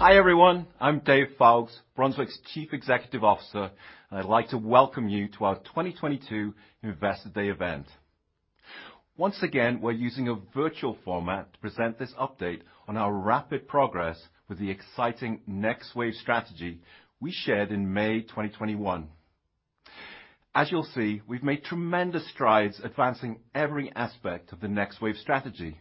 Hi, everyone. I'm Dave Foulkes, Brunswick's Chief Executive Officer, and I'd like to welcome you to our 2022 Investor Day event. Once again, we're using a virtual format to present this update on our rapid progress with the exciting NextWave strategy we shared in May 2021. As you'll see, we've made tremendous strides advancing every aspect of the NextWave strategy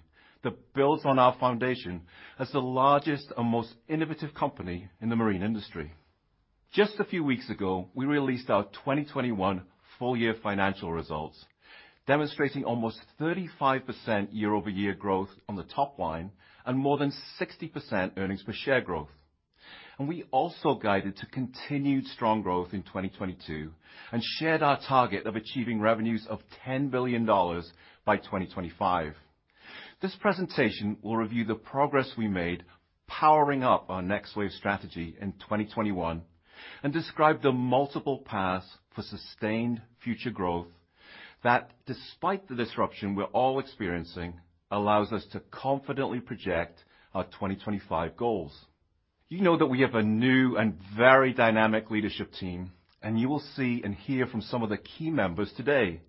that builds on our foundation as the largest and most innovative company in the marine industry. Just a few weeks ago, we released our 2021 full year financial results, demonstrating almost 35% year-over-year growth on the top line, and more than 60% earnings per share growth. We also guided to continued strong growth in 2022, and shared our target of achieving revenues of $10 billion by 2025. This presentation will review the progress we made powering up our Next Wave strategy in 2021, and describe the multiple paths for sustained future growth that, despite the disruption we're all experiencing, allows us to confidently project our 2025 goals. You know that we have a new and very dynamic leadership team, and you will see and hear from some of the key members today,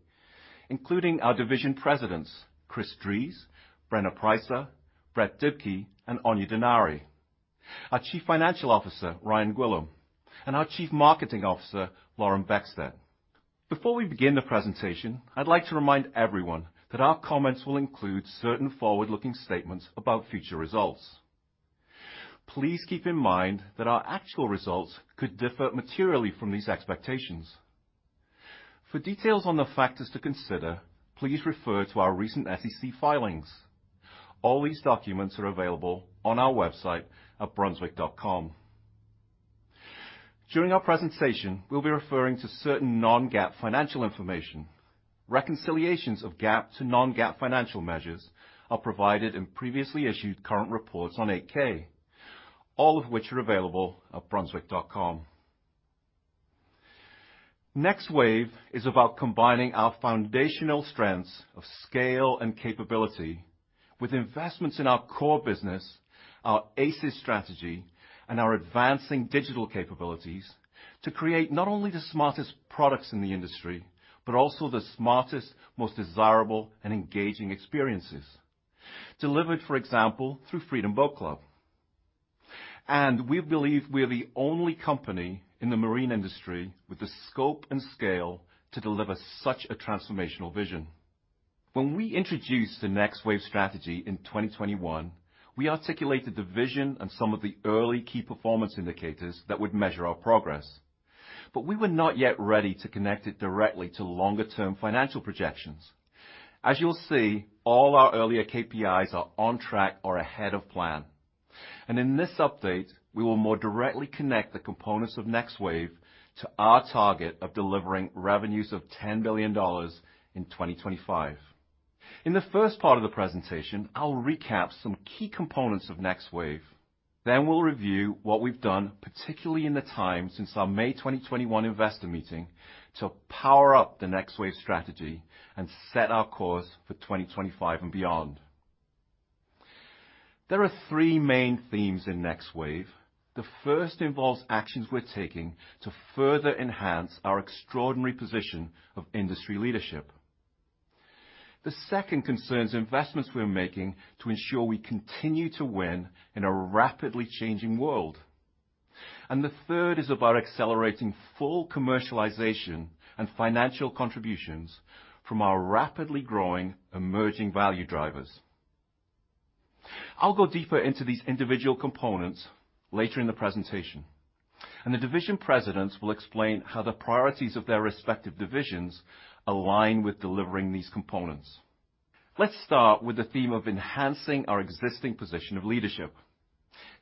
including our division presidents, Chris Drees, Brenna Preisser, Brett Dibkey, and Áine Denari. Our Chief Financial Officer, Ryan Gwillim, and our Chief Marketing Officer, Lauren Beckstedt. Before we begin the presentation, I'd like to remind everyone that our comments will include certain forward-looking statements about future results. Please keep in mind that our actual results could differ materially from these expectations. For details on the factors to consider, please refer to our recent SEC filings. All these documents are available on our website at brunswick.com. During our presentation, we'll be referring to certain non-GAAP financial information. Reconciliations of GAAP to non-GAAP financial measures are provided in previously issued current reports on 8-K, all of which are available at brunswick.com. Next Wave is about combining our foundational strengths of scale and capability with investments in our core business, our ACES strategy, and our advancing digital capabilities to create not only the smartest products in the industry, but also the smartest, most desirable and engaging experiences delivered, for example, through Freedom Boat Club. We believe we're the only company in the marine industry with the scope and scale to deliver such a transformational vision. When we introduced the Next Wave strategy in 2021, we articulated the vision and some of the early key performance indicators that would measure our progress. We were not yet ready to connect it directly to longer term financial projections. As you'll see, all our earlier KPIs are on track or ahead of plan, and in this update, we will more directly connect the components of Next Wave to our target of delivering revenues of $10 billion in 2025. In the first part of the presentation, I will recap some key components of Next Wave. Then we'll review what we've done, particularly in the time since our May 2021 investor meeting, to power up the Next Wave strategy and set our course for 2025 and beyond. There are three main themes in Next Wave. The first involves actions we're taking to further enhance our extraordinary position of industry leadership. The second concerns investments we're making to ensure we continue to win in a rapidly changing world. The third is about accelerating full commercialization and financial contributions from our rapidly growing emerging value drivers. I'll go deeper into these individual components later in the presentation, and the division presidents will explain how the priorities of their respective divisions align with delivering these components. Let's start with the theme of enhancing our existing position of leadership.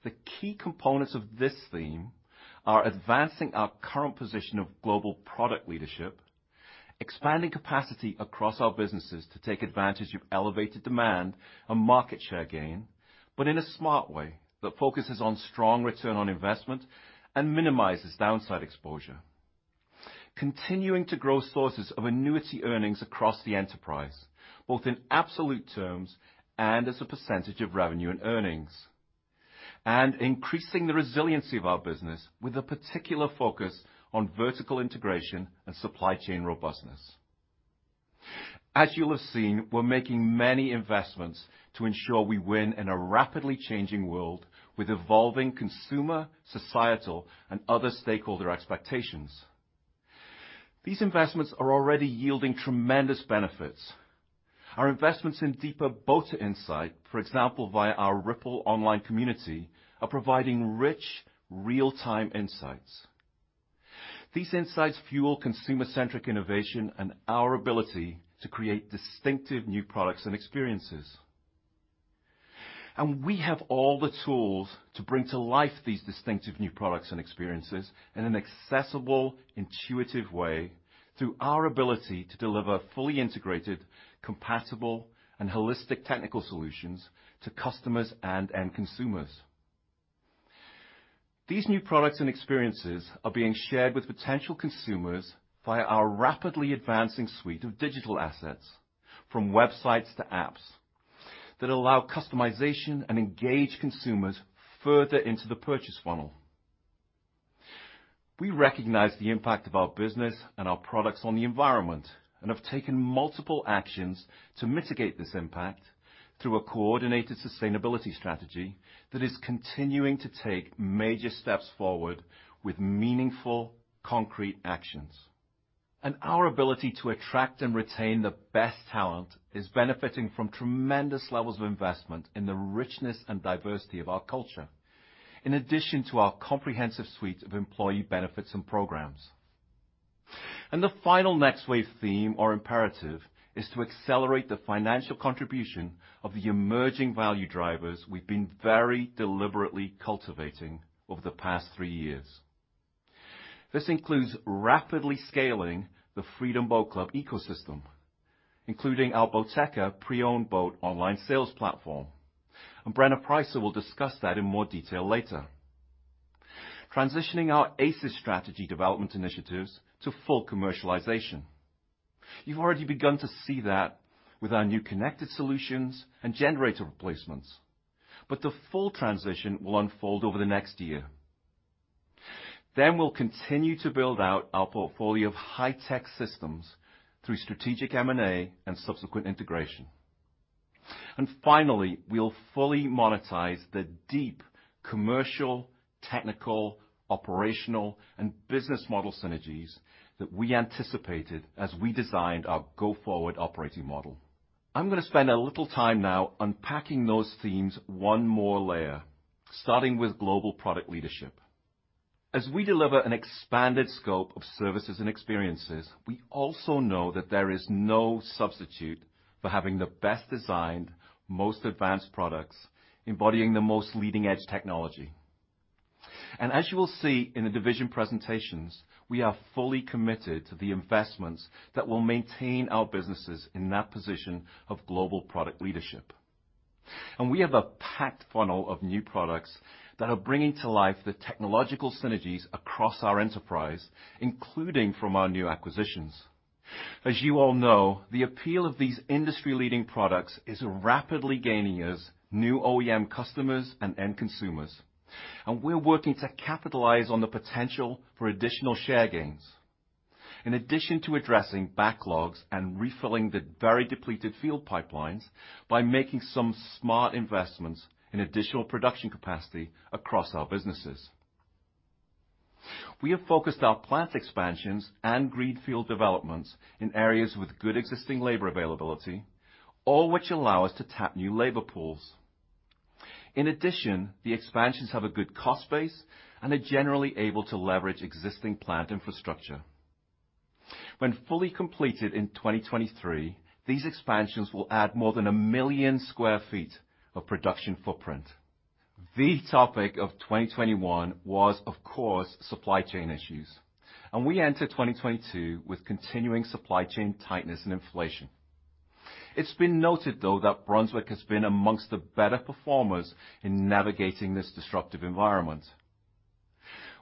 The key components of this theme are advancing our current position of global product leadership, expanding capacity across our businesses to take advantage of elevated demand and market share gain, but in a smart way that focuses on strong return on investment and minimizes downside exposure, continuing to grow sources of annuity earnings across the enterprise, both in absolute terms and as a percentage of revenue and earnings, increasing the resiliency of our business with a particular focus on vertical integration and supply chain robustness. As you'll have seen, we're making many investments to ensure we win in a rapidly changing world with evolving consumer, societal, and other stakeholder expectations. These investments are already yielding tremendous benefits. Our investments in deeper boater insight, for example, via our Ripple online community, are providing rich, real-time insights. These insights fuel consumer-centric innovation and our ability to create distinctive new products and experiences. We have all the tools to bring to life these distinctive new products and experiences in an accessible, intuitive way through our ability to deliver fully integrated, compatible, and holistic technical solutions to customers and end consumers. These new products and experiences are being shared with potential consumers via our rapidly advancing suite of digital assets, from websites to apps, that allow customization and engage consumers further into the purchase funnel. We recognize the impact of our business and our products on the environment and have taken multiple actions to mitigate this impact through a coordinated sustainability strategy that is continuing to take major steps forward with meaningful concrete actions. Our ability to attract and retain the best talent is benefiting from tremendous levels of investment in the richness and diversity of our culture, in addition to our comprehensive suite of employee benefits and programs. The final Next Wave theme or imperative is to accelerate the financial contribution of the emerging value drivers we've been very deliberately cultivating over the past three years. This includes rapidly scaling the Freedom Boat Club ecosystem, including our Boateka pre-owned boat online sales platform. Brenna Preisser will discuss that in more detail later, transitioning our ACES strategy development initiatives to full commercialization. You've already begun to see that with our new connected solutions and generator replacements. The full transition will unfold over the next year. We'll continue to build out our portfolio of high-tech systems through strategic M&A and subsequent integration. Finally, we'll fully monetize the deep commercial, technical, operational, and business model synergies that we anticipated as we designed our go-forward operating model. I'm gonna spend a little time now unpacking those themes one more layer, starting with global product leadership. As we deliver an expanded scope of services and experiences, we also know that there is no substitute for having the best designed, most advanced products embodying the most leading-edge technology. As you will see in the division presentations, we are fully committed to the investments that will maintain our businesses in that position of global product leadership. We have a packed funnel of new products that are bringing to life the technological synergies across our enterprise, including from our new acquisitions. As you all know, the appeal of these industry-leading products is rapidly gaining us new OEM customers and end consumers, and we're working to capitalize on the potential for additional share gains. In addition to addressing backlogs and refilling the very depleted field pipelines by making some smart investments in additional production capacity across our businesses, we have focused our plant expansions and greenfield developments in areas with good existing labor availability, all which allow us to tap new labor pools. In addition, the expansions have a good cost base and are generally able to leverage existing plant infrastructure. When fully completed in 2023, these expansions will add more than 1 million sq ft of production footprint. The topic of 2021 was, of course, supply chain issues, and we enter 2022 with continuing supply chain tightness and inflation. It's been noted, though, that Brunswick has been amongst the better performers in navigating this disruptive environment.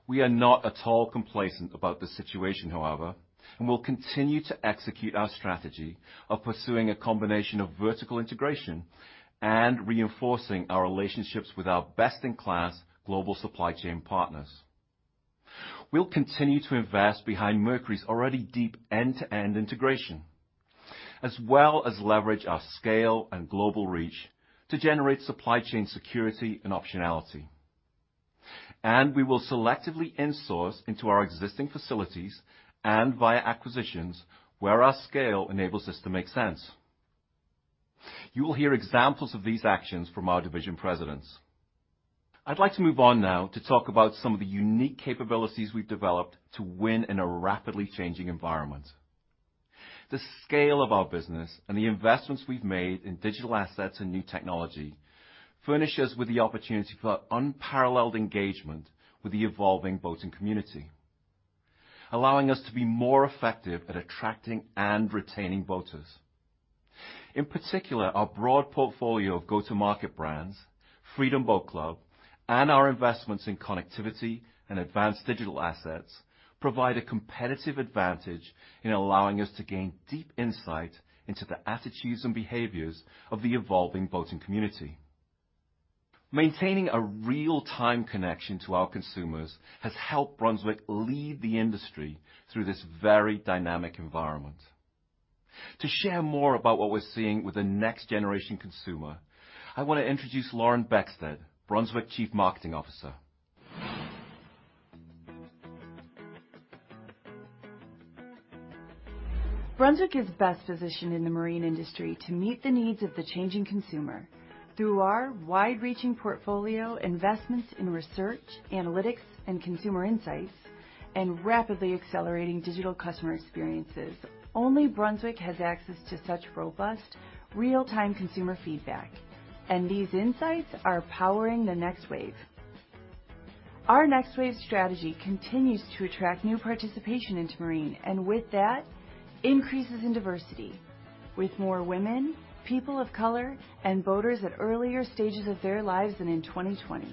We are not at all complacent about the situation, however, and we'll continue to execute our strategy of pursuing a combination of vertical integration and reinforcing our relationships with our best-in-class global supply chain partners. We'll continue to invest behind Mercury's already deep end-to-end integration, as well as leverage our scale and global reach to generate supply chain security and optionality. We will selectively insource into our existing facilities and via acquisitions where our scale enables us to make sense. You will hear examples of these actions from our division presidents. I'd like to move on now to talk about some of the unique capabilities we've developed to win in a rapidly changing environment. The scale of our business and the investments we've made in digital assets and new technology furnishes with the opportunity for unparalleled engagement with the evolving boating community, allowing us to be more effective at attracting and retaining boaters. In particular, our broad portfolio of go-to-market brands, Freedom Boat Club, and our investments in connectivity and advanced digital assets provide a competitive advantage in allowing us to gain deep insight into the attitudes and behaviors of the evolving boating community. Maintaining a real-time connection to our consumers has helped Brunswick lead the industry through this very dynamic environment. To share more about what we're seeing with the next-generation consumer, I want to introduce Lauren Beckstedt, Brunswick Chief Marketing Officer. Brunswick is best positioned in the marine industry to meet the needs of the changing consumer through our wide-reaching portfolio, investments in research, analytics, and consumer insights, and rapidly accelerating digital customer experiences. Only Brunswick has access to such robust, real-time consumer feedback, and these insights are powering the NextWave. Our NextWave strategy continues to attract new participation into marine, and with that, increases in diversity. With more women, people of color, and boaters at earlier stages of their lives than in 2020.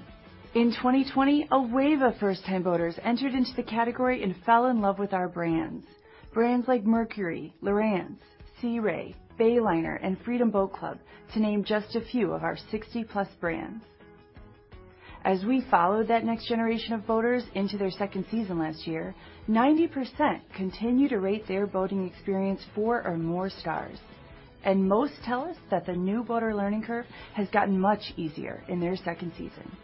In 2020, a wave of first-time boaters entered into the category and fell in love with our brands. Brands like Mercury, Lowrance, Sea Ray, Bayliner, and Freedom Boat Club, to name just a few of our 60+ brands. As we followed that next generation of boaters into their second season last year, 90% continue to rate their boating experience four or more stars. Most tell us that the new boater learning curve has gotten much easier in their second season.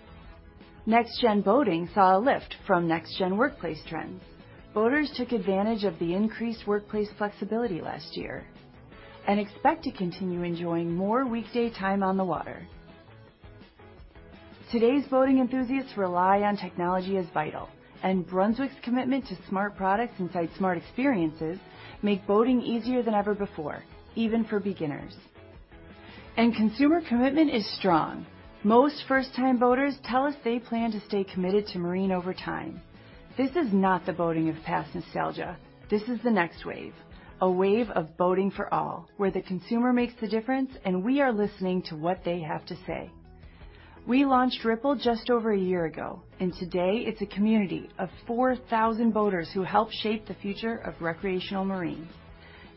Next gen boating saw a lift from next gen workplace trends. Boaters took advantage of the increased workplace flexibility last year and expect to continue enjoying more weekday time on the water. Today's boating enthusiasts rely on technology as vital, and Brunswick's commitment to smart products inside smart experiences make boating easier than ever before, even for beginners. Consumer commitment is strong. Most first-time boaters tell us they plan to stay committed to marine over time. This is not the boating of past nostalgia. This is the Next Wave, a wave of boating for all, where the consumer makes the difference, and we are listening to what they have to say. We launched Ripple just over a year ago, and today it's a community of 4,000 boaters who help shape the future of recreational marine.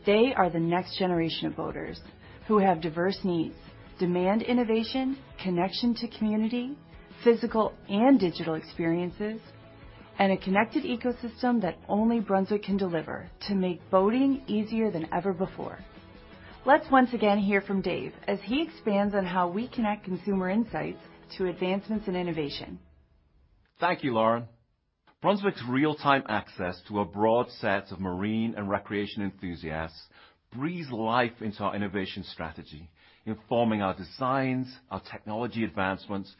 They are the next generation of boaters who have diverse needs, demand innovation, connection to community, physical and digital experiences, and a connected ecosystem that only Brunswick can deliver to make boating easier than ever before. Let's once again hear from Dave as he expands on how we connect consumer insights to advancements in innovation. Thank you, Lauren. Brunswick's real-time access to a broad set of marine and recreation enthusiasts breathes life into our innovation strategy, informing our designs, our technology advancements,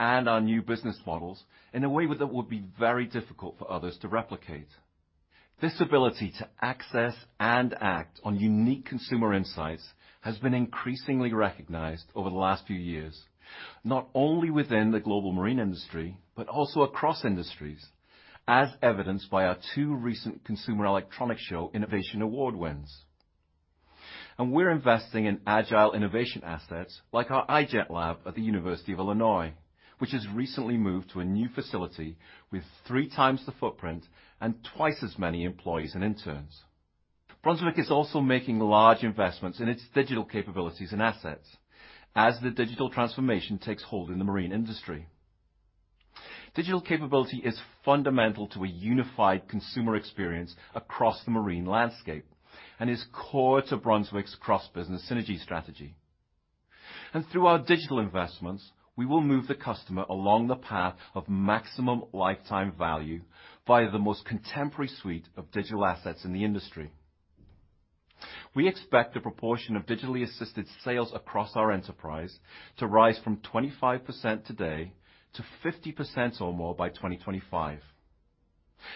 and our new business models in a way that would be very difficult for others to replicate. This ability to access and act on unique consumer insights has been increasingly recognized over the last few years, not only within the global marine industry, but also across industries, as evidenced by our two recent Consumer Electronics Show innovation award wins. We're investing in agile innovation assets like our i-Jet Lab at the University of Illinois, which has recently moved to a new facility with 3x the footprint and twice as many employees and interns. Brunswick is also making large investments in its digital capabilities and assets as the digital transformation takes hold in the marine industry. Digital capability is fundamental to a unified consumer experience across the marine landscape and is core to Brunswick's cross-business synergy strategy. Through our digital investments, we will move the customer along the path of maximum lifetime value via the most contemporary suite of digital assets in the industry. We expect the proportion of digitally assisted sales across our enterprise to rise from 25% today to 50% or more by 2025.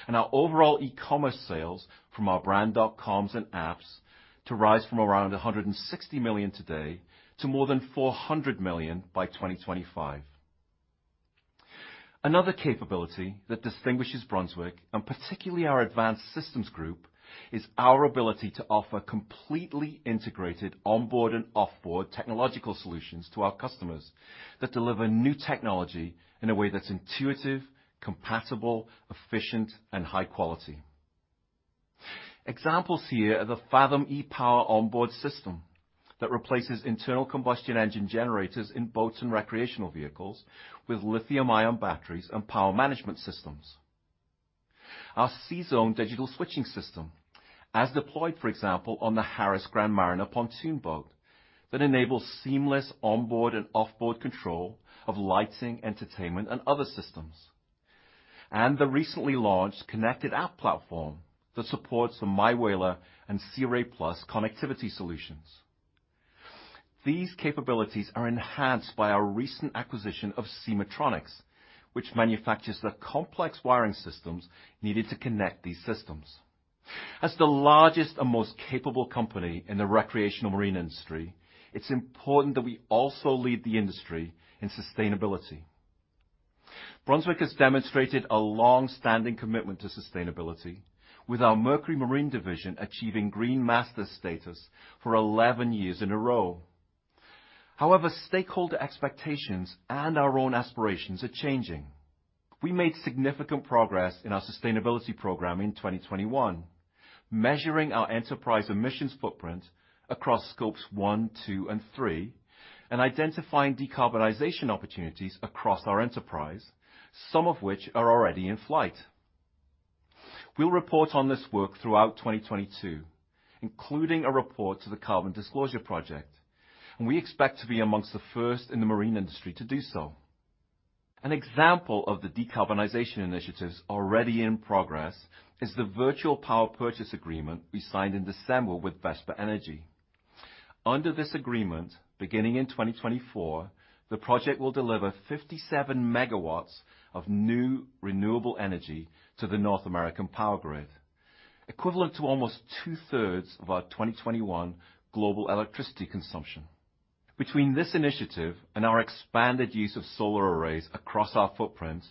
Our overall e-commerce sales from our brand dotcoms and apps to rise from around $160 million today to more than $400 million by 2025. Another capability that distinguishes Brunswick, and particularly our Advanced Systems Group, is our ability to offer completely integrated onboard and off-board technological solutions to our customers that deliver new technology in a way that's intuitive, compatible, efficient, and high quality. Examples here are the Fathom e-Power onboard system that replaces internal combustion engine generators in boats and recreational vehicles with lithium-ion batteries and power management systems. Our CZone digital switching system, as deployed, for example, on the Harris Grand Mariner pontoon boat, that enables seamless onboard and off-board control of lighting, entertainment, and other systems. The recently launched connected app platform that supports the MyWhaler and Sea Ray+ connectivity solutions. These capabilities are enhanced by our recent acquisition of Seametronics, which manufactures the complex wiring systems needed to connect these systems. As the largest and most capable company in the recreational marine industry, it's important that we also lead the industry in sustainability. Brunswick has demonstrated a long-standing commitment to sustainability with our Mercury Marine division achieving Green Master status for 11 years in a row. However, stakeholder expectations and our own aspirations are changing. We made significant progress in our sustainability program in 2021, measuring our enterprise emissions footprint across Scope 1, 2, and 3 and identifying decarbonization opportunities across our enterprise, some of which are already in flight. We'll report on this work throughout 2022, including a report to the Carbon Disclosure Project, and we expect to be among the first in the marine industry to do so. An example of the decarbonization initiatives already in progress is the virtual power purchase agreement we signed in December with Vesper Energy. Under this agreement, beginning in 2024, the project will deliver 57 MW of new renewable energy to the North American power grid, equivalent to almost two-thirds of our 2021 global electricity consumption. Between this initiative and our expanded use of solar arrays across our footprint,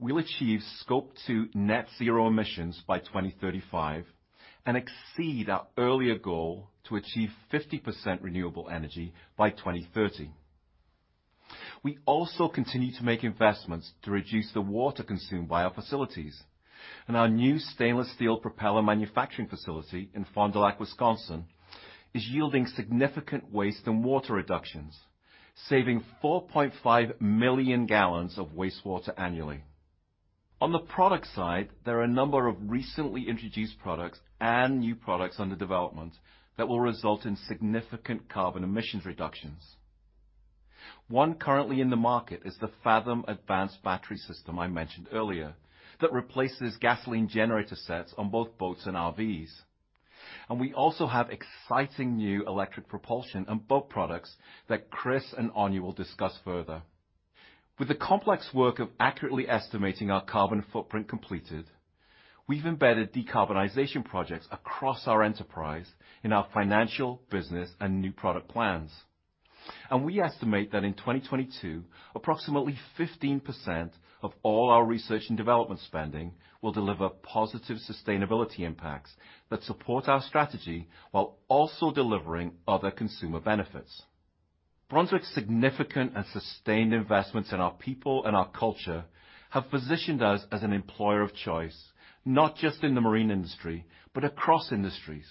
we'll achieve scope two net zero emissions by 2035 and exceed our earlier goal to achieve 50% renewable energy by 2030. We also continue to make investments to reduce the water consumed by our facilities. Our new stainless steel propeller manufacturing facility in Fond du Lac, Wisconsin, is yielding significant waste and water reductions, saving 4.5 million gallons of wastewater annually. On the product side, there are a number of recently introduced products and new products under development that will result in significant carbon emissions reductions. One currently in the market is the Fathom e-Power System I mentioned earlier, that replaces gasoline generator sets on both boats and RVs. We also have exciting new electric propulsion and boat products that Chris and Áine will discuss further. With the complex work of accurately estimating our carbon footprint completed, we've embedded decarbonization projects across our enterprise in our financial, business and new product plans. We estimate that in 2022, approximately 15% of all our research and development spending will deliver positive sustainability impacts that support our strategy while also delivering other consumer benefits. Brunswick's significant and sustained investments in our people and our culture have positioned us as an employer of choice, not just in the marine industry, but across industries.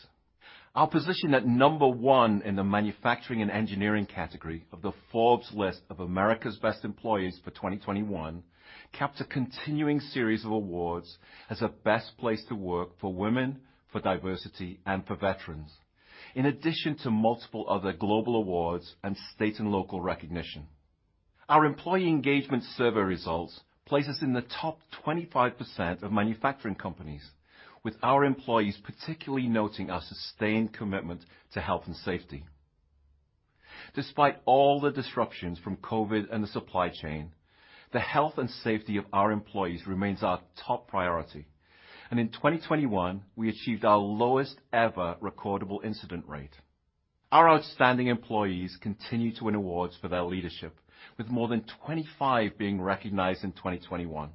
Our position at number one in the manufacturing and engineering category of the Forbes list of America's best employers for 2021 caps a continuing series of awards as a best place to work for women, for diversity and for veterans, in addition to multiple other global awards and state and local recognition. Our employee engagement survey results place us in the top 25% of manufacturing companies, with our employees particularly noting our sustained commitment to health and safety. Despite all the disruptions from COVID and the supply chain, the health and safety of our employees remains our top priority. In 2021, we achieved our lowest ever recordable incident rate. Our outstanding employees continue to win awards for their leadership, with more than 25 being recognized in 2021.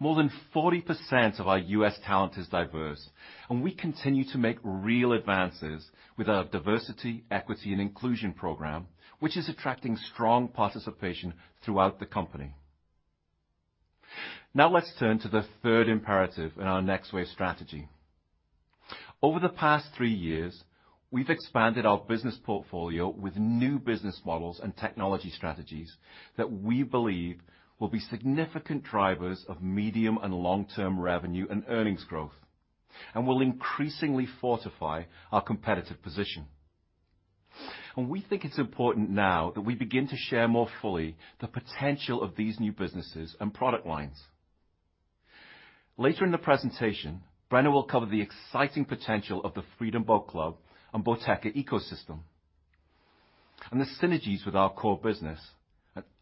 More than 40% of our U.S. talent is diverse, and we continue to make real advances with our diversity, equity and inclusion program, which is attracting strong participation throughout the company. Now let's turn to the third imperative in our Next Wave strategy. Over the past three years, we've expanded our business portfolio with new business models and technology strategies that we believe will be significant drivers of medium and long-term revenue and earnings growth and will increasingly fortify our competitive position. We think it's important now that we begin to share more fully the potential of these new businesses and product lines. Later in the presentation, Brenna will cover the exciting potential of the Freedom Boat Club and Boateka ecosystem, and the synergies with our core business.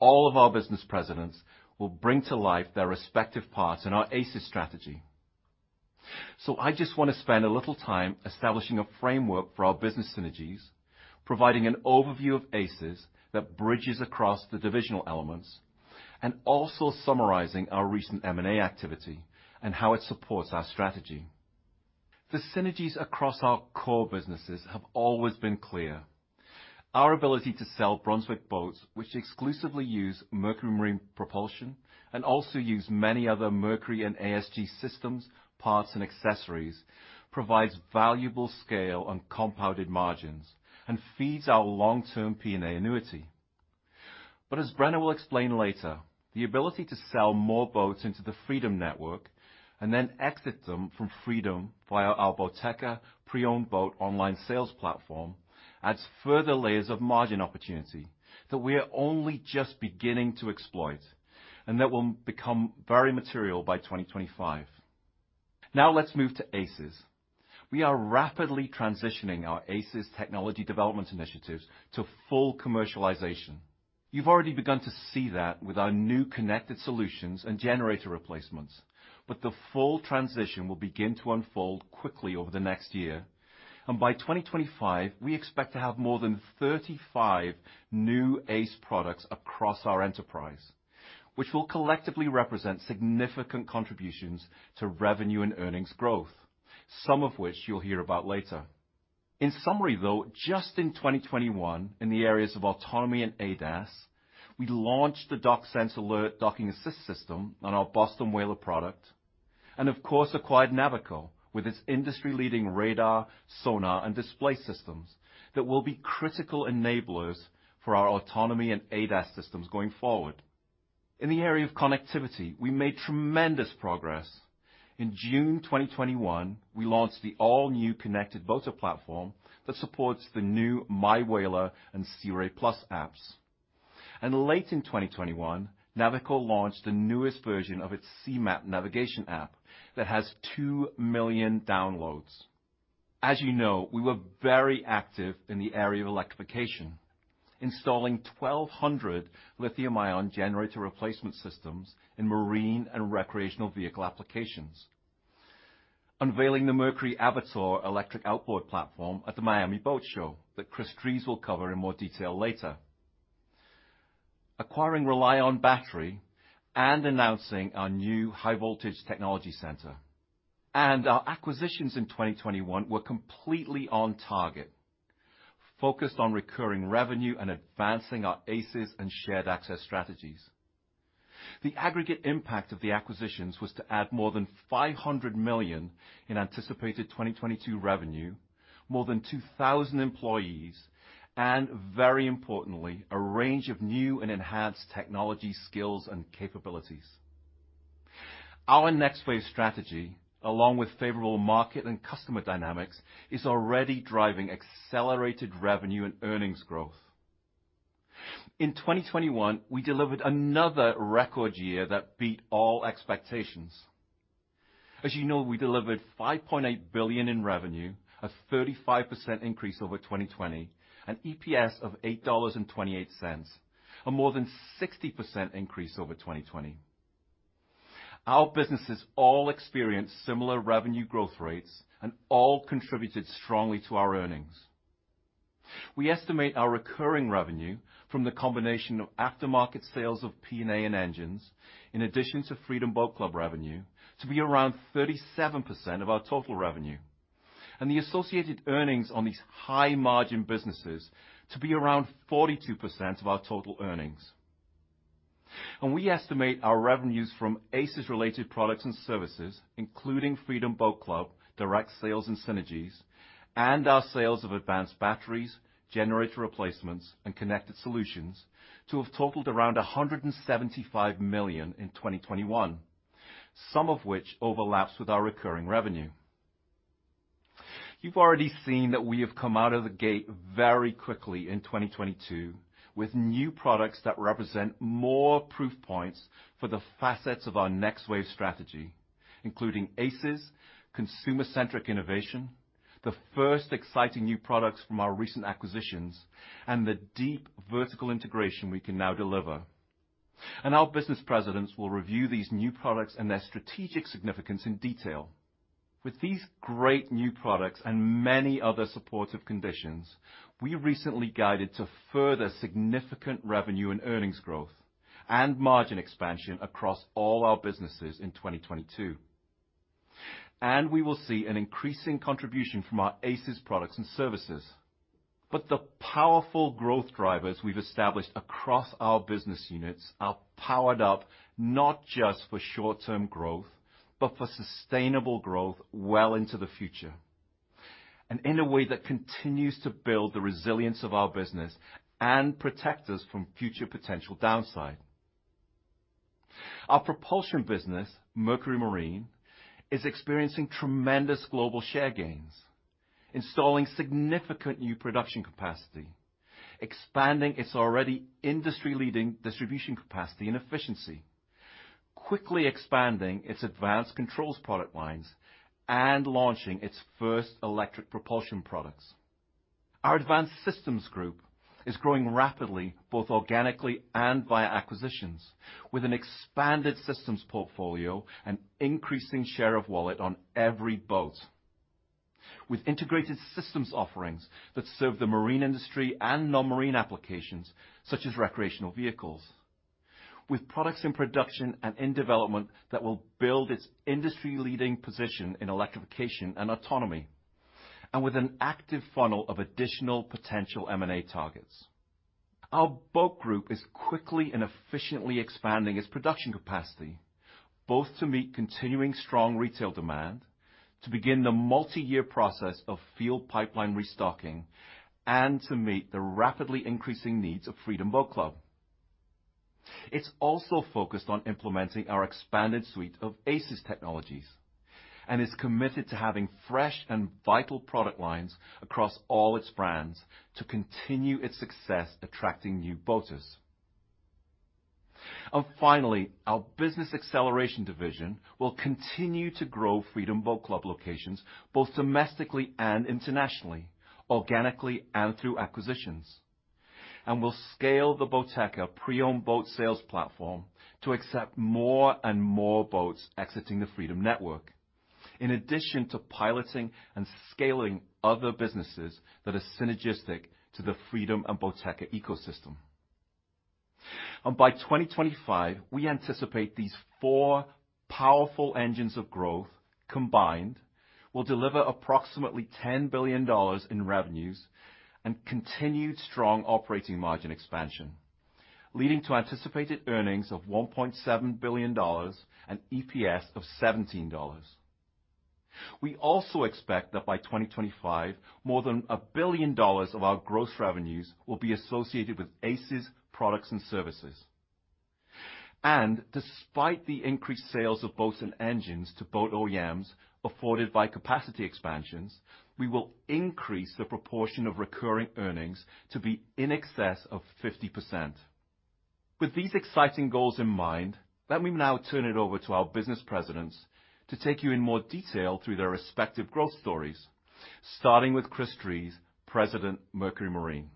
All of our business presidents will bring to life their respective parts in our ACES strategy. I just want to spend a little time establishing a framework for our business synergies, providing an overview of ACES that bridges across the divisional elements, and also summarizing our recent M&A activity and how it supports our strategy. The synergies across our core businesses have always been clear. Our ability to sell Brunswick boats, which exclusively use Mercury Marine propulsion and also use many other Mercury and ASG systems, parts and accessories, provides valuable scale and compounded margins and feeds our long-term P&A annuity. Brenna will explain later, the ability to sell more boats into the Freedom network and then exit them from Freedom via our Boateka pre-owned boat online sales platform, adds further layers of margin opportunity that we are only just beginning to exploit and that will become very material by 2025. Now let's move to ACES. We are rapidly transitioning our ACES technology development initiatives to full commercialization. You've already begun to see that with our new connected solutions and generator replacements. The full transition will begin to unfold quickly over the next year. By 2025, we expect to have more than 35 new ACE products across our enterprise, which will collectively represent significant contributions to revenue and earnings growth, some of which you'll hear about later. In summary though, just in 2021 in the areas of autonomy and ADAS, we launched the DockSense Alert docking assist system on our Boston Whaler product, and of course acquired Navico with its industry-leading radar, sonar and display systems that will be critical enablers for our autonomy and ADAS systems going forward. In the area of connectivity, we made tremendous progress. In June 2021, we launched the all-new connected boater platform that supports the new MyWhaler and Sea Ray+ apps. Late in 2021, Navico launched the newest version of its C-MAP navigation app that has 2 million downloads. As you know, we were very active in the area of electrification, installing 1,200 lithium-ion generator replacement systems in marine and recreational vehicle applications, unveiling the Mercury Avator electric outboard platform at the Miami Boat Show that Chris Drees will cover in more detail later, acquiring RELiON Battery and announcing our new high voltage technology center. Our acquisitions in 2021 were completely on target, focused on recurring revenue and advancing our ACES and shared access strategies. The aggregate impact of the acquisitions was to add more than $500 million in anticipated 2022 revenue, more than 2,000 employees, and very importantly, a range of new and enhanced technology skills and capabilities. Our Next Wave strategy, along with favorable market and customer dynamics, is already driving accelerated revenue and earnings growth. In 2021, we delivered another record year that beat all expectations. As you know, we delivered $5.8 billion in revenue, a 35% increase over 2020, an EPS of $8.28, a more than 60% increase over 2020. Our businesses all experienced similar revenue growth rates and all contributed strongly to our earnings. We estimate our recurring revenue from the combination of aftermarket sales of P&A and engines, in addition to Freedom Boat Club revenue, to be around 37% of our total revenue, and the associated earnings on these high margin businesses to be around 42% of our total earnings. We estimate our revenues from ACES related products and services, including Freedom Boat Club, direct sales and synergies, and our sales of advanced batteries, generator replacements, and connected solutions to have totaled around $175 million in 2021, some of which overlaps with our recurring revenue. You've already seen that we have come out of the gate very quickly in 2022 with new products that represent more proof points for the facets of our Next Wave strategy, including ACES, consumer-centric innovation, the first exciting new products from our recent acquisitions, and the deep vertical integration we can now deliver. Our business presidents will review these new products and their strategic significance in detail. With these great new products and many other supportive conditions, we recently guided to further significant revenue and earnings growth and margin expansion across all our businesses in 2022. We will see an increasing contribution from our ACES products and services. The powerful growth drivers we've established across our business units are powered up not just for short-term growth, but for sustainable growth well into the future, and in a way that continues to build the resilience of our business and protect us from future potential downside. Our propulsion business, Mercury Marine, is experiencing tremendous global share gains, installing significant new production capacity, expanding its already industry-leading distribution capacity and efficiency, quickly expanding its advanced controls product lines, and launching its first electric propulsion products. Our Advanced Systems Group is growing rapidly, both organically and via acquisitions, with an expanded systems portfolio and increasing share of wallet on every boat. With integrated systems offerings that serve the marine industry and non-marine applications, such as recreational vehicles, with products in production and in development that will build its industry-leading position in electrification and autonomy, and with an active funnel of additional potential M&A targets. Our Boat Group is quickly and efficiently expanding its production capacity, both to meet continuing strong retail demand, to begin the multi-year process of field pipeline restocking, and to meet the rapidly increasing needs of Freedom Boat Club. It's also focused on implementing our expanded suite of ACES technologies and is committed to having fresh and vital product lines across all its brands to continue its success attracting new boaters. Finally, our Business Acceleration Division will continue to grow Freedom Boat Club locations, both domestically and internationally, organically and through acquisitions. We'll scale the Boateka pre-owned boat sales platform to accept more and more boats exiting the Freedom network, in addition to piloting and scaling other businesses that are synergistic to the Freedom and Boateka ecosystem. By 2025, we anticipate these four powerful engines of growth combined will deliver approximately $10 billion in revenues and continued strong operating margin expansion, leading to anticipated earnings of $1.7 billion and EPS of $17. We also expect that by 2025, more than $1 billion of our gross revenues will be associated with ACES products and services. Despite the increased sales of boats and engines to boat OEMs afforded by capacity expansions, we will increase the proportion of recurring earnings to be in excess of 50%. With these exciting goals in mind, let me now turn it over to our business presidents to take you in more detail through their respective growth stories, starting with Chris Drees, President, Mercury Marine.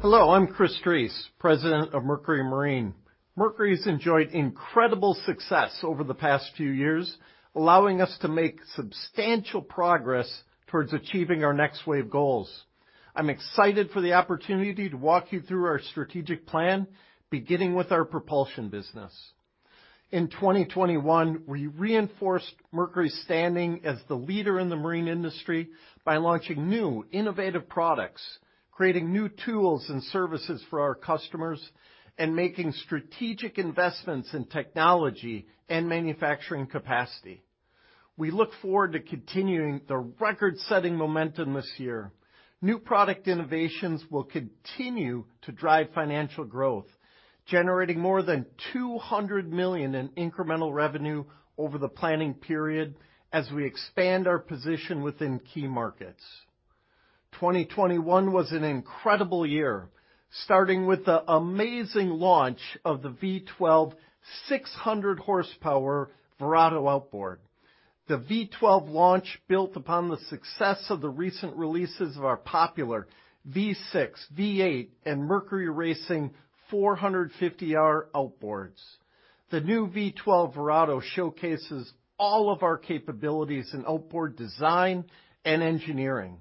Hello, I'm Chris Drees, President of Mercury Marine. Mercury's enjoyed incredible success over the past few years, allowing us to make substantial progress towards achieving our Next Wave goals. I'm excited for the opportunity to walk you through our strategic plan, beginning with our propulsion business. In 2021, we reinforced Mercury's standing as the leader in the marine industry by launching new innovative products, creating new tools and services for our customers, and making strategic investments in technology and manufacturing capacity. We look forward to continuing the record-setting momentum this year. New product innovations will continue to drive financial growth, generating more than $200 million in incremental revenue over the planning period as we expand our position within key markets. 2021 was an incredible year, starting with the amazing launch of the V12 600-horsepower Verado outboard. The V12 launch built upon the success of the recent releases of our popular V6, V8, and Mercury Racing 450R outboards. The new V12 Verado showcases all of our capabilities in outboard design and engineering.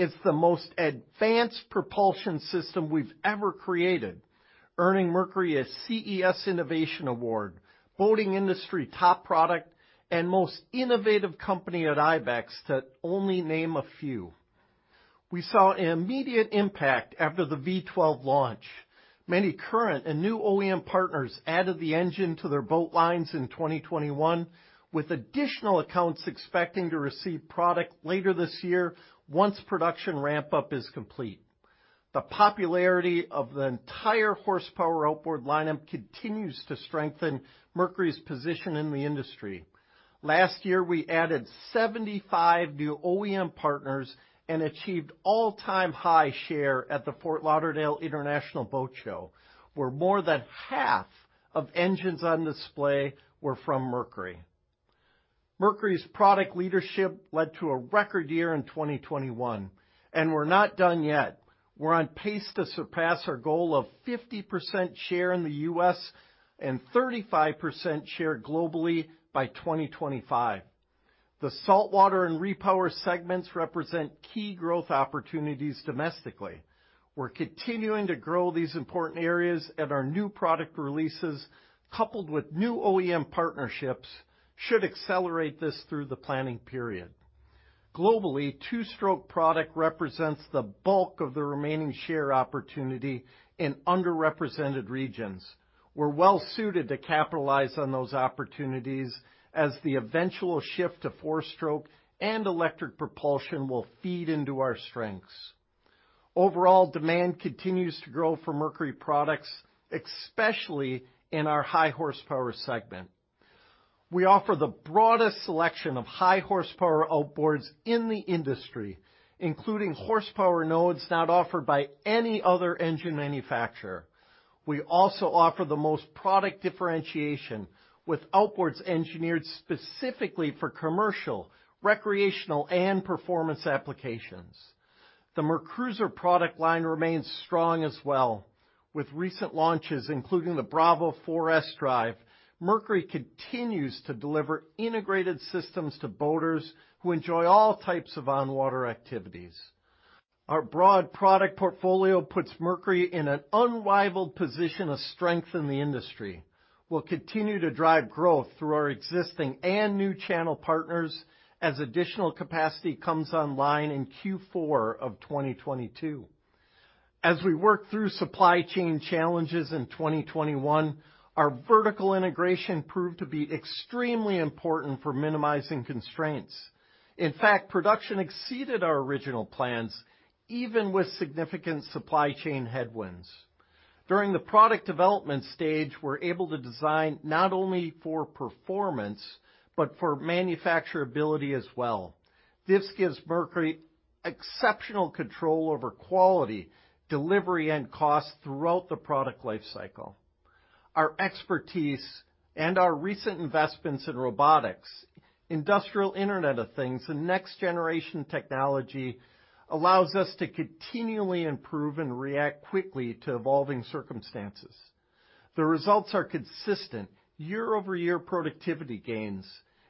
It's the most advanced propulsion system we've ever created, earning Mercury a CES Innovation Award, Boating Industry Top Product, and Most Innovative Company at IBEX, to only name a few. We saw an immediate impact after the V12 launch. Many current and new OEM partners added the engine to their boat lines in 2021, with additional accounts expecting to receive product later this year once production ramp-up is complete. The popularity of the entire horsepower outboard lineup continues to strengthen Mercury's position in the industry. Last year, we added 75 new OEM partners and achieved all-time high share at the Fort Lauderdale International Boat Show, where more than half of engines on display were from Mercury. Mercury's product leadership led to a record year in 2021, and we're not done yet. We're on pace to surpass our goal of 50% share in the U.S. and 35% share globally by 2025. The saltwater and repower segments represent key growth opportunities domestically. We're continuing to grow these important areas and our new product releases, coupled with new OEM partnerships, should accelerate this through the planning period. Globally, two-stroke product represents the bulk of the remaining share opportunity in underrepresented regions. We're well suited to capitalize on those opportunities as the eventual shift to four-stroke and electric propulsion will feed into our strengths. Overall, demand continues to grow for Mercury products, especially in our high horsepower segment. We offer the broadest selection of high horsepower outboards in the industry, including horsepower nodes not offered by any other engine manufacturer. We also offer the most product differentiation with outboards engineered specifically for commercial, recreational, and performance applications. The MerCruiser product line remains strong as well. With recent launches, including the Bravo Four S drive, Mercury continues to deliver integrated systems to boaters who enjoy all types of on-water activities. Our broad product portfolio puts Mercury in an unrivaled position of strength in the industry. We'll continue to drive growth through our existing and new channel partners as additional capacity comes online in Q4 of 2022. As we work through supply chain challenges in 2021, our vertical integration proved to be extremely important for minimizing constraints. In fact, production exceeded our original plans, even with significant supply chain headwinds. During the product development stage, we're able to design not only for performance, but for manufacturability as well. This gives Mercury exceptional control over quality, delivery, and cost throughout the product life cycle. Our expertise and our recent investments in robotics, industrial Internet of Things, and next-generation technology allows us to continually improve and react quickly to evolving circumstances. The results are consistent year-over-year productivity gains.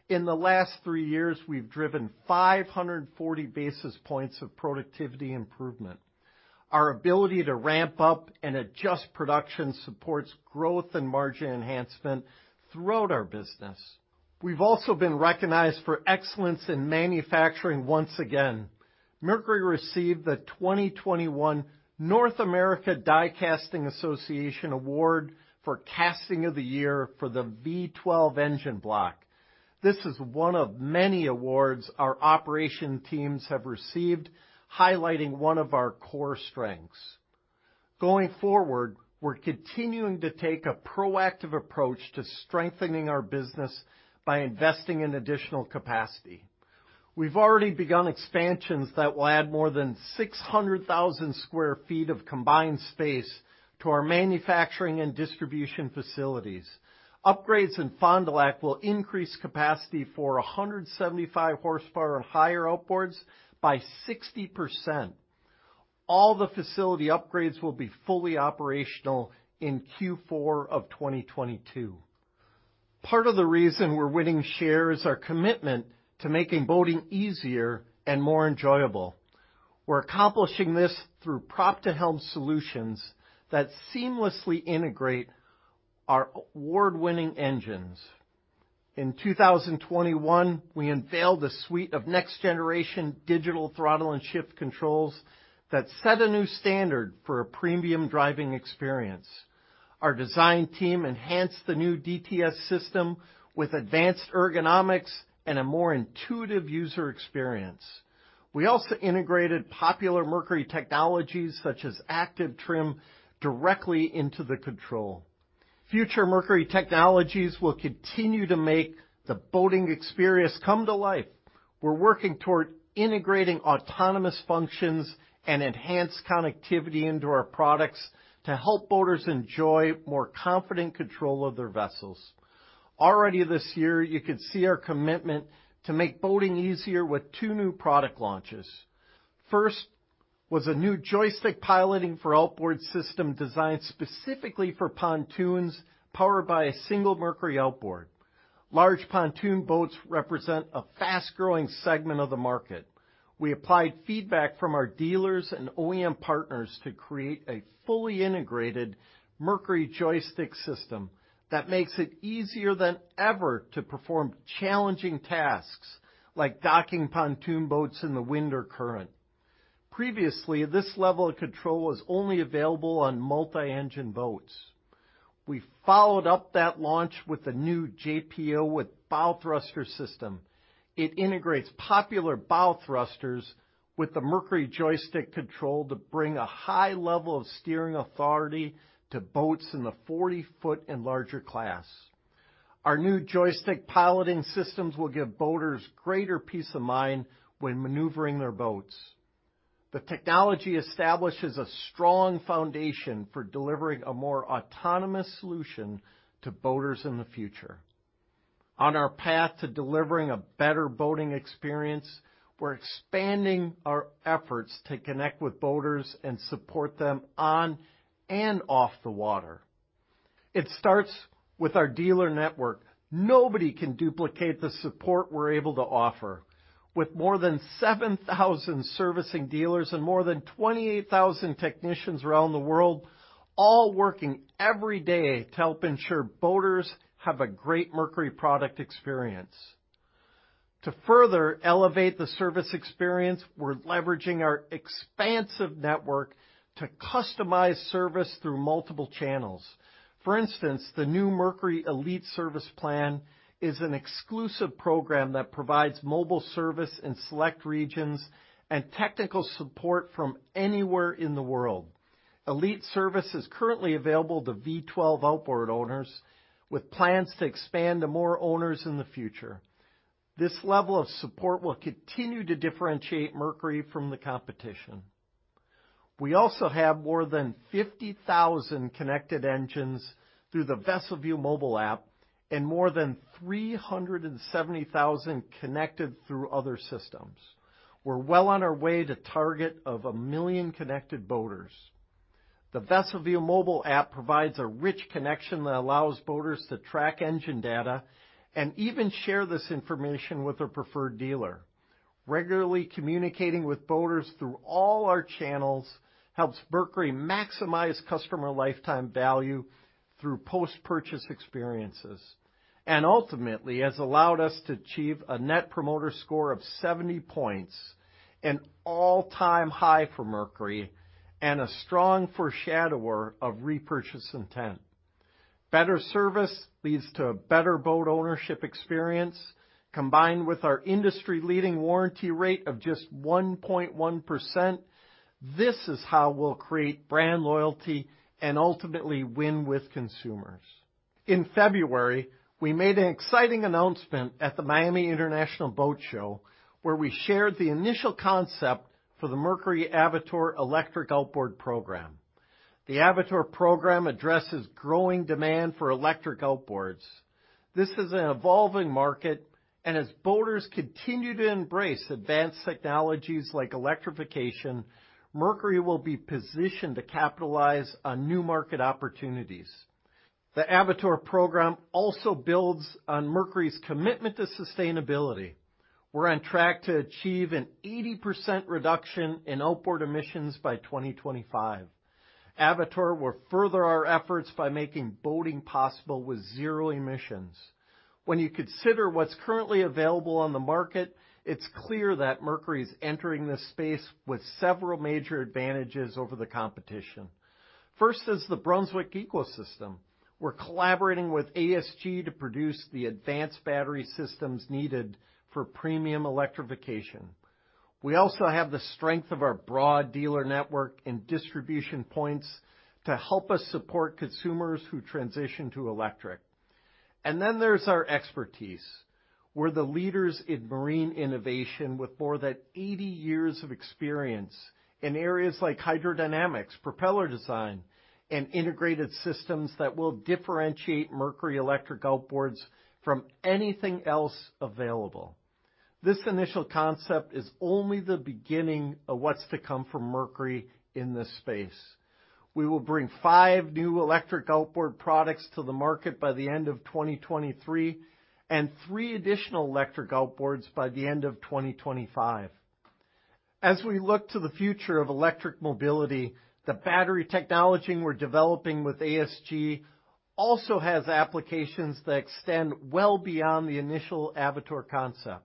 In the last three years, we've driven 540 basis points of productivity improvement. Our ability to ramp up and adjust production supports growth and margin enhancement throughout our business. We've also been recognized for excellence in manufacturing once again. Mercury received the 2021 North American Die Casting Association Award for Casting of the Year for the V12 engine block. This is one of many awards our operation teams have received, highlighting one of our core strengths. Going forward, we're continuing to take a proactive approach to strengthening our business by investing in additional capacity. We've already begun expansions that will add more than 600,000 sq ft of combined space to our manufacturing and distribution facilities. Upgrades in Fond du Lac will increase capacity for 175-horsepower and higher outboards by 60%. All the facility upgrades will be fully operational in Q4 of 2022. Part of the reason we're winning share is our commitment to making boating easier and more enjoyable. We're accomplishing this through prop-to-helm solutions that seamlessly integrate our award-winning engines. In 2021, we unveiled a suite of next-generation digital throttle and shift controls that set a new standard for a premium driving experience. Our design team enhanced the new DTS system with advanced ergonomics and a more intuitive user experience. We also integrated popular Mercury technologies, such as active trim, directly into the control. Future Mercury technologies will continue to make the boating experience come to life. We're working toward integrating autonomous functions and enhanced connectivity into our products to help boaters enjoy more confident control of their vessels. Already this year, you could see our commitment to make boating easier with two new product launches. First was a new Joystick Piloting for Outboards system designed specifically for pontoons powered by a single Mercury outboard. Large pontoon boats represent a fast-growing segment of the market. We applied feedback from our dealers and OEM partners to create a fully integrated Mercury joystick system that makes it easier than ever to perform challenging tasks like docking pontoon boats in the wind or current. Previously, this level of control was only available on multi-engine boats. We followed up that launch with the new JPO with bow thruster system. It integrates popular bow thrusters with the Mercury joystick control to bring a high level of steering authority to boats in the 40-foot and larger class. Our new joystick piloting systems will give boaters greater peace of mind when maneuvering their boats. The technology establishes a strong foundation for delivering a more autonomous solution to boaters in the future. On our path to delivering a better boating experience, we're expanding our efforts to connect with boaters and support them on and off the water. It starts with our dealer network. Nobody can duplicate the support we're able to offer. With more than 7,000 servicing dealers and more than 28,000 technicians around the world, all working every day to help ensure boaters have a great Mercury product experience. To further elevate the service experience, we're leveraging our expansive network to customize service through multiple channels. For instance, the new Mercury Elite Service plan is an exclusive program that provides mobile service in select regions and technical support from anywhere in the world. Elite Service is currently available to V12 outboard owners with plans to expand to more owners in the future. This level of support will continue to differentiate Mercury from the competition. We also have more than 50,000 connected engines through the VesselView mobile app and more than 370,000 connected through other systems. We're well on our way to target of 1 million connected boaters. The VesselView mobile app provides a rich connection that allows boaters to track engine data and even share this information with their preferred dealer. Regularly communicating with boaters through all our channels helps Mercury maximize customer lifetime value through post-purchase experiences and ultimately has allowed us to achieve a net promoter score of 70 points, an all-time high for Mercury and a strong foreshadower of repurchase intent. Better service leads to a better boat ownership experience. Combined with our industry-leading warranty rate of just 1.1%, this is how we'll create brand loyalty and ultimately win with consumers. In February, we made an exciting announcement at the Miami International Boat Show, where we shared the initial concept for the Mercury Avator electric outboard program. The Avator program addresses growing demand for electric outboards. This is an evolving market, and as boaters continue to embrace advanced technologies like electrification, Mercury will be positioned to capitalize on new market opportunities. The Avator program also builds on Mercury's commitment to sustainability. We're on track to achieve an 80% reduction in outboard emissions by 2025. Avator will further our efforts by making boating possible with zero emissions. When you consider what's currently available on the market, it's clear that Mercury is entering this space with several major advantages over the competition. First is the Brunswick ecosystem. We're collaborating with ASG to produce the advanced battery systems needed for premium electrification. We also have the strength of our broad dealer network and distribution points to help us support consumers who transition to electric. There's our expertise. We're the leaders in marine innovation with more than 80 years of experience in areas like hydrodynamics, propeller design, and integrated systems that will differentiate Mercury electric outboards from anything else available. This initial concept is only the beginning of what's to come from Mercury in this space. We will bring five new electric outboard products to the market by the end of 2023, and three additional electric outboards by the end of 2025. As we look to the future of electric mobility, the battery technology we're developing with ASG also has applications that extend well beyond the initial Avatar concept.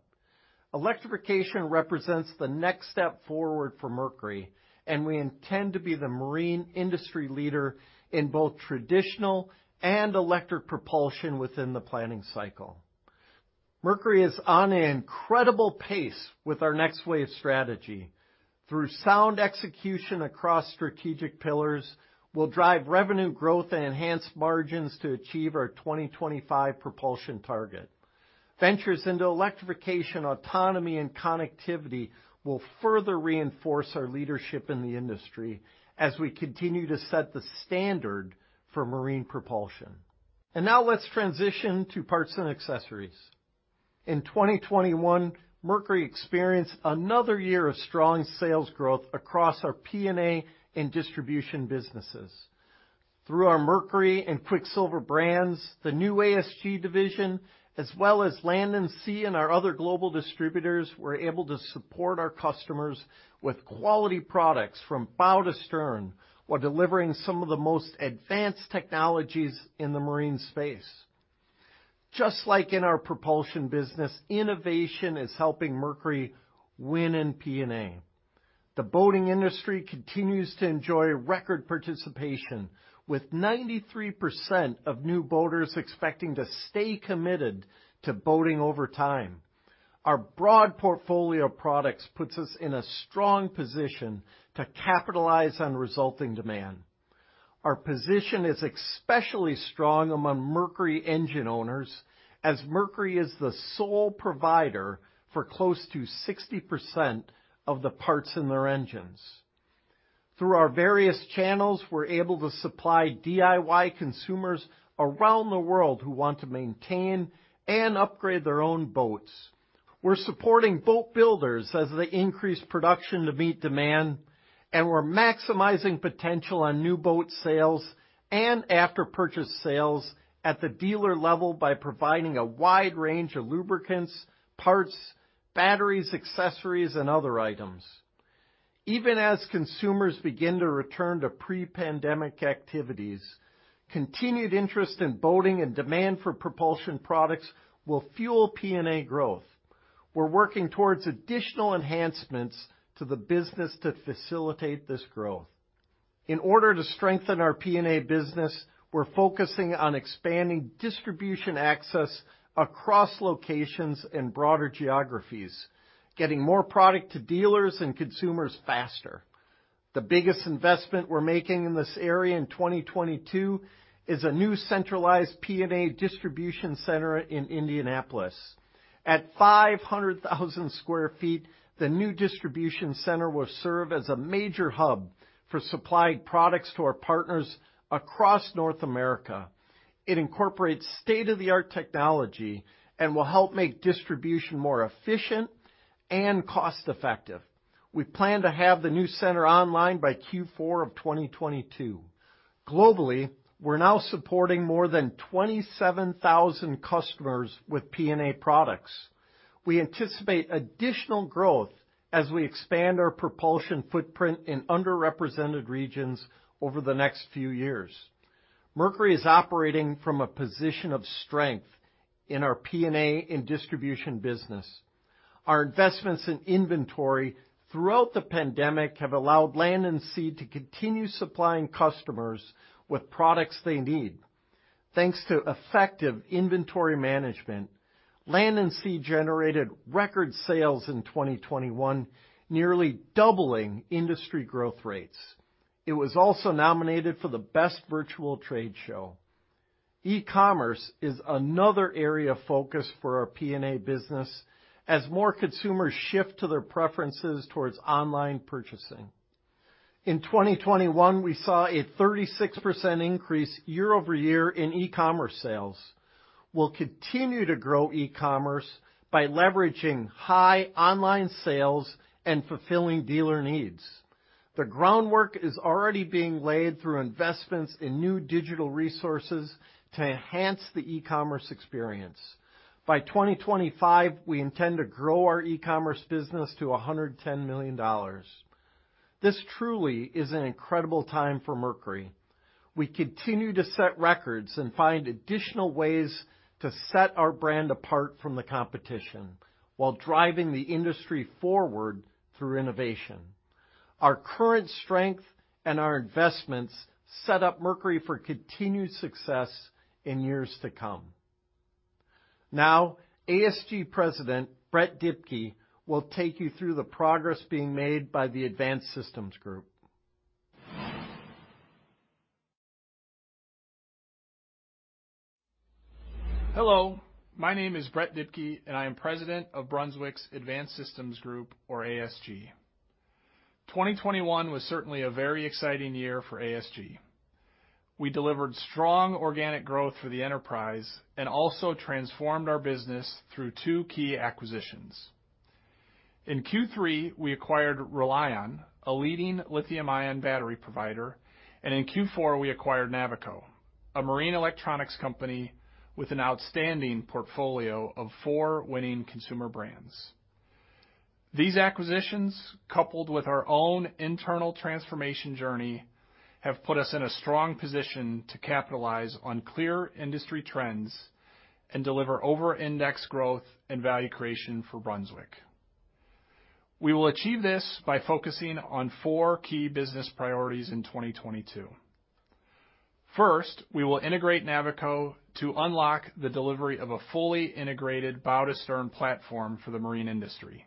Electrification represents the next step forward for Mercury, and we intend to be the marine industry leader in both traditional and electric propulsion within the planning cycle. Mercury is on an incredible pace with our Next Wave strategy. Through sound execution across strategic pillars, we'll drive revenue growth and enhance margins to achieve our 2025 propulsion target. Ventures into electrification, autonomy, and connectivity will further reinforce our leadership in the industry as we continue to set the standard for marine propulsion. Now let's transition to parts and accessories. In 2021, Mercury experienced another year of strong sales growth across our P&A and distribution businesses. Through our Mercury and Quicksilver brands, the new ASG division, as well as Land & Sea and our other global distributors, we're able to support our customers with quality products from bow to stern while delivering some of the most advanced technologies in the marine space. Just like in our propulsion business, innovation is helping Mercury win in P&A. The boating industry continues to enjoy record participation, with 93% of new boaters expecting to stay committed to boating over time. Our broad portfolio of products puts us in a strong position to capitalize on resulting demand. Our position is especially strong among Mercury engine owners, as Mercury is the sole provider for close to 60% of the parts in their engines. Through our various channels, we're able to supply DIY consumers around the world who want to maintain and upgrade their own boats. We're supporting boat builders as they increase production to meet demand, and we're maximizing potential on new boat sales and after purchase sales at the dealer level by providing a wide range of lubricants, parts, batteries, accessories, and other items. Even as consumers begin to return to pre-pandemic activities, continued interest in boating and demand for propulsion products will fuel PNA growth. We're working towards additional enhancements to the business to facilitate this growth. In order to strengthen our P&A business, we're focusing on expanding distribution access across locations and broader geographies, getting more product to dealers and consumers faster. The biggest investment we're making in this area in 2022 is a new centralized PNA distribution center in Indianapolis. At 500,000 sq ft, the new distribution center will serve as a major hub for supplying products to our partners across North America. It incorporates state-of-the-art technology and will help make distribution more efficient and cost-effective. We plan to have the new center online by Q4 of 2022. Globally, we're now supporting more than 27,000 customers with P&A products. We anticipate additional growth as we expand our propulsion footprint in underrepresented regions over the next few years. Mercury is operating from a position of strength in our P&A and distribution business. Our investments in inventory throughout the pandemic have allowed Land & Sea to continue supplying customers with products they need. Thanks to effective inventory management, Land & Sea generated record sales in 2021, nearly doubling industry growth rates. It was also nominated for the best virtual trade show. E-commerce is another area of focus for our P&A business as more consumers shift to their preferences towards online purchasing. In 2021, we saw a 36% increase year-over-year in e-commerce sales. We'll continue to grow e-commerce by leveraging high online sales and fulfilling dealer needs. The groundwork is already being laid through investments in new digital resources to enhance the e-commerce experience. By 2025, we intend to grow our e-commerce business to $110 million. This truly is an incredible time for Mercury. We continue to set records and find additional ways to set our brand apart from the competition while driving the industry forward through innovation. Our current strength and our investments set up Mercury for continued success in years to come. Now, ASG President Brett Dibkey will take you through the progress being made by the Advanced Systems Group. Hello, my name is Brett Dibkey, and I am President of Brunswick's Advanced Systems Group, or ASG. 2021 was certainly a very exciting year for ASG. We delivered strong organic growth for the enterprise and also transformed our business through two key acquisitions. In Q3, we acquired RELiON, a leading lithium-ion battery provider, and in Q4, we acquired Navico, a marine electronics company with an outstanding portfolio of four winning consumer brands. These acquisitions, coupled with our own internal transformation journey, have put us in a strong position to capitalize on clear industry trends and deliver over index growth and value creation for Brunswick. We will achieve this by focusing on four key business priorities in 2022. First, we will integrate Navico to unlock the delivery of a fully integrated bow-to-stern platform for the marine industry.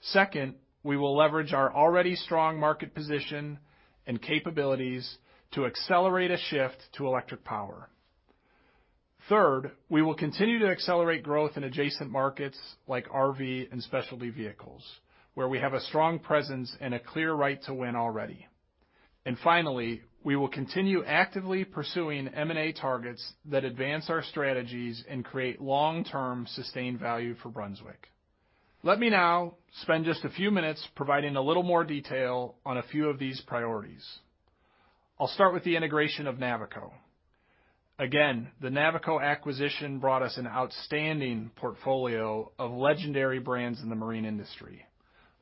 Second, we will leverage our already strong market position and capabilities to accelerate a shift to electric power. Third, we will continue to accelerate growth in adjacent markets like RV and specialty vehicles where we have a strong presence and a clear right to win already. And finally, we will continue actively pursuing M&A targets that advance our strategies and create long-term sustained value for Brunswick. Let me now spend just a few minutes providing a little more detail on a few of these priorities. I'll start with the integration of Navico. Again, the Navico acquisition brought us an outstanding portfolio of legendary brands in the marine industry.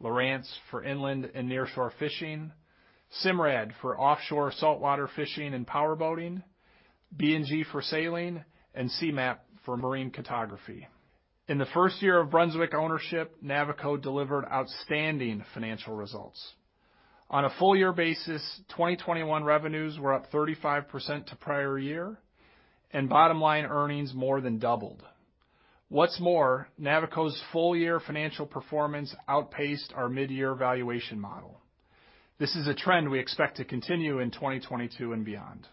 Lowrance for inland and nearshore fishing, Simrad for offshore saltwater fishing and power boating, B&G for sailing, and C-MAP for marine cartography. In the first year of Brunswick ownership, Navico delivered outstanding financial results. On a full year basis, 2021 revenues were up 35% to prior year, and bottom line earnings more than doubled. What's more, Navico's full year financial performance outpaced our mid-year valuation model. This is a trend we expect to continue in 2022 and beyond.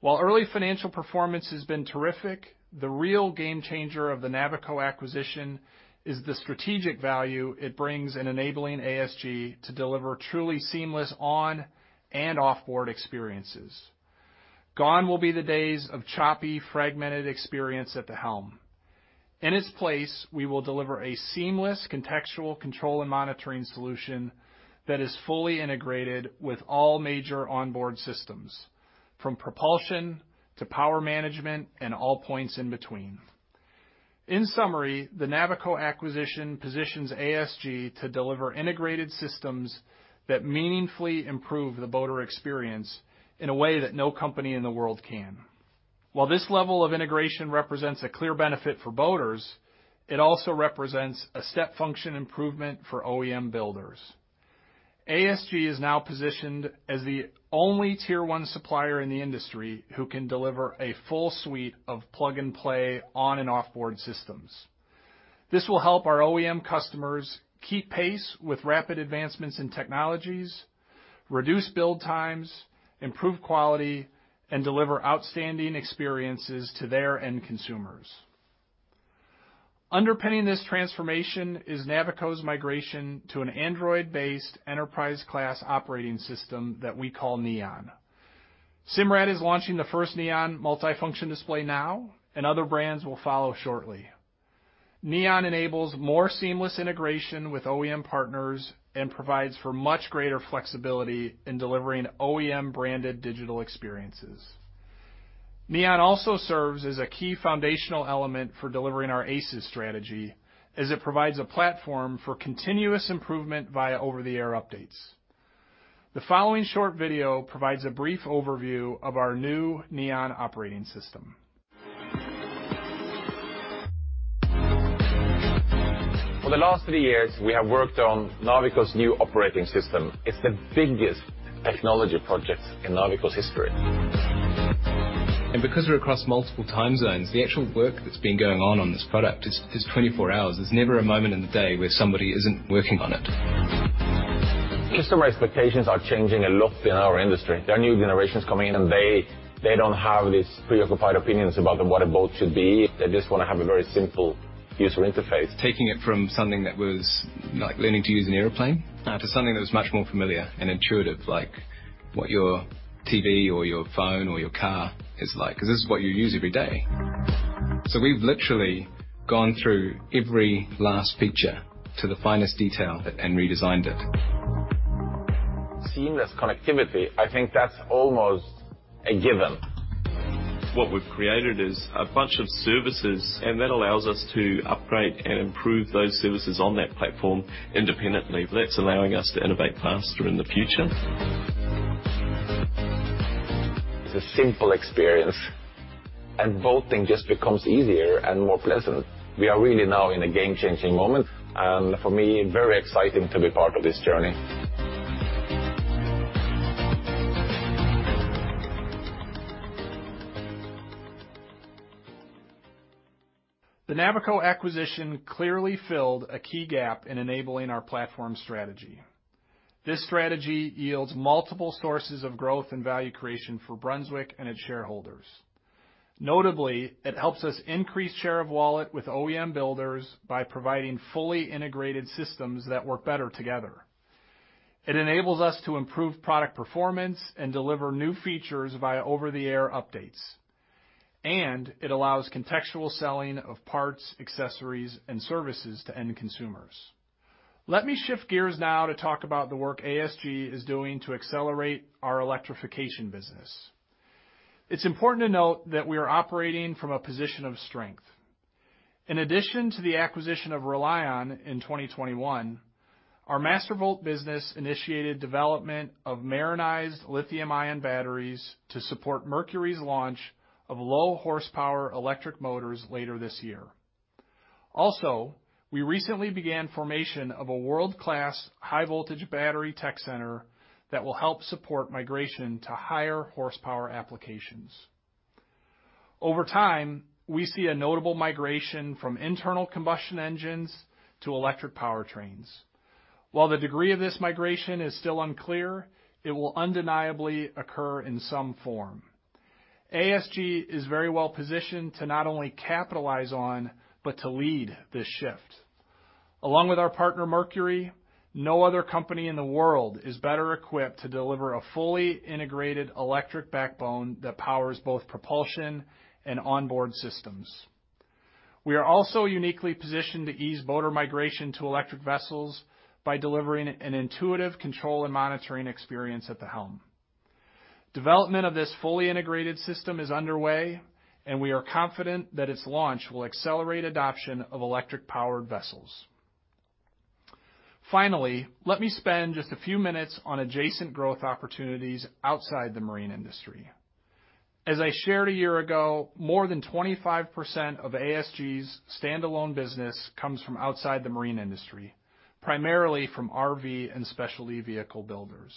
While early financial performance has been terrific, the real game changer of the Navico acquisition is the strategic value it brings in enabling ASG to deliver truly seamless on and off-board experiences. Gone will be the days of choppy, fragmented experience at the helm. In its place, we will deliver a seamless contextual control and monitoring solution that is fully integrated with all major onboard systems, from propulsion to power management and all points in between. In summary, the Navico acquisition positions ASG to deliver integrated systems that meaningfully improve the boater experience in a way that no company in the world can. While this level of integration represents a clear benefit for boaters, it also represents a step function improvement for OEM builders. ASG is now positioned as the only tier one supplier in the industry who can deliver a full suite of plug-and-play on and off-board systems. This will help our OEM customers keep pace with rapid advancements in technologies, reduce build times, improve quality, and deliver outstanding experiences to their end consumers. Underpinning this transformation is Navico's migration to an Android-based enterprise class operating system that we call Neon. Simrad is launching the first Neon multifunction display now, and other brands will follow shortly. Neon enables more seamless integration with OEM partners and provides for much greater flexibility in delivering OEM-branded digital experiences. Neon also serves as a key foundational element for delivering our ACES strategy as it provides a platform for continuous improvement via over-the-air updates. The following short video provides a brief overview of our new Neon operating system. For the last three years, we have worked on Navico's new operating system. It's the biggest technology project in Navico's history. Because we're across multiple time zones, the actual work that's been going on this product is 24 hours. There's never a moment in the day where somebody isn't working on it. Customer expectations are changing a lot in our industry. There are new generations coming in, and they don't have these preoccupied opinions about what a boat should be. They just wanna have a very simple user interface. Taking it from something that was like learning to use an airplane, now to something that was much more familiar and intuitive, like what your TV or your phone or your car is like, 'cause this is what you use every day. We've literally gone through every last feature to the finest detail and redesigned it. Seamless connectivity, I think that's almost a given. What we've created is a bunch of services, and that allows us to upgrade and improve those services on that platform independently. That's allowing us to innovate faster in the future. It's a simple experience, and boating just becomes easier and more pleasant. We are really now in a game-changing moment, and for me, very exciting to be part of this journey. The Navico acquisition clearly filled a key gap in enabling our platform strategy. This strategy yields multiple sources of growth and value creation for Brunswick and its shareholders. Notably, it helps us increase share of wallet with OEM builders by providing fully integrated systems that work better together. It enables us to improve product performance and deliver new features via over-the-air updates. It allows contextual selling of parts, accessories, and services to end consumers. Let me shift gears now to talk about the work ASG is doing to accelerate our electrification business. It's important to note that we are operating from a position of strength. In addition to the acquisition of RELiON in 2021, our Mastervolt business initiated development of marinized lithium-ion batteries to support Mercury's launch of low-horsepower electric motors later this year. Also, we recently began formation of a world-class high-voltage battery tech center that will help support migration to higher horsepower applications. Over time, we see a notable migration from internal combustion engines to electric powertrains. While the degree of this migration is still unclear, it will undeniably occur in some form. ASG is very well positioned to not only capitalize on, but to lead this shift. Along with our partner, Mercury, no other company in the world is better equipped to deliver a fully integrated electric backbone that powers both propulsion and onboard systems. We are also uniquely positioned to ease boater migration to electric vessels by delivering an intuitive control and monitoring experience at the helm. Development of this fully integrated system is underway, and we are confident that its launch will accelerate adoption of electric-powered vessels. Finally, let me spend just a few minutes on adjacent growth opportunities outside the marine industry. As I shared a year ago, more than 25% of ASG's standalone business comes from outside the marine industry, primarily from RV and specialty vehicle builders.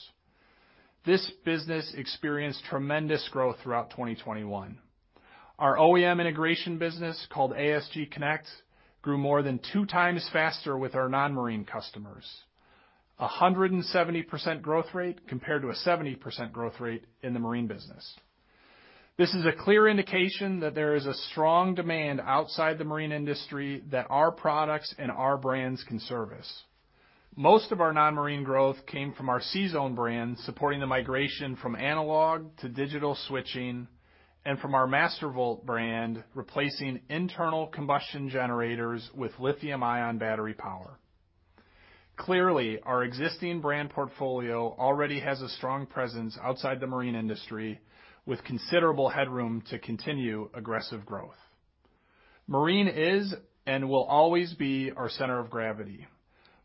This business experienced tremendous growth throughout 2021. Our OEM integration business, called ASG Connect, grew more than 2x faster with our non-marine customers, a 170% growth rate compared to a 70% growth rate in the marine business. This is a clear indication that there is a strong demand outside the marine industry that our products and our brands can service. Most of our non-marine growth came from our CZone brand, supporting the migration from analog to digital switching, and from our Mastervolt brand, replacing internal combustion generators with lithium-ion battery power. Clearly, our existing brand portfolio already has a strong presence outside the marine industry with considerable headroom to continue aggressive growth. Marine is and will always be our center of gravity,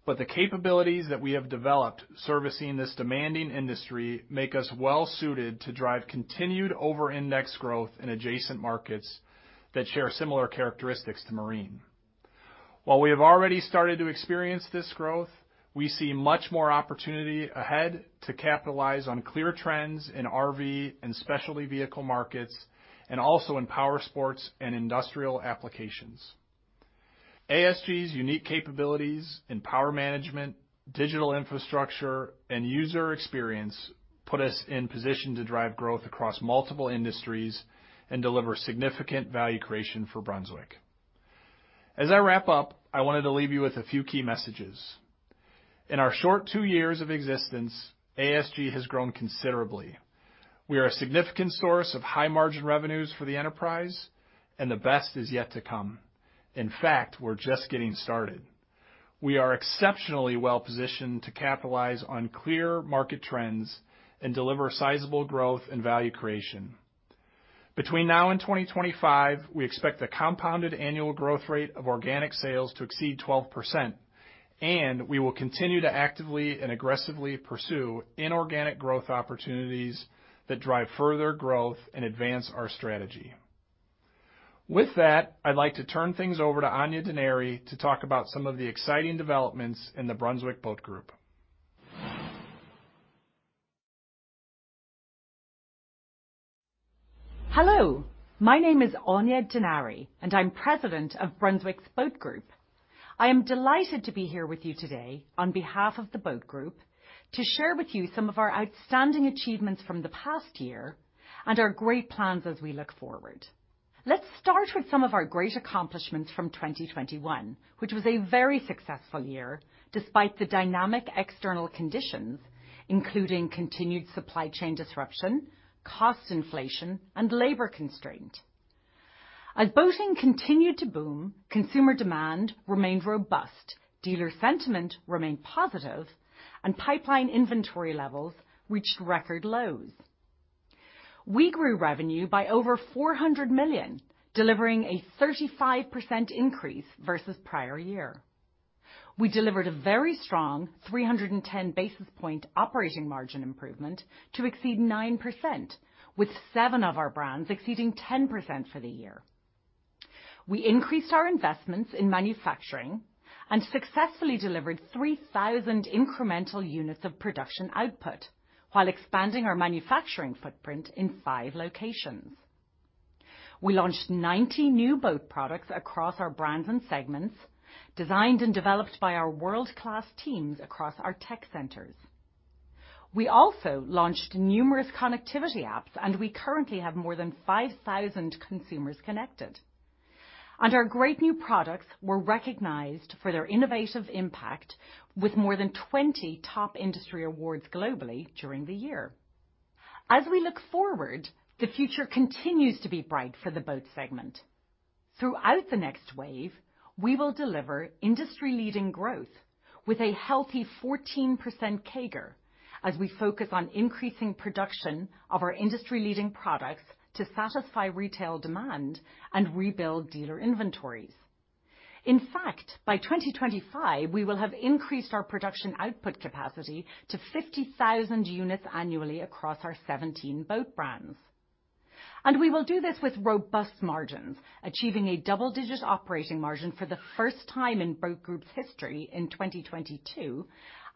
but the capabilities that we have developed servicing this demanding industry make us well-suited to drive continued over-index growth in adjacent markets that share similar characteristics to Marine. While we have already started to experience this growth, we see much more opportunity ahead to capitalize on clear trends in RV and specialty vehicle markets and also in power sports and industrial applications. ASG's unique capabilities in power management, digital infrastructure, and user experience put us in position to drive growth across multiple industries and deliver significant value creation for Brunswick. As I wrap up, I wanted to leave you with a few key messages. In our short two years of existence, ASG has grown considerably. We are a significant source of high-margin revenues for the enterprise, and the best is yet to come. In fact, we're just getting started. We are exceptionally well-positioned to capitalize on clear market trends and deliver sizable growth and value creation. Between now and 2025, we expect the compounded annual growth rate of organic sales to exceed 12%, and we will continue to actively and aggressively pursue inorganic growth opportunities that drive further growth and advance our strategy. With that, I'd like to turn things over to Áine Denari to talk about some of the exciting developments in the Brunswick Boat Group. Hello, my name is Áine Denari, and I'm President of Brunswick Boat Group. I am delighted to be here with you today on behalf of the Boat Group to share with you some of our outstanding achievements from the past year and our great plans as we look forward. Let's start with some of our great accomplishments from 2021, which was a very successful year despite the dynamic external conditions, including continued supply chain disruption, cost inflation, and labor constraint. As boating continued to boom, consumer demand remained robust, dealer sentiment remained positive, and pipeline inventory levels reached record lows. We grew revenue by over $400 million, delivering a 35% increase versus prior year. We delivered a very strong 310 basis point operating margin improvement to exceed 9%, with seven of our brands exceeding 10% for the year. We increased our investments in manufacturing and successfully delivered 3,000 incremental units of production output while expanding our manufacturing footprint in 5 locations. We launched 90 new boat products across our brands and segments, designed and developed by our world-class teams across our tech centers. We also launched numerous connectivity apps, and we currently have more than 5,000 consumers connected. Our great new products were recognized for their innovative impact with more than 20 top industry awards globally during the year. As we look forward, the future continues to be bright for the Boat segment. Throughout the Next Wave, we will deliver industry-leading growth with a healthy 14% CAGR as we focus on increasing production of our industry-leading products to satisfy retail demand and rebuild dealer inventories. In fact, by 2025, we will have increased our production output capacity to 50,000 units annually across our 17 boat brands. We will do this with robust margins, achieving a double-digit operating margin for the first time in Boat Group's history in 2022,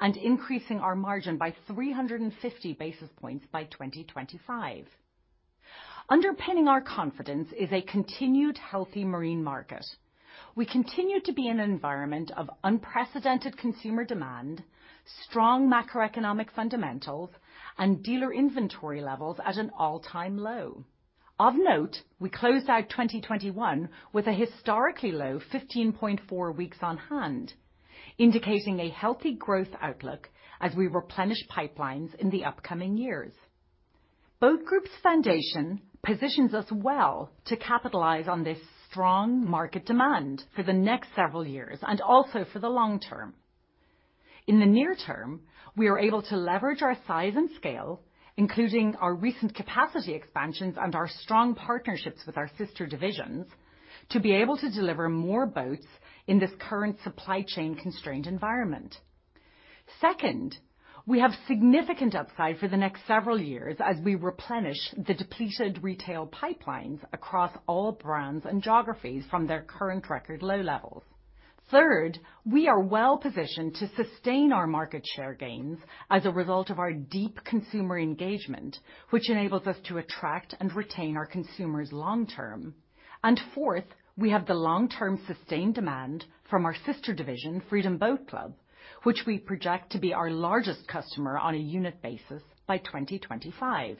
and increasing our margin by 350 basis points by 2025. Underpinning our confidence is a continued healthy marine market. We continue to be in an environment of unprecedented consumer demand, strong macroeconomic fundamentals, and dealer inventory levels at an all-time low. Of note, we closed out 2021 with a historically low 15.4 weeks on hand, indicating a healthy growth outlook as we replenish pipelines in the upcoming years. Boat Group's foundation positions us well to capitalize on this strong market demand for the next several years and also for the long term. In the near term, we are able to leverage our size and scale, including our recent capacity expansions and our strong partnerships with our sister divisions, to be able to deliver more boats in this current supply chain constrained environment. Second, we have significant upside for the next several years as we replenish the depleted retail pipelines across all brands and geographies from their current record low levels. Third, we are well-positioned to sustain our market share gains as a result of our deep consumer engagement, which enables us to attract and retain our consumers long term. Fourth, we have the long-term sustained demand from our sister division, Freedom Boat Club, which we project to be our largest customer on a unit basis by 2025.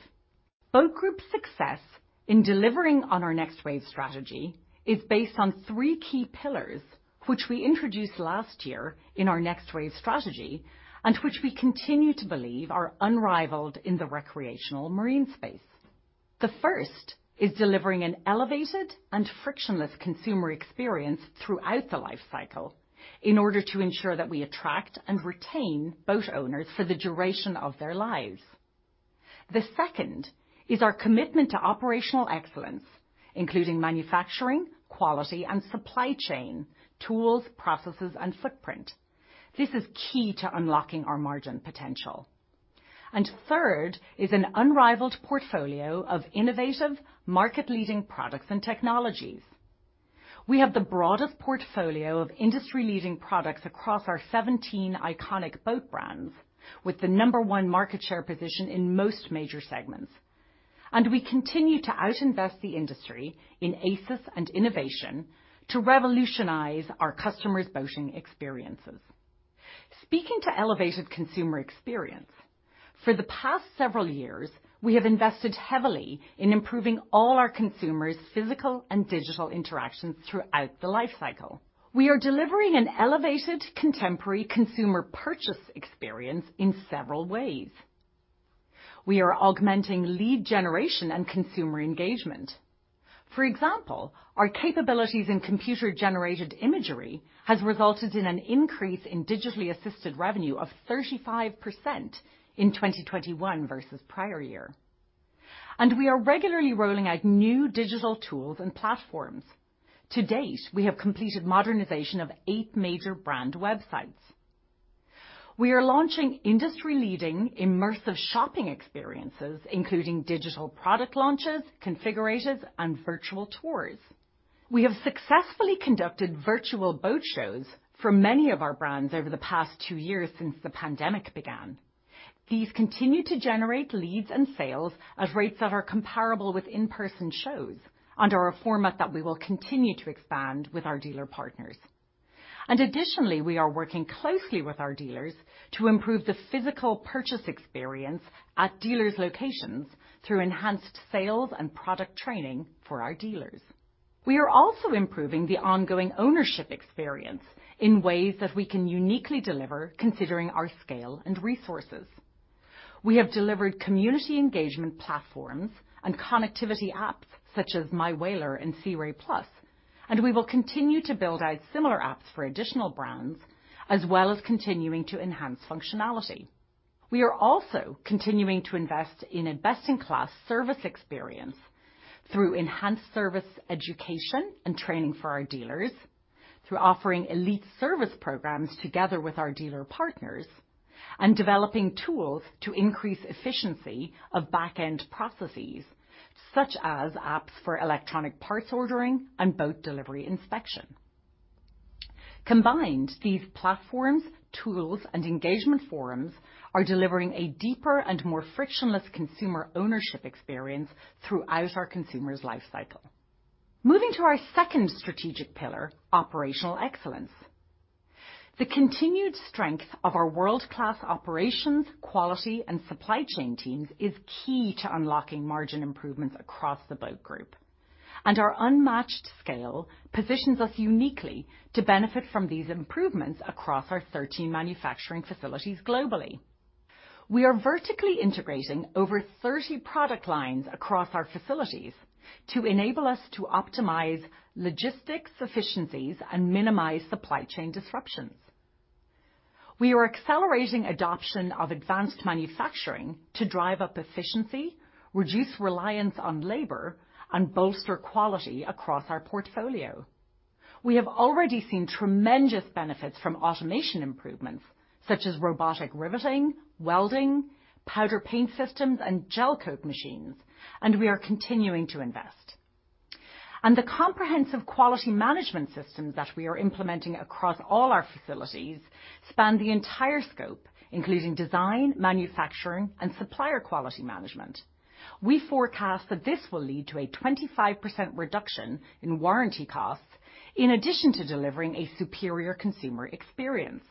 Boat Group's success in delivering on our Next Wave strategy is based on three key pillars, which we introduced last year in our Next Wave strategy and which we continue to believe are unrivaled in the recreational marine space. The first is delivering an elevated and frictionless consumer experience throughout the life cycle in order to ensure that we attract and retain boat owners for the duration of their lives. The second is our commitment to operational excellence, including manufacturing, quality, and supply chain, tools, processes, and footprint. This is key to unlocking our margin potential. Third is an unrivaled portfolio of innovative market-leading products and technologies. We have the broadest portfolio of industry-leading products across our 17 iconic boat brands with the No. one market share position in most major segments. We continue to outinvest the industry in ACES and innovation to revolutionize our customers' boating experiences. Speaking to elevated consumer experience, for the past several years, we have invested heavily in improving all our consumers' physical and digital interactions throughout the life cycle. We are delivering an elevated contemporary consumer purchase experience in several ways. We are augmenting lead generation and consumer engagement. For example, our capabilities in computer-generated imagery has resulted in an increase in digitally assisted revenue of 35% in 2021 versus prior year. We are regularly rolling out new digital tools and platforms. To date, we have completed modernization of eight major brand websites. We are launching industry-leading immersive shopping experiences, including digital product launches, configurators, and virtual tours. We have successfully conducted virtual boat shows for many of our brands over the past two years since the pandemic began. These continue to generate leads and sales at rates that are comparable with in-person shows and are a format that we will continue to expand with our dealer partners. Additionally, we are working closely with our dealers to improve the physical purchase experience at dealers' locations through enhanced sales and product training for our dealers. We are also improving the ongoing ownership experience in ways that we can uniquely deliver considering our scale and resources. We have delivered community engagement platforms and connectivity apps such as MyWhaler and Sea Ray+, and we will continue to build out similar apps for additional brands as well as continuing to enhance functionality. We are also continuing to invest in a best-in-class service experience through enhanced service education and training for our dealers, through offering elite service programs together with our dealer partners, and developing tools to increase efficiency of back-end processes, such as apps for electronic parts ordering and boat delivery inspection. Combined, these platforms, tools, and engagement forums are delivering a deeper and more frictionless consumer ownership experience throughout our consumers' life cycle. Moving to our second strategic pillar, operational excellence. The continued strength of our world-class operations, quality, and supply chain teams is key to unlocking margin improvements across the Boat Group. Our unmatched scale positions us uniquely to benefit from these improvements across our 13 manufacturing facilities globally. We are vertically integrating over 30 product lines across our facilities to enable us to optimize logistics efficiencies and minimize supply chain disruptions. We are accelerating adoption of advanced manufacturing to drive up efficiency, reduce reliance on labor, and bolster quality across our portfolio. We have already seen tremendous benefits from automation improvements such as robotic riveting, welding, powder paint systems, and gel coat machines, and we are continuing to invest. The comprehensive quality management systems that we are implementing across all our facilities span the entire scope, including design, manufacturing, and supplier quality management. We forecast that this will lead to a 25% reduction in warranty costs in addition to delivering a superior consumer experience.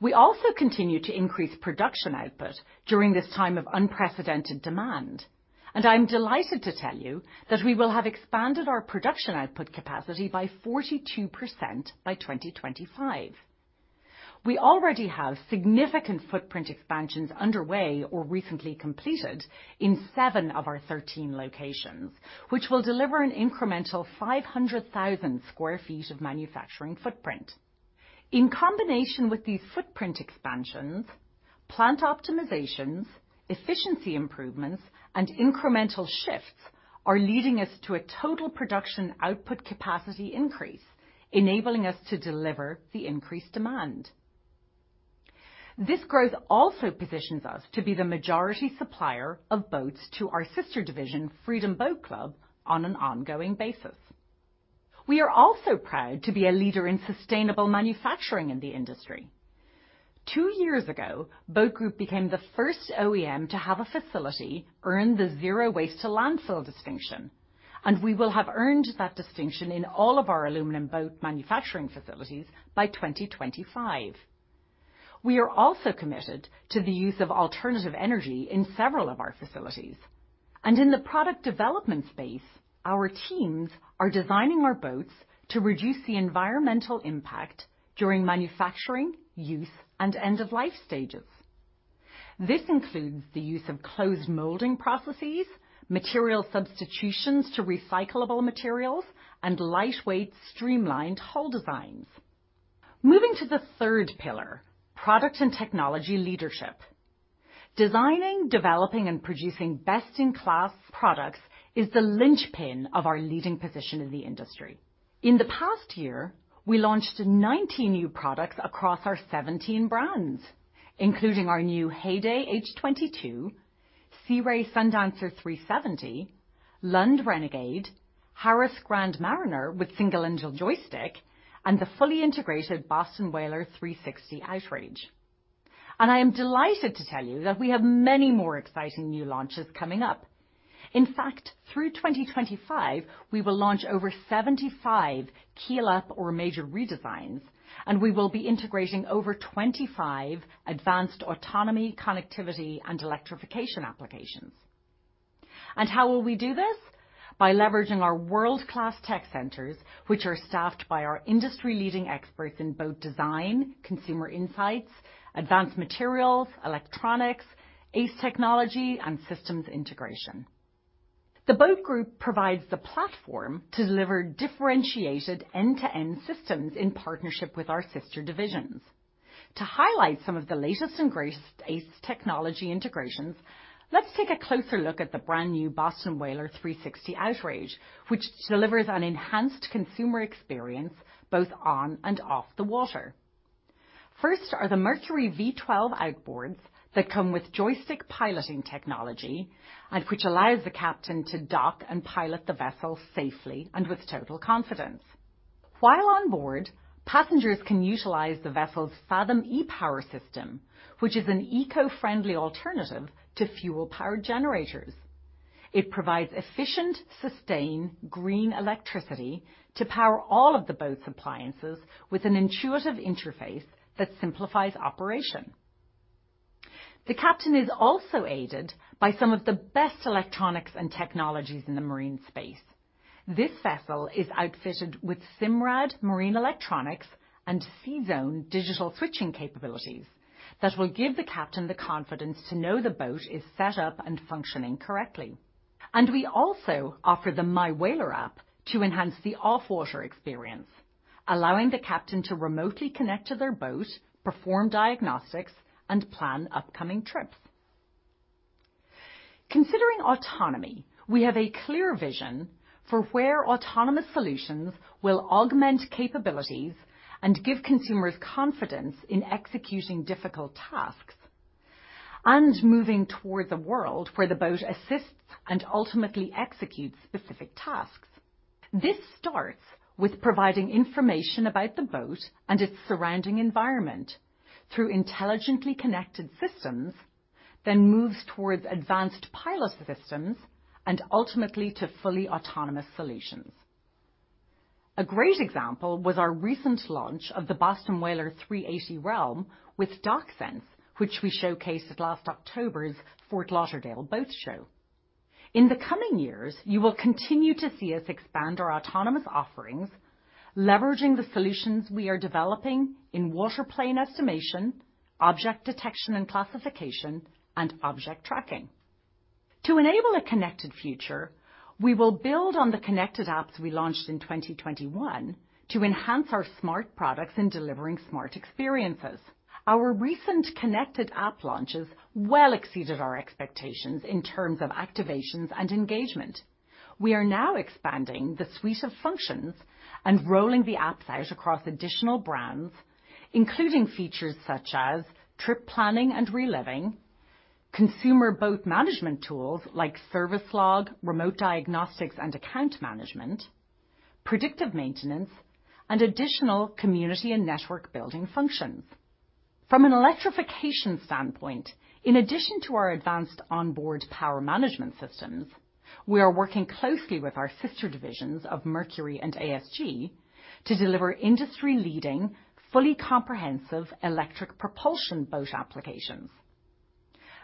We also continue to increase production output during this time of unprecedented demand. I'm delighted to tell you that we will have expanded our production output capacity by 42% by 2025. We already have significant footprint expansions underway or recently completed in seven of our 13 locations, which will deliver an incremental 500,000 sq ft of manufacturing footprint. In combination with these footprint expansions, plant optimizations, efficiency improvements, and incremental shifts are leading us to a total production output capacity increase, enabling us to deliver the increased demand. This growth also positions us to be the majority supplier of boats to our sister division, Freedom Boat Club, on an ongoing basis. We are also proud to be a leader in sustainable manufacturing in the industry. Two years ago, Boat Group became the first OEM to have a facility earn the zero waste to landfill distinction, and we will have earned that distinction in all of our aluminum boat manufacturing facilities by 2025. We are also committed to the use of alternative energy in several of our facilities. In the product development space, our teams are designing our boats to reduce the environmental impact during manufacturing, use, and end-of-life stages. This includes the use of closed molding processes, material substitutions to recyclable materials, and lightweight, streamlined hull designs. Moving to the third pillar, product and technology leadership. Designing, developing, and producing best-in-class products is the linchpin of our leading position in the industry. In the past year, we launched 19 new products across our 17 brands, including our new Heyday H22, Sea Ray Sundancer 370, Lund Renegade, Harris Grand Mariner with single engine joystick, and the fully integrated Boston Whaler 360 Outrage. I am delighted to tell you that we have many more exciting new launches coming up. In fact, through 2025, we will launch over 75 key new or major redesigns, and we will be integrating over 25 advanced autonomy, connectivity, and electrification applications. How will we do this? By leveraging our world-class tech centers, which are staffed by our industry-leading experts in boat design, consumer insights, advanced materials, electronics, ACES technology, and systems integration. The Boat Group provides the platform to deliver differentiated end-to-end systems in partnership with our sister divisions. To highlight some of the latest and greatest ACES technology integrations, let's take a closer look at the brand-new Boston Whaler 360 Outrage, which delivers an enhanced consumer experience both on and off the water. First are the Mercury V12 outboards that come with Joystick Piloting technology and which allows the captain to dock and pilot the vessel safely and with total confidence. While on board, passengers can utilize the vessel's Fathom e-Power system, which is an eco-friendly alternative to fuel-powered generators. It provides efficient, sustained green electricity to power all of the boat's appliances with an intuitive interface that simplifies operation. The captain is also aided by some of the best electronics and technologies in the marine space. This vessel is outfitted with Simrad marine electronics and CZone digital switching capabilities that will give the captain the confidence to know the boat is set up and functioning correctly. We also offer the MyWhaler app to enhance the off-water experience, allowing the captain to remotely connect to their boat, perform diagnostics, and plan upcoming trips. Considering autonomy, we have a clear vision for where autonomous solutions will augment capabilities and give consumers confidence in executing difficult tasks and moving toward a world where the boat assists and ultimately executes specific tasks. This starts with providing information about the boat and its surrounding environment through intelligently connected systems. It moves towards advanced pilot systems and ultimately to fully autonomous solutions. A great example was our recent launch of the Boston Whaler 380 Realm with DockSense, which we showcased at last October's Fort Lauderdale Boat Show. In the coming years, you will continue to see us expand our autonomous offerings, leveraging the solutions we are developing in water plane estimation, object detection and classification, and object tracking. To enable a connected future, we will build on the connected apps we launched in 2021 to enhance our smart products in delivering smart experiences. Our recent connected app launches well exceeded our expectations in terms of activations and engagement. We are now expanding the suite of functions and rolling the apps out across additional brands, including features such as trip planning and reliving, consumer boat management tools like service log, remote diagnostics and account management, predictive maintenance, and additional community and network building functions. From an electrification standpoint, in addition to our advanced onboard power management systems, we are working closely with our sister divisions of Mercury and ASG to deliver industry-leading, fully comprehensive electric propulsion boat applications.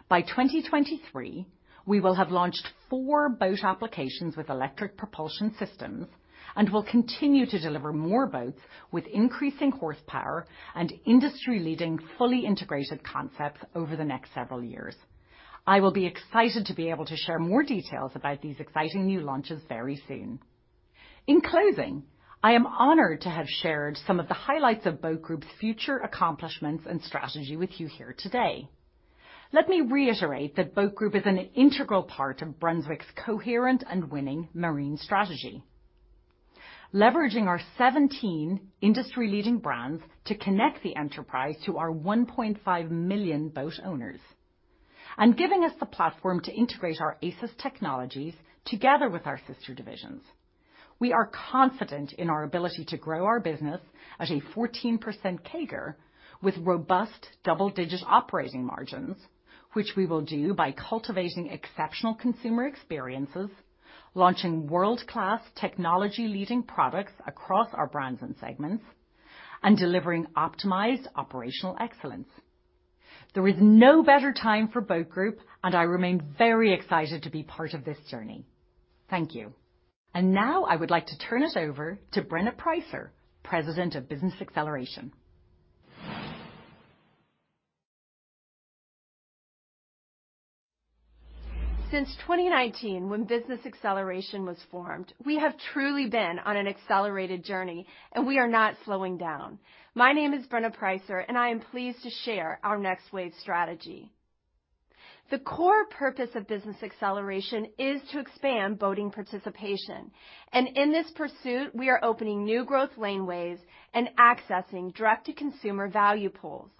By 2023, we will have launched four boat applications with electric propulsion systems and will continue to deliver more boats with increasing horsepower and industry-leading fully integrated concepts over the next several years. I will be excited to be able to share more details about these exciting new launches very soon. In closing, I am honored to have shared some of the highlights of Boat Group's future accomplishments and strategy with you here today. Let me reiterate that Boat Group is an integral part of Brunswick's coherent and winning marine strategy, leveraging our 17 industry-leading brands to connect the enterprise to our 1.5 million boat owners and giving us the platform to integrate our ACES technologies together with our sister divisions. We are confident in our ability to grow our business at a 14% CAGR with robust double-digit operating margins, which we will do by cultivating exceptional consumer experiences, launching world-class technology-leading products across our brands and segments, and delivering optimized operational excellence. There is no better time for Boat Group, and I remain very excited to be part of this journey. Thank you. Now I would like to turn it over to Brenna Preisser, President of Business Acceleration. Since 2019 when Business Acceleration was formed, we have truly been on an accelerated journey, and we are not slowing down. My name is Brenna Preisser, and I am pleased to share our Next Wave strategy. The core purpose of Business Acceleration is to expand boating participation, and in this pursuit, we are opening new growth laneways and accessing direct-to-consumer value pools.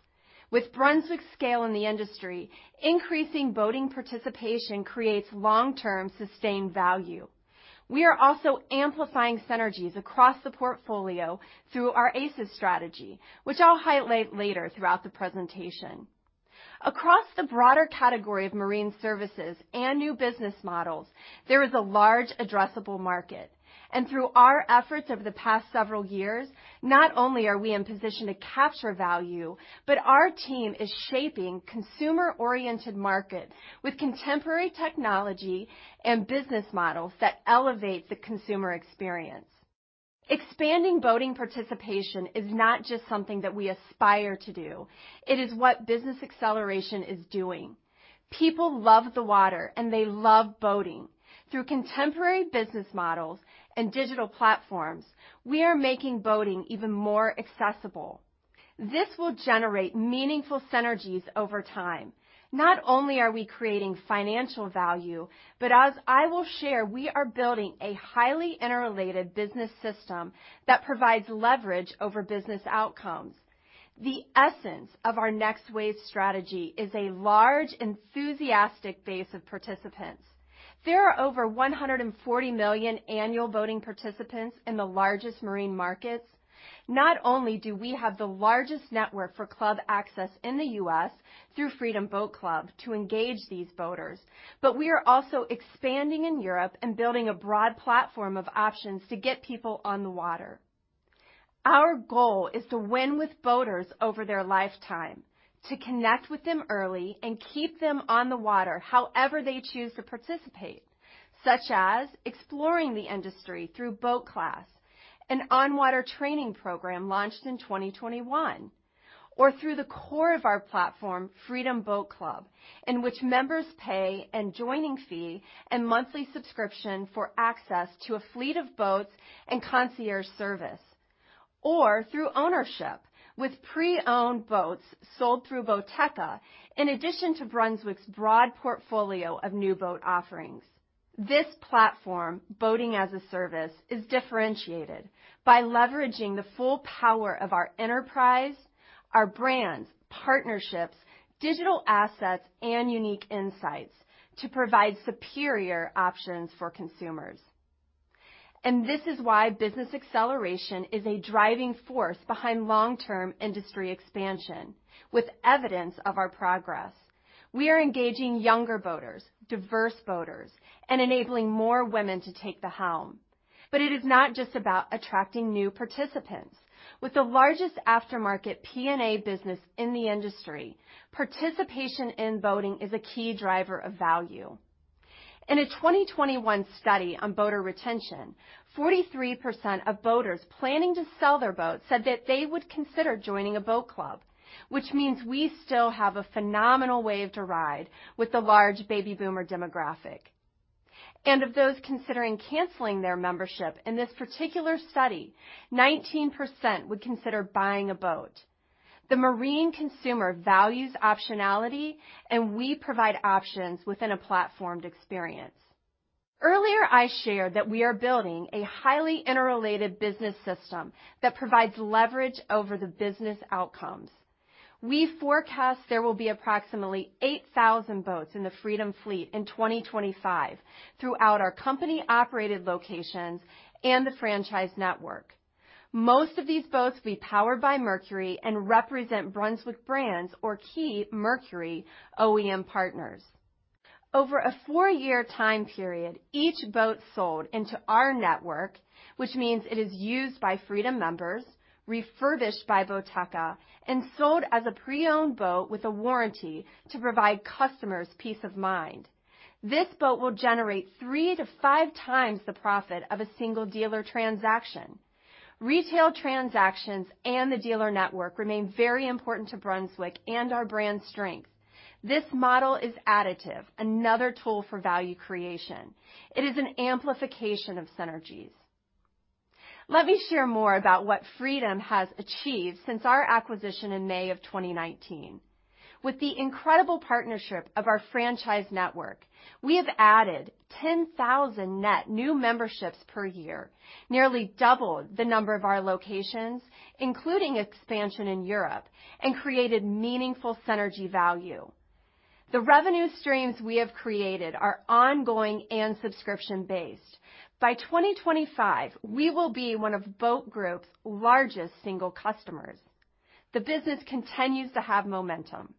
With Brunswick's scale in the industry, increasing boating participation creates long-term sustained value. We are also amplifying synergies across the portfolio through our ACES strategy, which I'll highlight later throughout the presentation. Across the broader category of marine services and new business models, there is a large addressable market. Through our efforts over the past several years, not only are we in position to capture value, but our team is shaping consumer-oriented market with contemporary technology and business models that elevate the consumer experience. Expanding boating participation is not just something that we aspire to do, it is what Business Acceleration is doing. People love the water, and they love boating. Through contemporary business models and digital platforms, we are making boating even more accessible. This will generate meaningful synergies over time. Not only are we creating financial value, but as I will share, we are building a highly interrelated business system that provides leverage over business outcomes. The essence of our Next Wave strategy is a large, enthusiastic base of participants. There are over 140 million annual boating participants in the largest marine markets. Not only do we have the largest network for club access in the U.S. through Freedom Boat Club to engage these boaters, but we are also expanding in Europe and building a broad platform of options to get people on the water. Our goal is to win with boaters over their lifetime, to connect with them early and keep them on the water however they choose to participate, such as exploring the industry through BoatClass, an on-water training program launched in 2021, or through the core of our platform, Freedom Boat Club, in which members pay an joining fee and monthly subscription for access to a fleet of boats and concierge service, or through ownership with pre-owned boats sold through Boateka in addition to Brunswick's broad portfolio of new boat offerings. This platform, Boating-as-a-Service, is differentiated by leveraging the full power of our enterprise, our brands, partnerships, digital assets, and unique insights to provide superior options for consumers. This is why Business Acceleration is a driving force behind long-term industry expansion with evidence of our progress. We are engaging younger boaters, diverse boaters, and enabling more women to take the helm. It is not just about attracting new participants. With the largest aftermarket PNA business in the industry, participation in boating is a key driver of value. In a 2021 study on boater retention, 43% of boaters planning to sell their boats said that they would consider joining a boat club, which means we still have a phenomenal wave to ride with the large baby boomer demographic. Of those considering canceling their membership in this particular study, 19% would consider buying a boat. The marine consumer values optionality, and we provide options within a platformed experience. Earlier, I shared that we are building a highly interrelated business system that provides leverage over the business outcomes. We forecast there will be approximately 8,000 boats in the Freedom Fleet in 2025 throughout our company-operated locations and the franchise network. Most of these boats will be powered by Mercury and represent Brunswick brands or key Mercury OEM partners. Over a four-year time period, each boat sold into our network, which means it is used by Freedom members, refurbished by Boateka, and sold as a pre-owned boat with a warranty to provide customers peace of mind. This boat will generate three-five x the profit of a single dealer transaction. Retail transactions and the dealer network remain very important to Brunswick and our brand strength. This model is additive, another tool for value creation. It is an amplification of synergies. Let me share more about what Freedom has achieved since our acquisition in May of 2019. With the incredible partnership of our franchise network, we have added 10,000 net new memberships per year, nearly double the number of our locations, including expansion in Europe, and created meaningful synergy value. The revenue streams we have created are ongoing and subscription-based. By 2025, we will be one of Boat Group's largest single customers. The business continues to have momentum.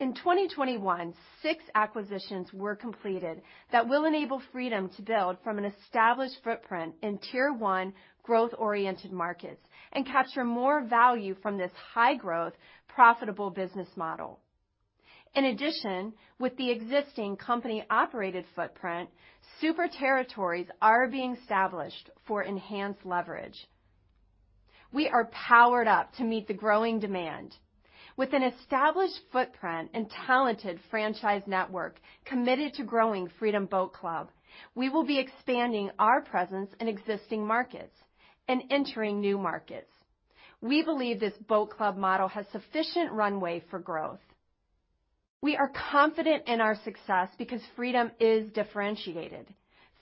In 2021, six acquisitions were completed that will enable Freedom to build from an established footprint in tier one growth-oriented markets and capture more value from this high-growth, profitable business model. In addition, with the existing company-operated footprint, super territories are being established for enhanced leverage. We are powered up to meet the growing demand. With an established footprint and talented franchise network committed to growing Freedom Boat Club, we will be expanding our presence in existing markets and entering new markets. We believe this boat club model has sufficient runway for growth. We are confident in our success because Freedom is differentiated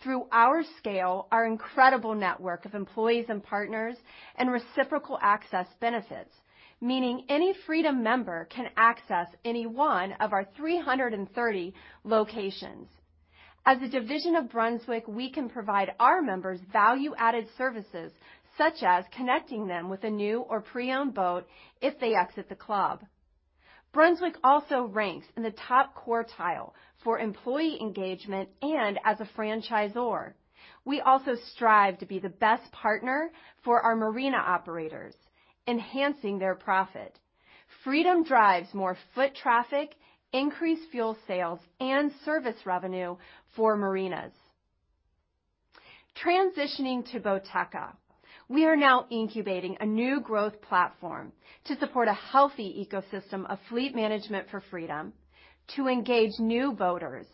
through our scale, our incredible network of employees and partners, and reciprocal access benefits, meaning any Freedom member can access any one of our 330 locations. As a division of Brunswick, we can provide our members value-added services such as connecting them with a new or pre-owned boat if they exit the club. Brunswick also ranks in the top quartile for employee engagement and as a franchisor. We also strive to be the best partner for our marina operators, enhancing their profit. Freedom drives more foot traffic, increased fuel sales, and service revenue for marinas. Transitioning to Boateka, we are now incubating a new growth platform to support a healthy ecosystem of fleet management for Freedom, to engage new boaters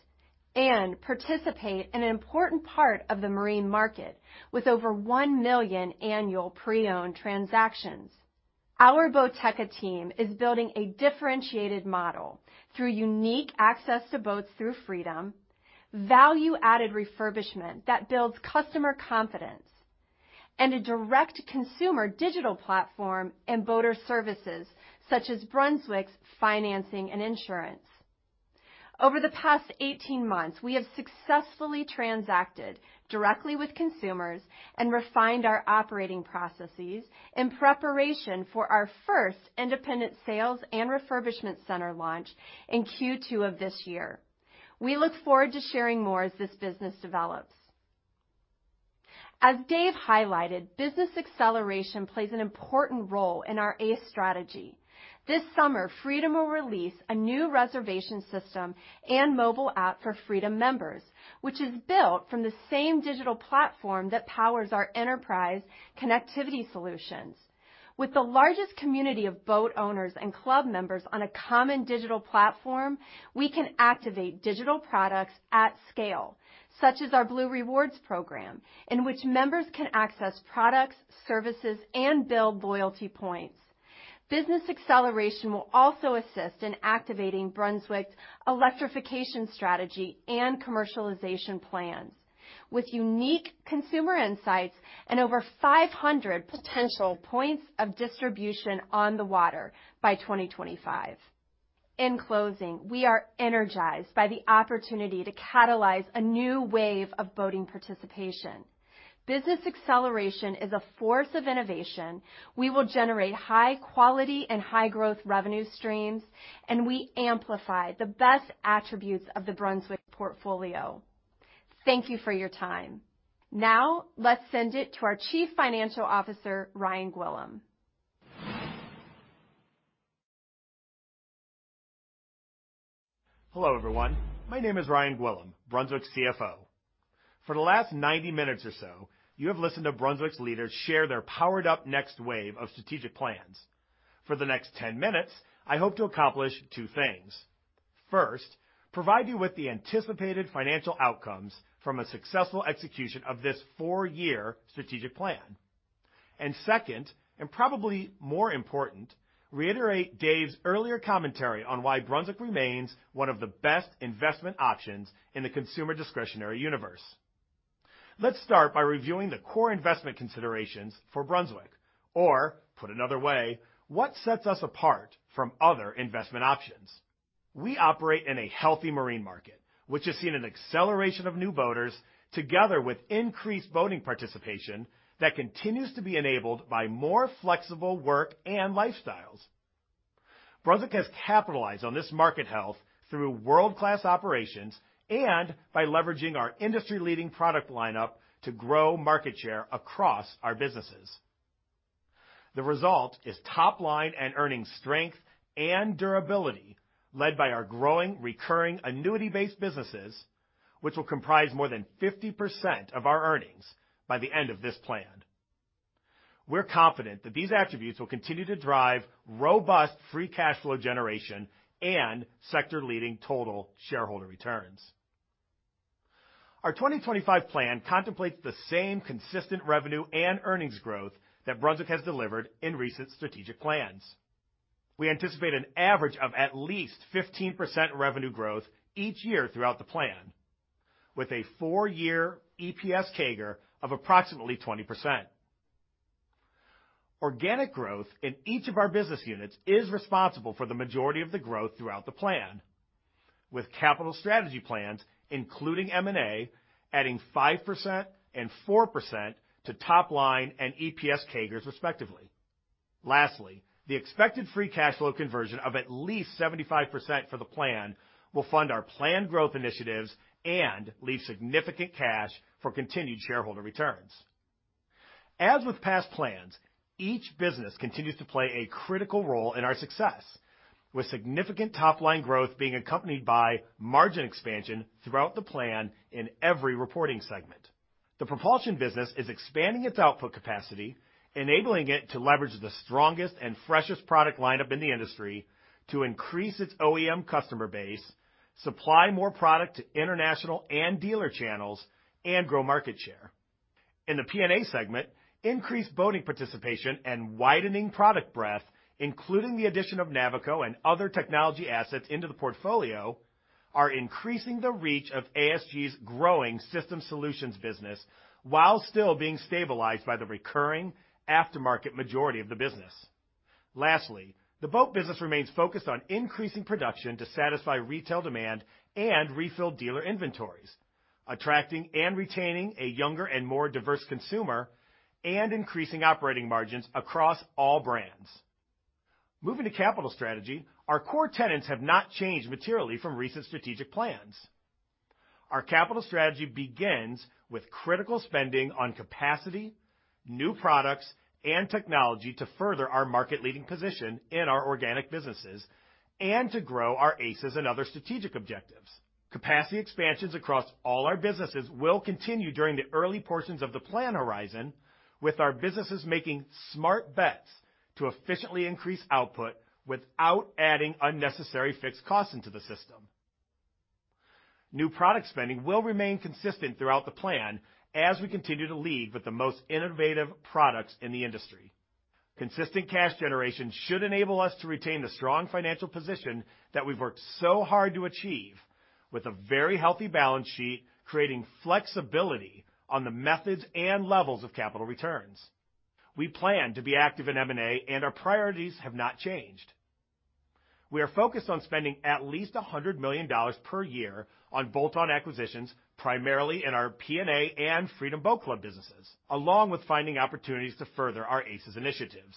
and participate in an important part of the marine market with over 1 million annual pre-owned transactions. Our Boateka team is building a differentiated model through unique access to boats through Freedom, value-added refurbishment that builds customer confidence, and a direct-to-consumer digital platform and boater services such as Brunswick's financing and insurance. Over the past 18 months, we have successfully transacted directly with consumers and refined our operating processes in preparation for our first independent sales and refurbishment center launch in Q2 of this year. We look forward to sharing more as this business develops. As Dave highlighted, business acceleration plays an important role in our ACE strategy. This summer, Freedom will release a new reservation system and mobile app for Freedom members, which is built from the same digital platform that powers our enterprise connectivity solutions. With the largest community of boat owners and club members on a common digital platform, we can activate digital products at scale, such as our Blue Rewards program in which members can access products, services, and build loyalty points. Business Acceleration will also assist in activating Brunswick's electrification strategy and commercialization plans with unique consumer insights and over 500 potential points of distribution on the water by 2025. In closing, we are energized by the opportunity to catalyze a new wave of boating participation. Business Acceleration is a force of innovation. We will generate high quality and high growth revenue streams, and we amplify the best attributes of the Brunswick portfolio. Thank you for your time. Now, let's send it to our Chief Financial Officer, Ryan Gwillim. Hello, everyone. My name is Ryan Gwillim, Brunswick's CFO. For the last 90 minutes or so, you have listened to Brunswick's leaders share their powered-up Next Wave of strategic plans. For the next 10 minutes, I hope to accomplish two things. First, provide you with the anticipated financial outcomes from a successful execution of this four-year strategic plan. Second, and probably more important, reiterate Dave's earlier commentary on why Brunswick remains one of the best investment options in the consumer discretionary universe. Let's start by reviewing the core investment considerations for Brunswick or, put another way, what sets us apart from other investment options? We operate in a healthy marine market, which has seen an acceleration of new boaters together with increased boating participation that continues to be enabled by more flexible work and lifestyles. Brunswick has capitalized on this market health through world-class operations and by leveraging our industry-leading product lineup to grow market share across our businesses. The result is top line and earnings strength and durability led by our growing recurring annuity-based businesses, which will comprise more than 50% of our earnings by the end of this plan. We're confident that these attributes will continue to drive robust free cash flow generation and sector-leading total shareholder returns. Our 2025 plan contemplates the same consistent revenue and earnings growth that Brunswick has delivered in recent strategic plans. We anticipate an average of at least 15% revenue growth each year throughout the plan, with a four-year EPS CAGR of approximately 20%. Organic growth in each of our business units is responsible for the majority of the growth throughout the plan, with capital strategy plans, including M&A, adding 5% and 4% to top line and EPS CAGRs, respectively. Lastly, the expected free cash flow conversion of at least 75% for the plan will fund our planned growth initiatives and leave significant cash for continued shareholder returns. As with past plans, each business continues to play a critical role in our success, with significant top-line growth being accompanied by margin expansion throughout the plan in every reporting segment. The propulsion business is expanding its output capacity, enabling it to leverage the strongest and freshest product lineup in the industry to increase its OEM customer base, supply more product to international and dealer channels, and grow market share. In the P&A segment, increased boating participation and widening product breadth, including the addition of Navico and other technology assets into the portfolio, are increasing the reach of ASG's growing system solutions business while still being stabilized by the recurring aftermarket majority of the business. Lastly, the boat business remains focused on increasing production to satisfy retail demand and refill dealer inventories, attracting and retaining a younger and more diverse consumer, and increasing operating margins across all brands. Moving to capital strategy, our core tenets have not changed materially from recent strategic plans. Our capital strategy begins with critical spending on capacity, new products, and technology to further our market-leading position in our organic businesses and to grow our ACES and other strategic objectives. Capacity expansions across all our businesses will continue during the early portions of the plan horizon with our businesses making smart bets to efficiently increase output without adding unnecessary fixed costs into the system. New product spending will remain consistent throughout the plan as we continue to lead with the most innovative products in the industry. Consistent cash generation should enable us to retain the strong financial position that we've worked so hard to achieve with a very healthy balance sheet, creating flexibility on the methods and levels of capital returns. We plan to be active in M&A, and our priorities have not changed. We are focused on spending at least $100 million per year on bolt-on acquisitions, primarily in our P&A and Freedom Boat Club businesses, along with finding opportunities to further our ACES initiatives.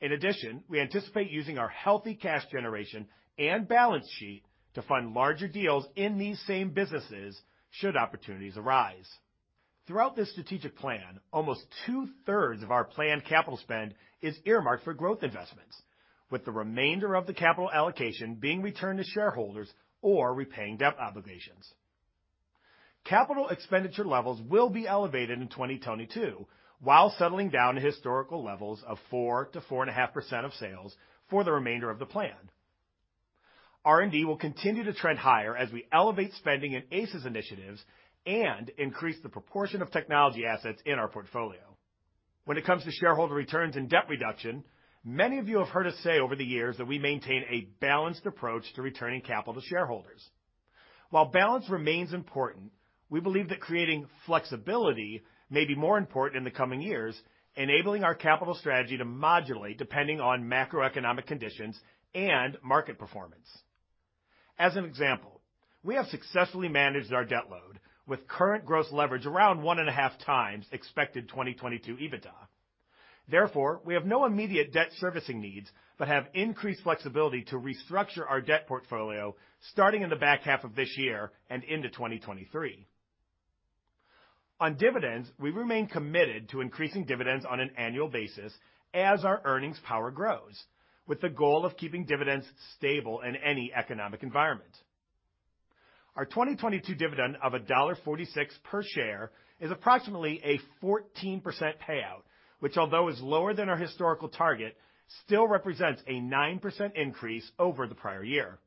In addition, we anticipate using our healthy cash generation and balance sheet to fund larger deals in these same businesses should opportunities arise. Throughout this strategic plan, almost two-thirds of our planned capital spend is earmarked for growth investments, with the remainder of the capital allocation being returned to shareholders or repaying debt obligations. Capital expenditure levels will be elevated in 2022 while settling down to historical levels of 4%-4.5% of sales for the remainder of the plan. R&D will continue to trend higher as we elevate spending in ACES initiatives and increase the proportion of technology assets in our portfolio. When it comes to shareholder returns and debt reduction, many of you have heard us say over the years that we maintain a balanced approach to returning capital to shareholders. While balance remains important, we believe that creating flexibility may be more important in the coming years, enabling our capital strategy to modulate depending on macroeconomic conditions and market performance. As an example, we have successfully managed our debt load with current gross leverage around 1.5 times expected 2022 EBITDA. Therefore, we have no immediate debt servicing needs but have increased flexibility to restructure our debt portfolio starting in the back half of this year and into 2023. On dividends, we remain committed to increasing dividends on an annual basis as our earnings power grows, with the goal of keeping dividends stable in any economic environment. Our 2022 dividend of $1.46 per share is approximately a 14% payout, which although is lower than our historical target, still represents a 9% increase over the prior year.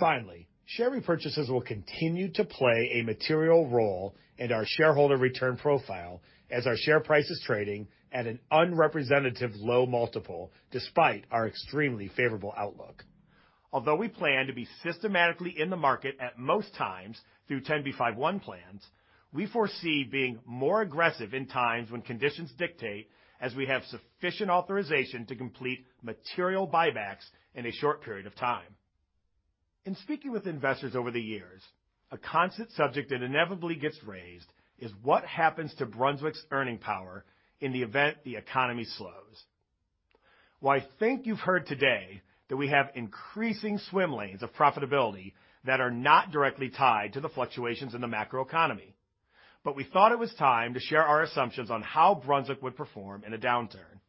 Finally, share repurchases will continue to play a material role in our shareholder return profile as our share price is trading at an unrepresentative low multiple despite our extremely favorable outlook. Although we plan to be systematically in the market at most times through 10b5-1 plans, we foresee being more aggressive in times when conditions dictate as we have sufficient authorization to complete material buybacks in a short period of time. In speaking with investors over the years, a constant subject that inevitably gets raised is what happens to Brunswick's earning power in the event the economy slows. Well, I think you've heard today that we have increasing swim lanes of profitability that are not directly tied to the fluctuations in the macroeconomy, but we thought it was time to share our assumptions on how Brunswick would perform in a downturn.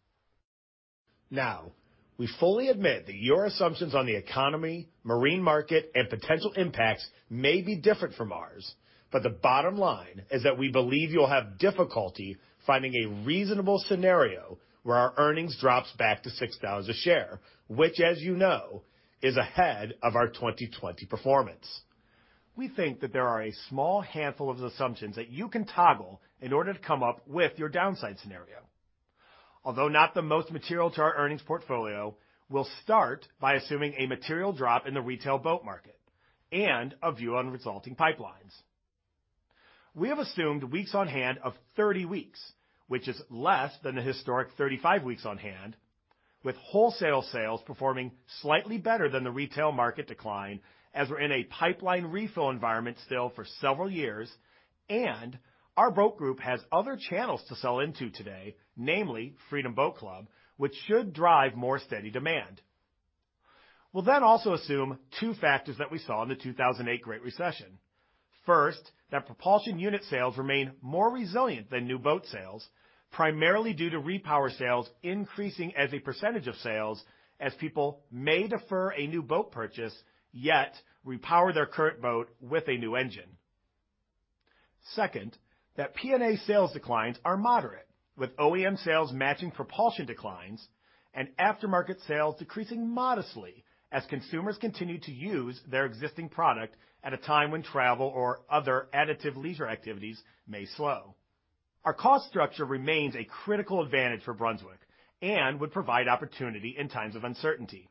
Now, we fully admit that your assumptions on the economy, marine market, and potential impacts may be different from ours, but the bottom line is that we believe you'll have difficulty finding a reasonable scenario where our earnings drops back to $6 a share, which as you know, is ahead of our 2020 performance. We think that there are a small handful of assumptions that you can toggle in order to come up with your downside scenario. Although not the most material to our earnings portfolio, we'll start by assuming a material drop in the retail boat market and a view on resulting pipelines. We have assumed weeks on hand of 30 weeks, which is less than the historic 35 weeks on hand, with wholesale sales performing slightly better than the retail market decline, as we're in a pipeline refill environment still for several years, and our boat group has other channels to sell into today, namely Freedom Boat Club, which should drive more steady demand. We'll then also assume two factors that we saw in the 2008 Great Recession. First, that propulsion unit sales remain more resilient than new boat sales, primarily due to repower sales increasing as a percentage of sales as people may defer a new boat purchase, yet repower their current boat with a new engine. Second, that P&A sales declines are moderate, with OEM sales matching propulsion declines and aftermarket sales decreasing modestly as consumers continue to use their existing product at a time when travel or other alternative leisure activities may slow. Our cost structure remains a critical advantage for Brunswick and would provide opportunity in times of uncertainty.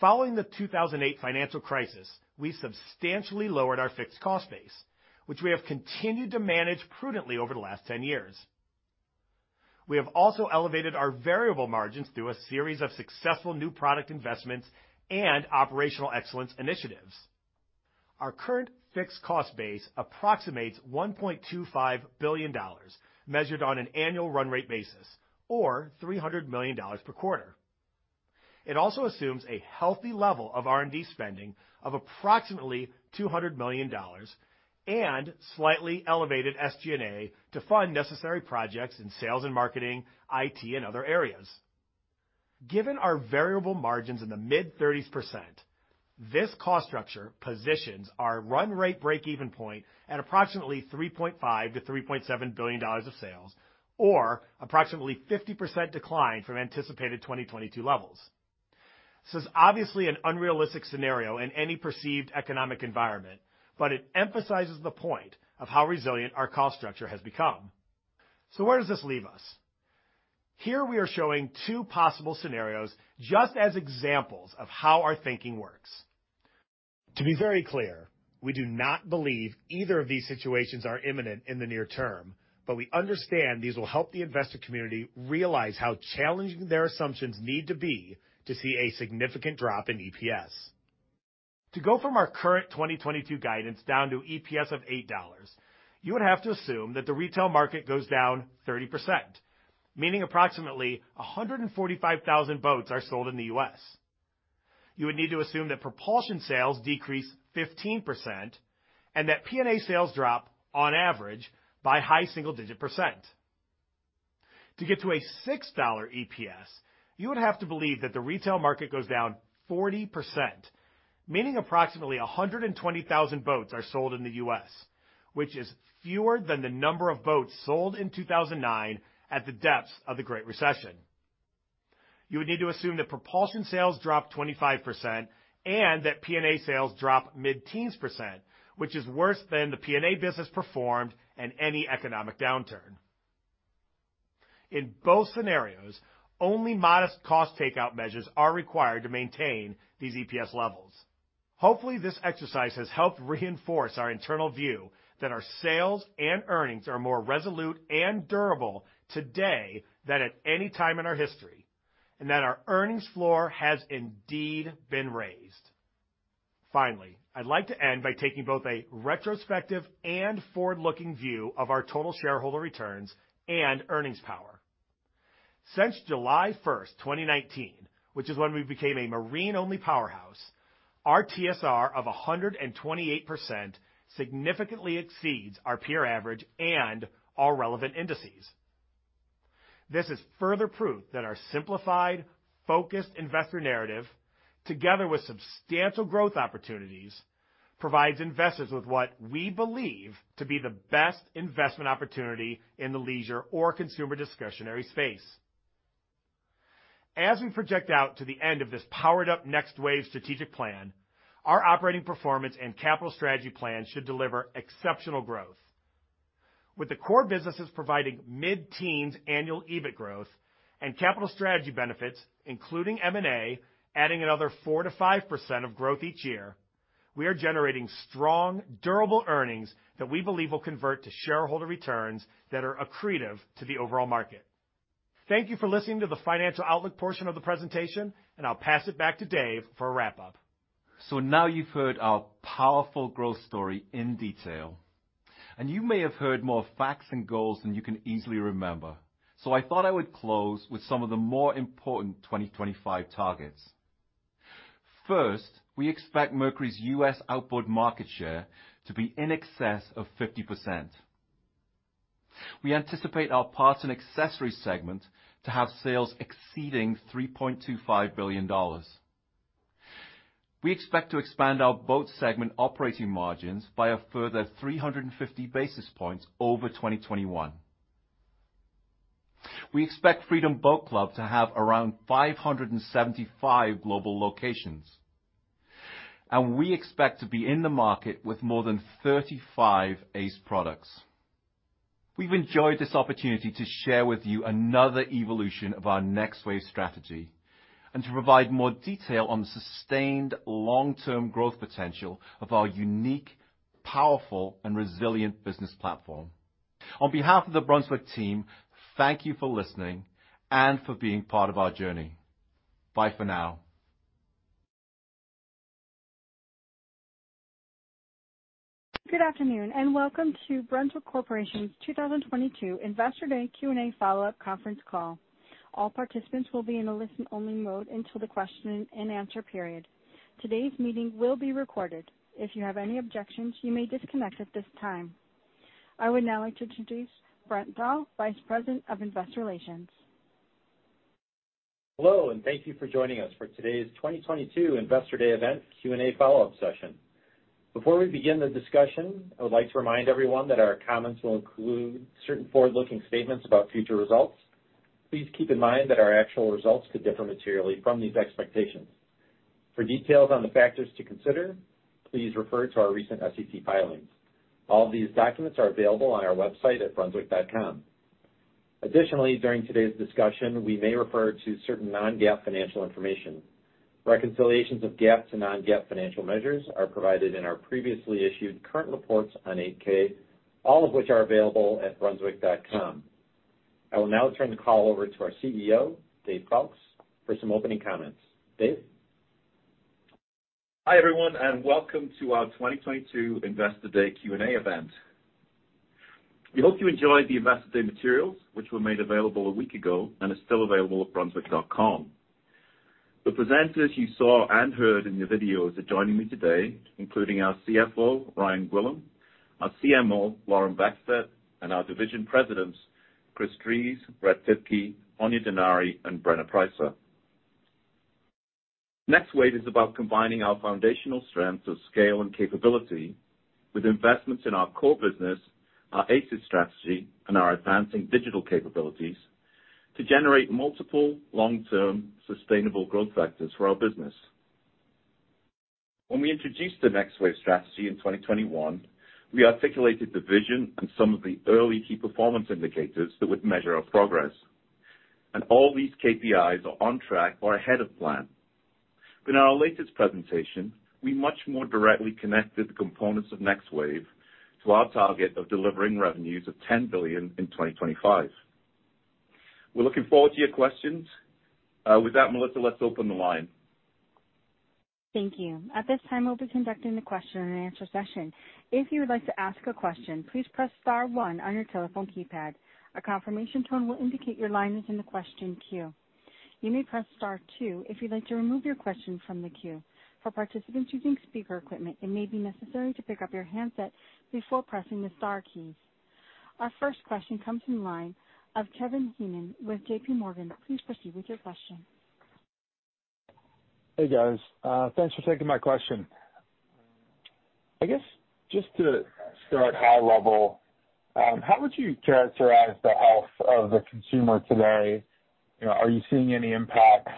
Following the 2008 financial crisis, we substantially lowered our fixed cost base, which we have continued to manage prudently over the last 10 years. We have also elevated our variable margins through a series of successful new product investments and operational excellence initiatives. Our current fixed cost base approximates $1.25 billion measured on an annual run rate basis or $300 million per quarter. It also assumes a healthy level of R&D spending of approximately $200 million and slightly elevated SG&A to fund necessary projects in sales and marketing, IT, and other areas. Given our variable margins in the mid-30s%, this cost structure positions our run rate break-even point at approximately $3.5 billion-$3.7 billion of sales or approximately 50% decline from anticipated 2022 levels. This is obviously an unrealistic scenario in any perceived economic environment, but it emphasizes the point of how resilient our cost structure has become. Where does this leave us? Here we are showing two possible scenarios just as examples of how our thinking works. To be very clear, we do not believe either of these situations are imminent in the near term, but we understand these will help the investor community realize how challenging their assumptions need to be to see a significant drop in EPS. To go from our current 2022 guidance down to EPS of $8, you would have to assume that the retail market goes down 30%, meaning approximately 145,000 boats are sold in the U.S. You would need to assume that propulsion sales decrease 15% and that P&A sales drop on average by high single-digit %. To get to a $6 EPS, you would have to believe that the retail market goes down 40%, meaning approximately 120,000 boats are sold in the U.S., which is fewer than the number of boats sold in 2009 at the depths of the Great Recession. You would need to assume that propulsion sales drop 25% and that P&A sales drop mid-teens%, which is worse than the P&A business performed in any economic downturn. In both scenarios, only modest cost takeout measures are required to maintain these EPS levels. Hopefully, this exercise has helped reinforce our internal view that our sales and earnings are more resolute and durable today than at any time in our history, and that our earnings floor has indeed been raised. Finally, I'd like to end by taking both a retrospective and forward-looking view of our total shareholder returns and earnings power. Since July 1st, 2019, which is when we became a marine-only powerhouse, our TSR of 128% significantly exceeds our peer average and our relevant indices. This is further proof that our simplified, focused investor narrative, together with substantial growth opportunities, provides investors with what we believe to be the best investment opportunity in the leisure or consumer discretionary space. As we project out to the end of this powered-up Next Wave strategic plan, our operating performance and capital strategy plan should deliver exceptional growth. With the core businesses providing mid-teens annual EBIT growth and capital strategy benefits, including M&A, adding another 4%-5% of growth each year, we are generating strong, durable earnings that we believe will convert to shareholder returns that are accretive to the overall market. Thank you for listening to the financial outlook portion of the presentation, and I'll pass it back to Dave for a wrap-up. Now you've heard our powerful growth story in detail, and you may have heard more facts and goals than you can easily remember. I thought I would close with some of the more important 2025 targets. First, we expect Mercury's U.S. outboard market share to be in excess of 50%. We anticipate our parts and accessories segment to have sales exceeding $3.25 billion. We expect to expand our boat segment operating margins by a further 350 basis points over 2021. We expect Freedom Boat Club to have around 575 global locations, and we expect to be in the market with more than 35 ACE products. We've enjoyed this opportunity to share with you another evolution of our Next Wave strategy and to provide more detail on the sustained long-term growth potential of our unique, powerful, and resilient business platform. On behalf of the Brunswick team, thank you for listening and for being part of our journey. Bye for now. Good afternoon, and welcome to Brunswick Corporation's 2022 Investor Day Q&A follow-up conference call. All participants will be in a listen-only mode until the question-and-answer period. Today's meeting will be recorded. If you have any objections, you may disconnect at this time. I would now like to introduce Brent Dahl, Vice President of Investor Relations. Hello, and thank you for joining us for today's 2022 Investor Day event Q&A follow-up session. Before we begin the discussion, I would like to remind everyone that our comments will include certain forward-looking statements about future results. Please keep in mind that our actual results could differ materially from these expectations. For details on the factors to consider, please refer to our recent SEC filings. All of these documents are available on our website at brunswick.com. Additionally, during today's discussion, we may refer to certain non-GAAP financial information. Reconciliations of GAAP to non-GAAP financial measures are provided in our previously issued current reports on 8-K, all of which are available at brunswick.com. I will now turn the call over to our CEO, Dave Foulkes, for some opening comments. Dave? Hi, everyone, and welcome to our 2022 Investor Day Q&A event. We hope you enjoyed the Investor Day materials, which were made available a week ago and is still available at brunswick.com. The presenters you saw and heard in the videos are joining me today, including our CFO, Ryan Gwillim, our CMO, Lauren Beckstedt, and our division presidents, Chris Drees, Brett Dibkey, Áine Denari, and Brenna Preisser. Next Wave is about combining our foundational strengths of scale and capability with investments in our core business, our ACES strategy, and our advancing digital capabilities to generate multiple long-term sustainable growth vectors for our business. When we introduced the Next Wave strategy in 2021, we articulated the vision and some of the early key performance indicators that would measure our progress, and all these KPIs are on track or ahead of plan. In our latest presentation, we much more directly connected the components of Next Wave to our target of delivering revenues of $10 billion in 2025. We're looking forward to your questions. With that, Melissa, let's open the line. Thank you. At this time, we'll be conducting the question and answer session. If you would like to ask a question, please press star one on your telephone keypad. A confirmation tone will indicate your line is in the question queue. You may press star two if you'd like to remove your question from the queue. For participants using speaker equipment, it may be necessary to pick up your handset before pressing the star keys. Our first question comes from the line of Kevin Heenan with JPMorgan. Please proceed with your question. Hey, guys. Thanks for taking my question. I guess just to start high level, how would you characterize the health of the consumer today? You know, are you seeing any impact?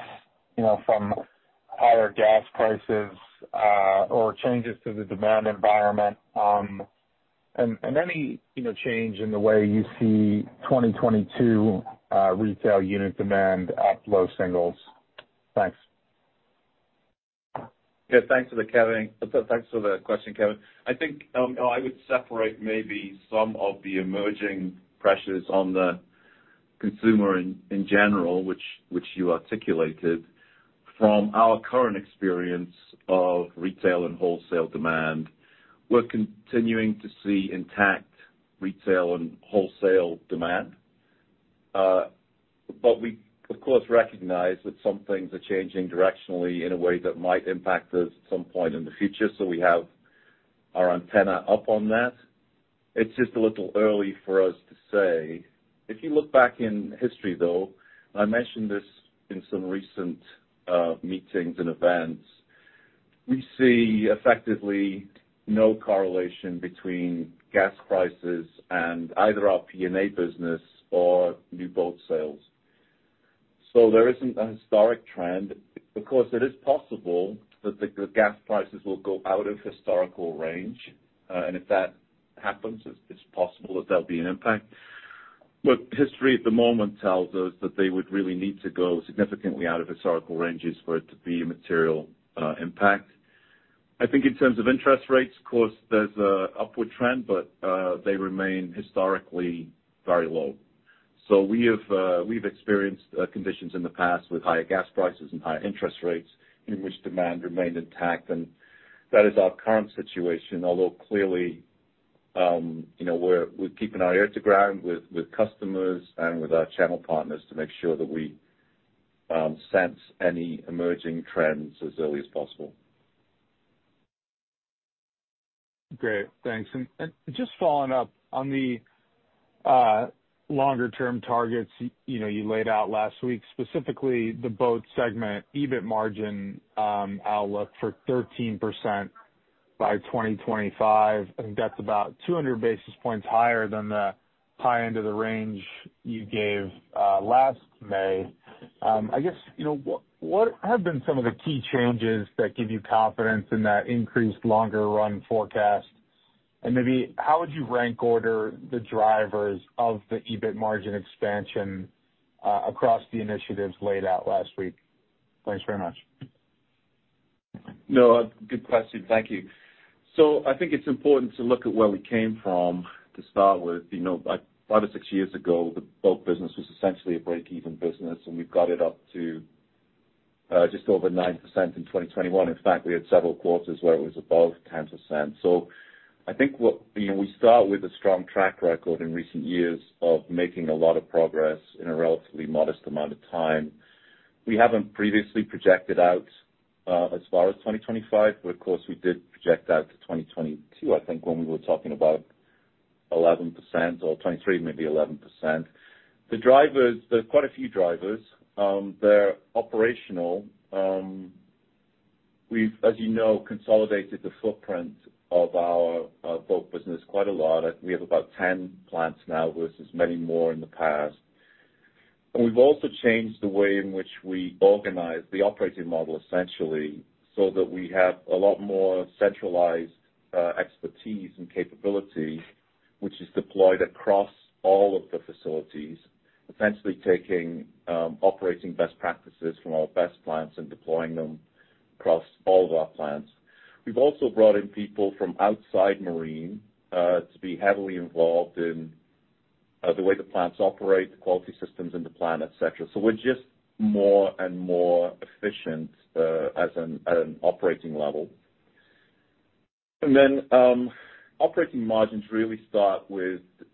You know, from higher gas prices, or changes to the demand environment, and any, you know, change in the way you see 2022 retail unit demand at low singles. Thanks. Thanks, Kevin. Thanks for the question, Kevin. I think I would separate maybe some of the emerging pressures on the consumer in general, which you articulated from our current experience of retail and wholesale demand. We're continuing to see intact retail and wholesale demand. We of course recognize that some things are changing directionally in a way that might impact us at some point in the future. We have our antenna up on that. It's just a little early for us to say. If you look back in history, though, and I mentioned this in some recent meetings and events, we see effectively no correlation between gas prices and either our P&A business or new boat sales. There isn't a historic trend. Of course, it is possible that the gas prices will go out of historical range. If that happens, it's possible that there'll be an impact. History at the moment tells us that they would really need to go significantly out of historical ranges for it to be a material impact. I think in terms of interest rates, of course, there's an upward trend, but they remain historically very low. We have experienced conditions in the past with higher gas prices and higher interest rates in which demand remained intact. That is our current situation. Although clearly, you know, we're keeping our ear to the ground with customers and with our channel partners to make sure that we sense any emerging trends as early as possible. Great. Thanks. Just following up on the longer term targets, you know, you laid out last week, specifically the boat segment EBIT margin outlook for 13% by 2025, I think that's about 200 basis points higher than the high end of the range you gave last May. I guess, you know, what have been some of the key changes that give you confidence in that increased longer run forecast? Maybe how would you rank order the drivers of the EBIT margin expansion across the initiatives laid out last week? Thanks very much. No, good question. Thank you. I think it's important to look at where we came from to start with. You know, like five or six years ago, the boat business was essentially a break-even business, and we've got it up to just over 9% in 2021. In fact, we had several quarters where it was above 10%. I think what, you know, we start with a strong track record in recent years of making a lot of progress in a relatively modest amount of time. We haven't previously projected out as far as 2025, but of course we did project out to 2022, I think, when we were talking about 11% or 2023, maybe 11%. The drivers, there are quite a few drivers. They're operational. We've, as you know, consolidated the footprint of our boat business quite a lot. We have about 10 plants now versus many more in the past. We've also changed the way in which we organize the operating model, essentially, so that we have a lot more centralized expertise and capability, which is deployed across all of the facilities, essentially taking operating best practices from our best plants and deploying them across all of our plants. We've also brought in people from outside Marine to be heavily involved in the way the plants operate, the quality systems in the plant, et cetera. We're just more and more efficient at an operating level. Operating margins really start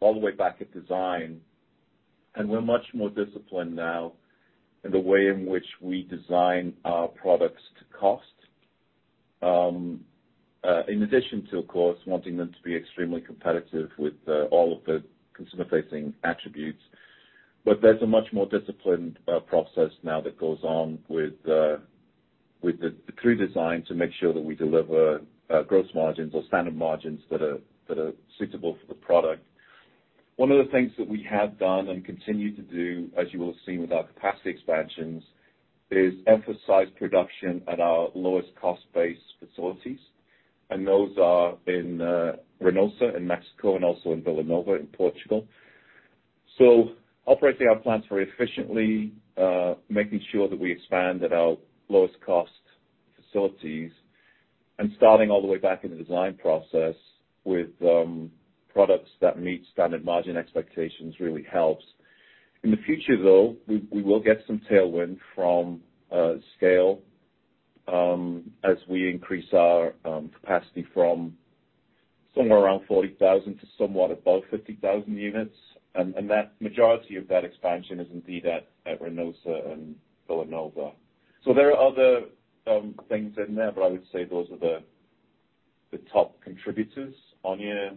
all the way back at design, and we're much more disciplined now in the way in which we design our products to cost, in addition to, of course, wanting them to be extremely competitive with all of the consumer-facing attributes. There's a much more disciplined process now that goes on with the crew design to make sure that we deliver gross margins or standard margins that are suitable for the product. One of the things that we have done and continue to do, as you will have seen with our capacity expansions, is emphasize production at our lowest cost-based facilities, and those are in Reynosa in Mexico and also in Vila Nova de Cerveira in Portugal. Operating our plants very efficiently, making sure that we expand at our lowest cost facilities and starting all the way back in the design process with products that meet standard margin expectations really helps. In the future, though, we will get some tailwind from scale as we increase our capacity from somewhere around 40,000 to somewhat above 50,000 units. That majority of that expansion is indeed at Reynosa and Vila Nova de Cerveira. There are other things in there, but I would say those are the top contributors. Áine,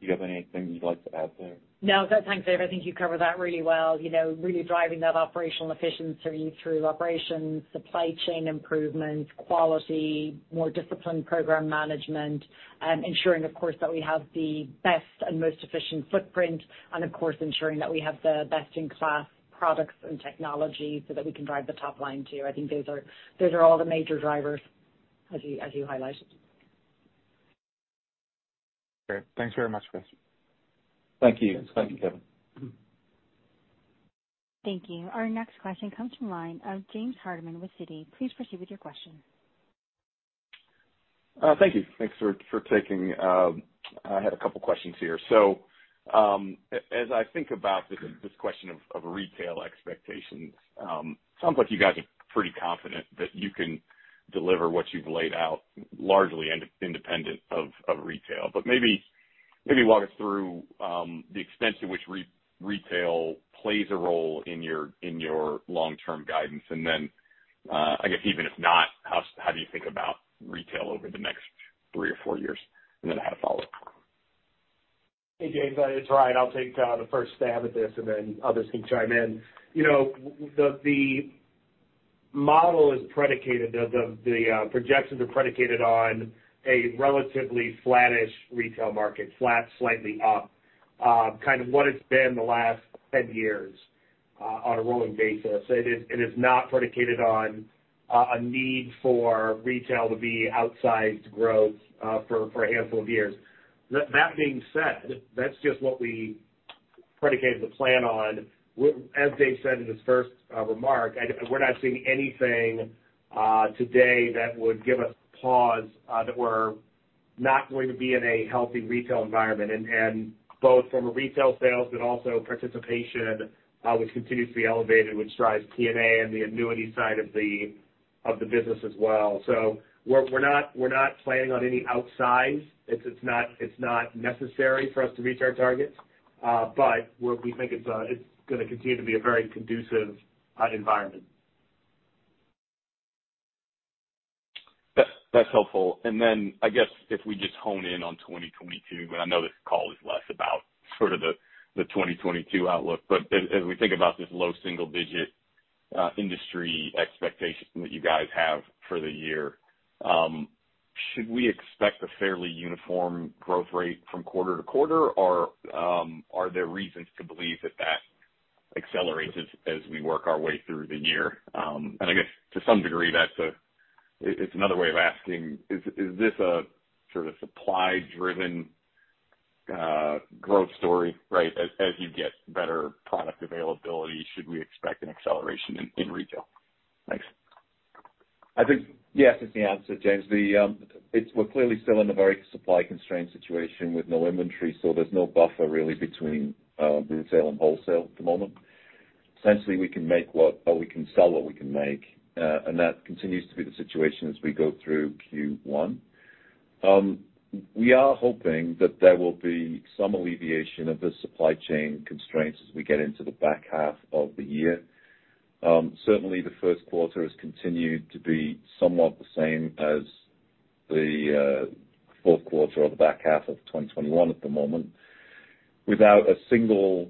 do you have anything you'd like to add there? No, thanks, Dave. I think you covered that really well. You know, really driving that operational efficiency through operations, supply chain improvement, quality, more disciplined program management, ensuring of course that we have the best and most efficient footprint, and of course ensuring that we have the best in class products and technology so that we can drive the top line too. I think those are all the major drivers as you highlighted. Great. Thanks very much, Chris. Thank you. Thank you, Kevin. Thank you. Our next question comes from the line of James Hardiman with Citi. Please proceed with your question. Thank you. Thanks for taking, I had a couple questions here. As I think about this question of retail expectations, sounds like you guys are pretty confident that you can deliver what you've laid out largely independent of retail. Maybe walk us through the extent to which retail plays a role in your long-term guidance. Then, I guess even if not, how do you think about retail over the next three or four years? Then I had a follow-up. Hey, James, it's Ryan. I'll take the first stab at this, and then others can chime in. You know, the model is predicated, the projections are predicated on a relatively flattish retail market, flat, slightly up, kind of what it's been the last 10 years, on a rolling basis. It is not predicated on a need for retail to be outsized growth, for a handful of years. That being said, that's just what we predicated the plan on. As Dave said in his first remark, we're not seeing anything today that would give us pause, that we're not going to be in a healthy retail environment. Both from a retail sales but also participation, which continues to be elevated, which drives TNA and the annuity side of the business as well. We're not planning on any outsize. It's not necessary for us to reach our targets, but we think it's gonna continue to be a very conducive environment. That's helpful. I guess if we just hone in on 2022, I know this call is less about sort of the 2022 outlook, but as we think about this low single-digit industry expectation that you guys have for the year, should we expect a fairly uniform growth rate from quarter to quarter? Or, are there reasons to believe that accelerates as we work our way through the year? I guess to some degree, that's another way of asking, is this a sort of supply-driven growth story, right? As you get better product availability, should we expect an acceleration in retail? Thanks. I think yes is the answer, James. We're clearly still in a very supply-constrained situation with no inventory, so there's no buffer really between retail and wholesale at the moment. Essentially, we can sell what we can make, and that continues to be the situation as we go through Q1. We are hoping that there will be some alleviation of the supply chain constraints as we get into the back half of the year. Certainly the Q1 has continued to be somewhat the same as the Q4 or the back half of 2021 at the moment. Without a single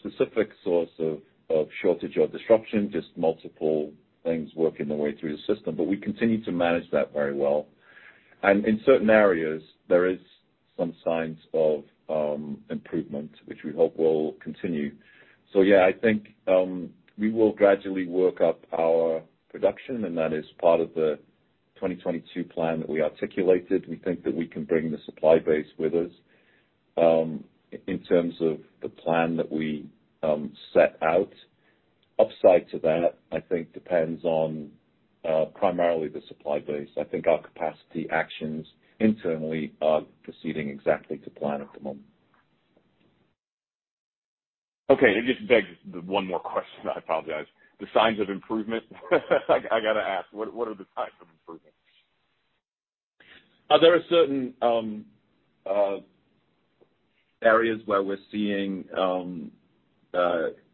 specific source of shortage or disruption, just multiple things working their way through the system. We continue to manage that very well. In certain areas there is some signs of improvement which we hope will continue. Yeah, I think we will gradually work up our production and that is part of the 2022 plan that we articulated. We think that we can bring the supply base with us in terms of the plan that we set out. Upside to that, I think depends on primarily the supply base. I think our capacity actions internally are proceeding exactly to plan at the moment. Okay. It just begs the one more question, I apologize. The signs of improvement? I gotta ask, what are the signs of improvement? There are certain areas where we're seeing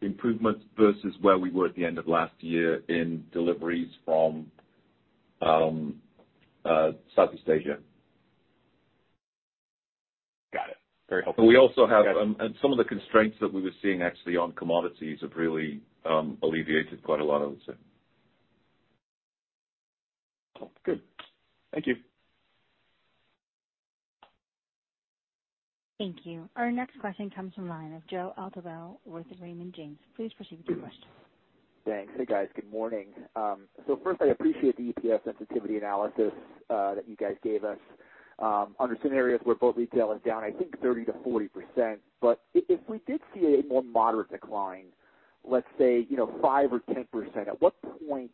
improvements versus where we were at the end of last year in deliveries from Southeast Asia. Got it. Very helpful. We also have and some of the constraints that we were seeing actually on commodities have really alleviated quite a lot, I would say. Good. Thank you. Thank you. Our next question comes from the line of Joseph Altobello with Raymond James. Please proceed with your question. Thanks. Hey, guys. Good morning. First, I appreciate the EPS sensitivity analysis that you guys gave us under scenarios where both retail is down, I think 30%-40%, but if we did see a more moderate decline, let's say, you know, 5% or 10%, at what point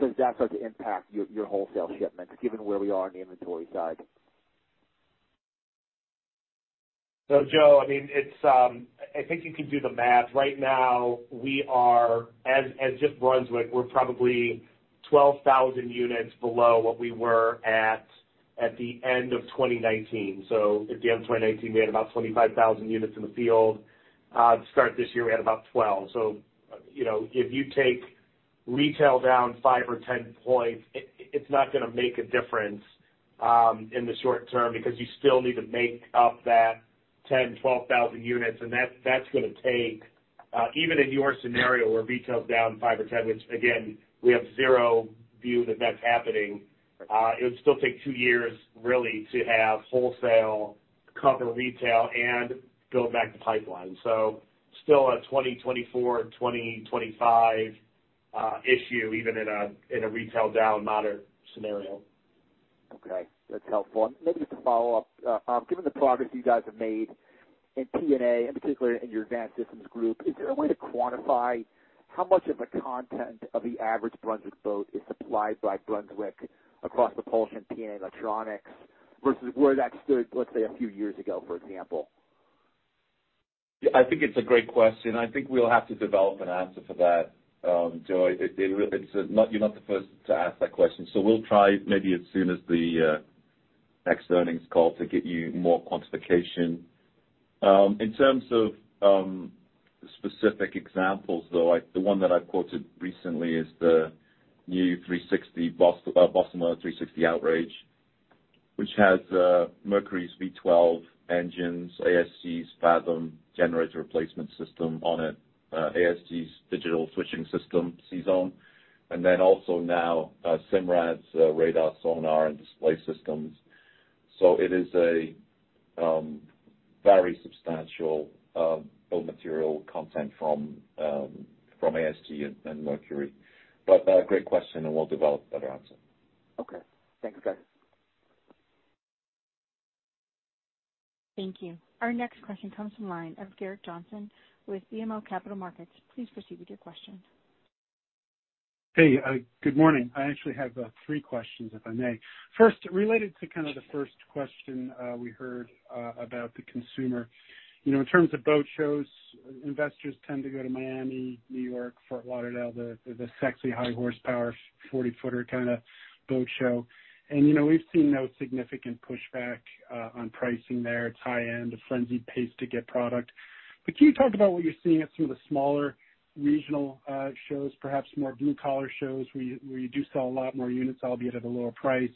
does that start to impact your wholesale shipments given where we are on the inventory side? Joe, I mean, it's, I think you can do the math. Right now we are, as just Brunswick, we're probably 12,000 units below what we were at the end of 2019. At the end of 2019 we had about 25,000 units in the field. To start this year we had about 12,000. You know, if you take retail down 5%-10%, it's not gonna make a difference in the short term because you still need to make up that 10-12,000 units and that's gonna take even in your scenario where retail is down 5%-10%, which again we have no view that that's happening, it would still take two years really to have wholesale cover retail and build back the pipeline. Still a 2024, 2025, issue, even in a retail down moderate scenario. Okay, that's helpful. Maybe just to follow up, given the progress you guys have made in P&A, in particular in your Advanced Systems Group, is there a way to quantify how much of the content of the average Brunswick boat is supplied by Brunswick across the propulsion and P&A electronics versus where that stood, let's say, a few years ago, for example? I think it's a great question. I think we'll have to develop an answer for that, Joe. It's not. You're not the first to ask that question. We'll try maybe as soon as the next earnings call to get you more quantification. In terms of specific examples, though, the one that I've quoted recently is the new Boston Whaler 360 Outrage, which has Mercury's V12 engines, ASG's Fathom generator replacement system on it, ASG's digital switching system, CZone. And then also now Simrad's radar, sonar and display systems. It is a very substantial bill of material content from ASG and Mercury. Great question, and we'll develop a better answer. Okay. Thanks, guys. Thank you. Our next question comes from the line of Gerrick Johnson with BMO Capital Markets. Please proceed with your question. Hey, good morning. I actually have three questions, if I may. First, related to kind of the first question, we heard about the consumer. You know, in terms of boat shows, investors tend to go to Miami, New York, Fort Lauderdale, the sexy, high horsepower, 40-footer kinda boat show. You know, we've seen no significant pushback on pricing there. It's high end, a frenzied pace to get product. But can you talk about what you're seeing at some of the smaller regional shows, perhaps more blue collar shows where you do sell a lot more units, albeit at a lower price?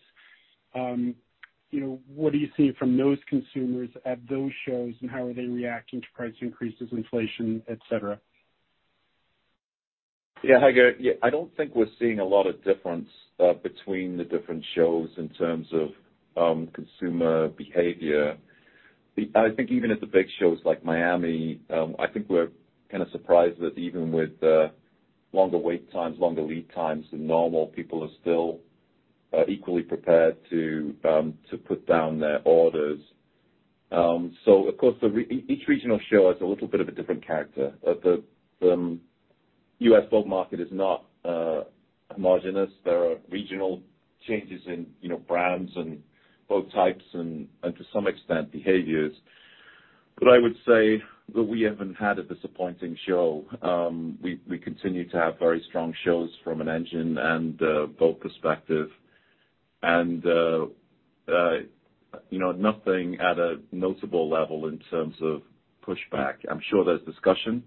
You know, what are you seeing from those consumers at those shows, and how are they reacting to price increases, inflation, et cetera? Yeah, hi, Gerrick. Yeah, I don't think we're seeing a lot of difference between the different shows in terms of consumer behavior. I think even at the big shows like Miami, I think we're kinda surprised that even with longer wait times, longer lead times than normal, people are still equally prepared to put down their orders. Of course, each regional show has a little bit of a different character. The U.S. boat market is not homogeneous. There are regional changes in you know, brands and boat types and to some extent, behaviors. I would say that we haven't had a disappointing show. We continue to have very strong shows from an engine and a boat perspective. You know, nothing at a notable level in terms of pushback. I'm sure there's discussion,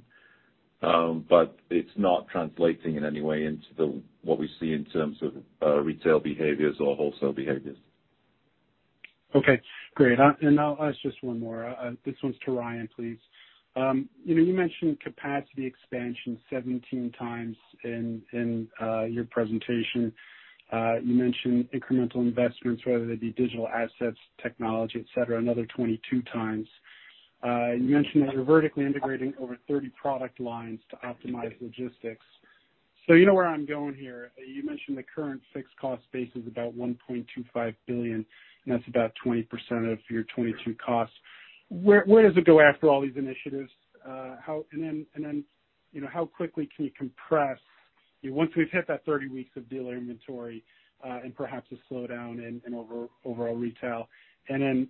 but it's not translating in any way into what we see in terms of retail behaviors or wholesale behaviors. Okay, great. I'll ask just one more. This one's to Ryan, please. You know, you mentioned capacity expansion 17x in your presentation. You mentioned incremental investments, whether they be digital assets, technology, et cetera, another 22x. You mentioned that you're vertically integrating over 30 product lines to optimize logistics. You know where I'm going here. You mentioned the current fixed cost base is about $1.25 billion, and that's about 20% of your 2022 costs. Where does it go after all these initiatives? How quickly can you compress, you know, once we've hit that 30 weeks of dealer inventory, and perhaps a slowdown in overall retail. You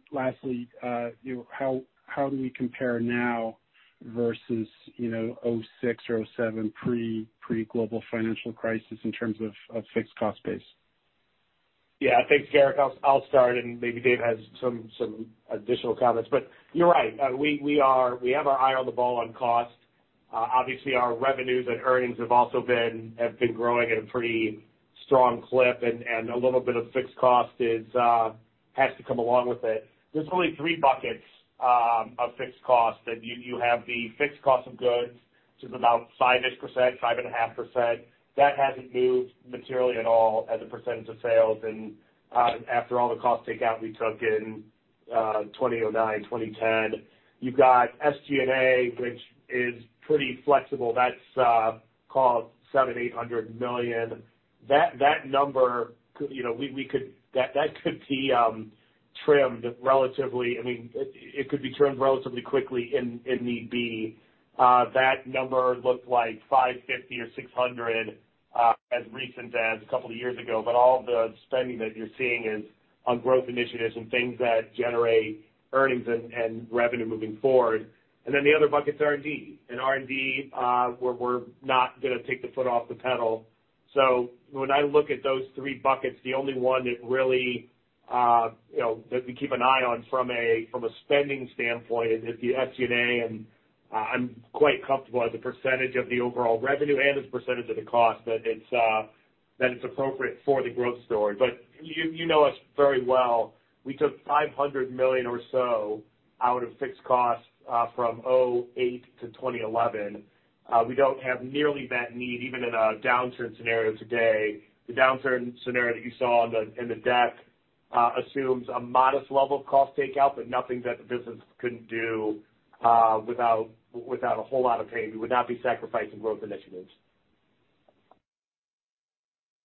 know, how do we compare now versus, you know, 2006 or 2007 pre-global financial crisis in terms of fixed cost base? Yeah. Thanks, Gerrick. I'll start, and maybe Dave has some additional comments. You're right. We have our eye on the ball on cost. Obviously our revenues and earnings have also been growing at a pretty strong clip and a little bit of fixed cost has to come along with it. There's only three buckets of fixed costs. You have the fixed cost of goods, which is about 5%-5.5%. That hasn't moved materially at all as a percentage of sales. After all the cost takeout we took in 2009, 2010. You've got SG&A, which is pretty flexible. That's call it $700-$800 million. That number could, you know, we could. That could be trimmed relatively. I mean, it could be trimmed relatively quickly if need be. That number looked like $550 or $600 as recently as a couple of years ago, but all the spending that you're seeing is on growth initiatives and things that generate earnings and revenue moving forward. The other bucket's R&D. R&D, we're not gonna take the foot off the pedal. When I look at those three buckets, the only one that really, you know, that we keep an eye on from a spending standpoint is the SG&A, and I'm quite comfortable as a percentage of the overall revenue and as a percentage of the cost that it's appropriate for the growth story. You know us very well. We took $500 million or so out of fixed costs from 2008 to 2011. We don't have nearly that need, even in a downturn scenario today. The downturn scenario that you saw in the deck assumes a modest level of cost takeout, but nothing that the business couldn't do, without a whole lot of pain. We would not be sacrificing growth initiatives.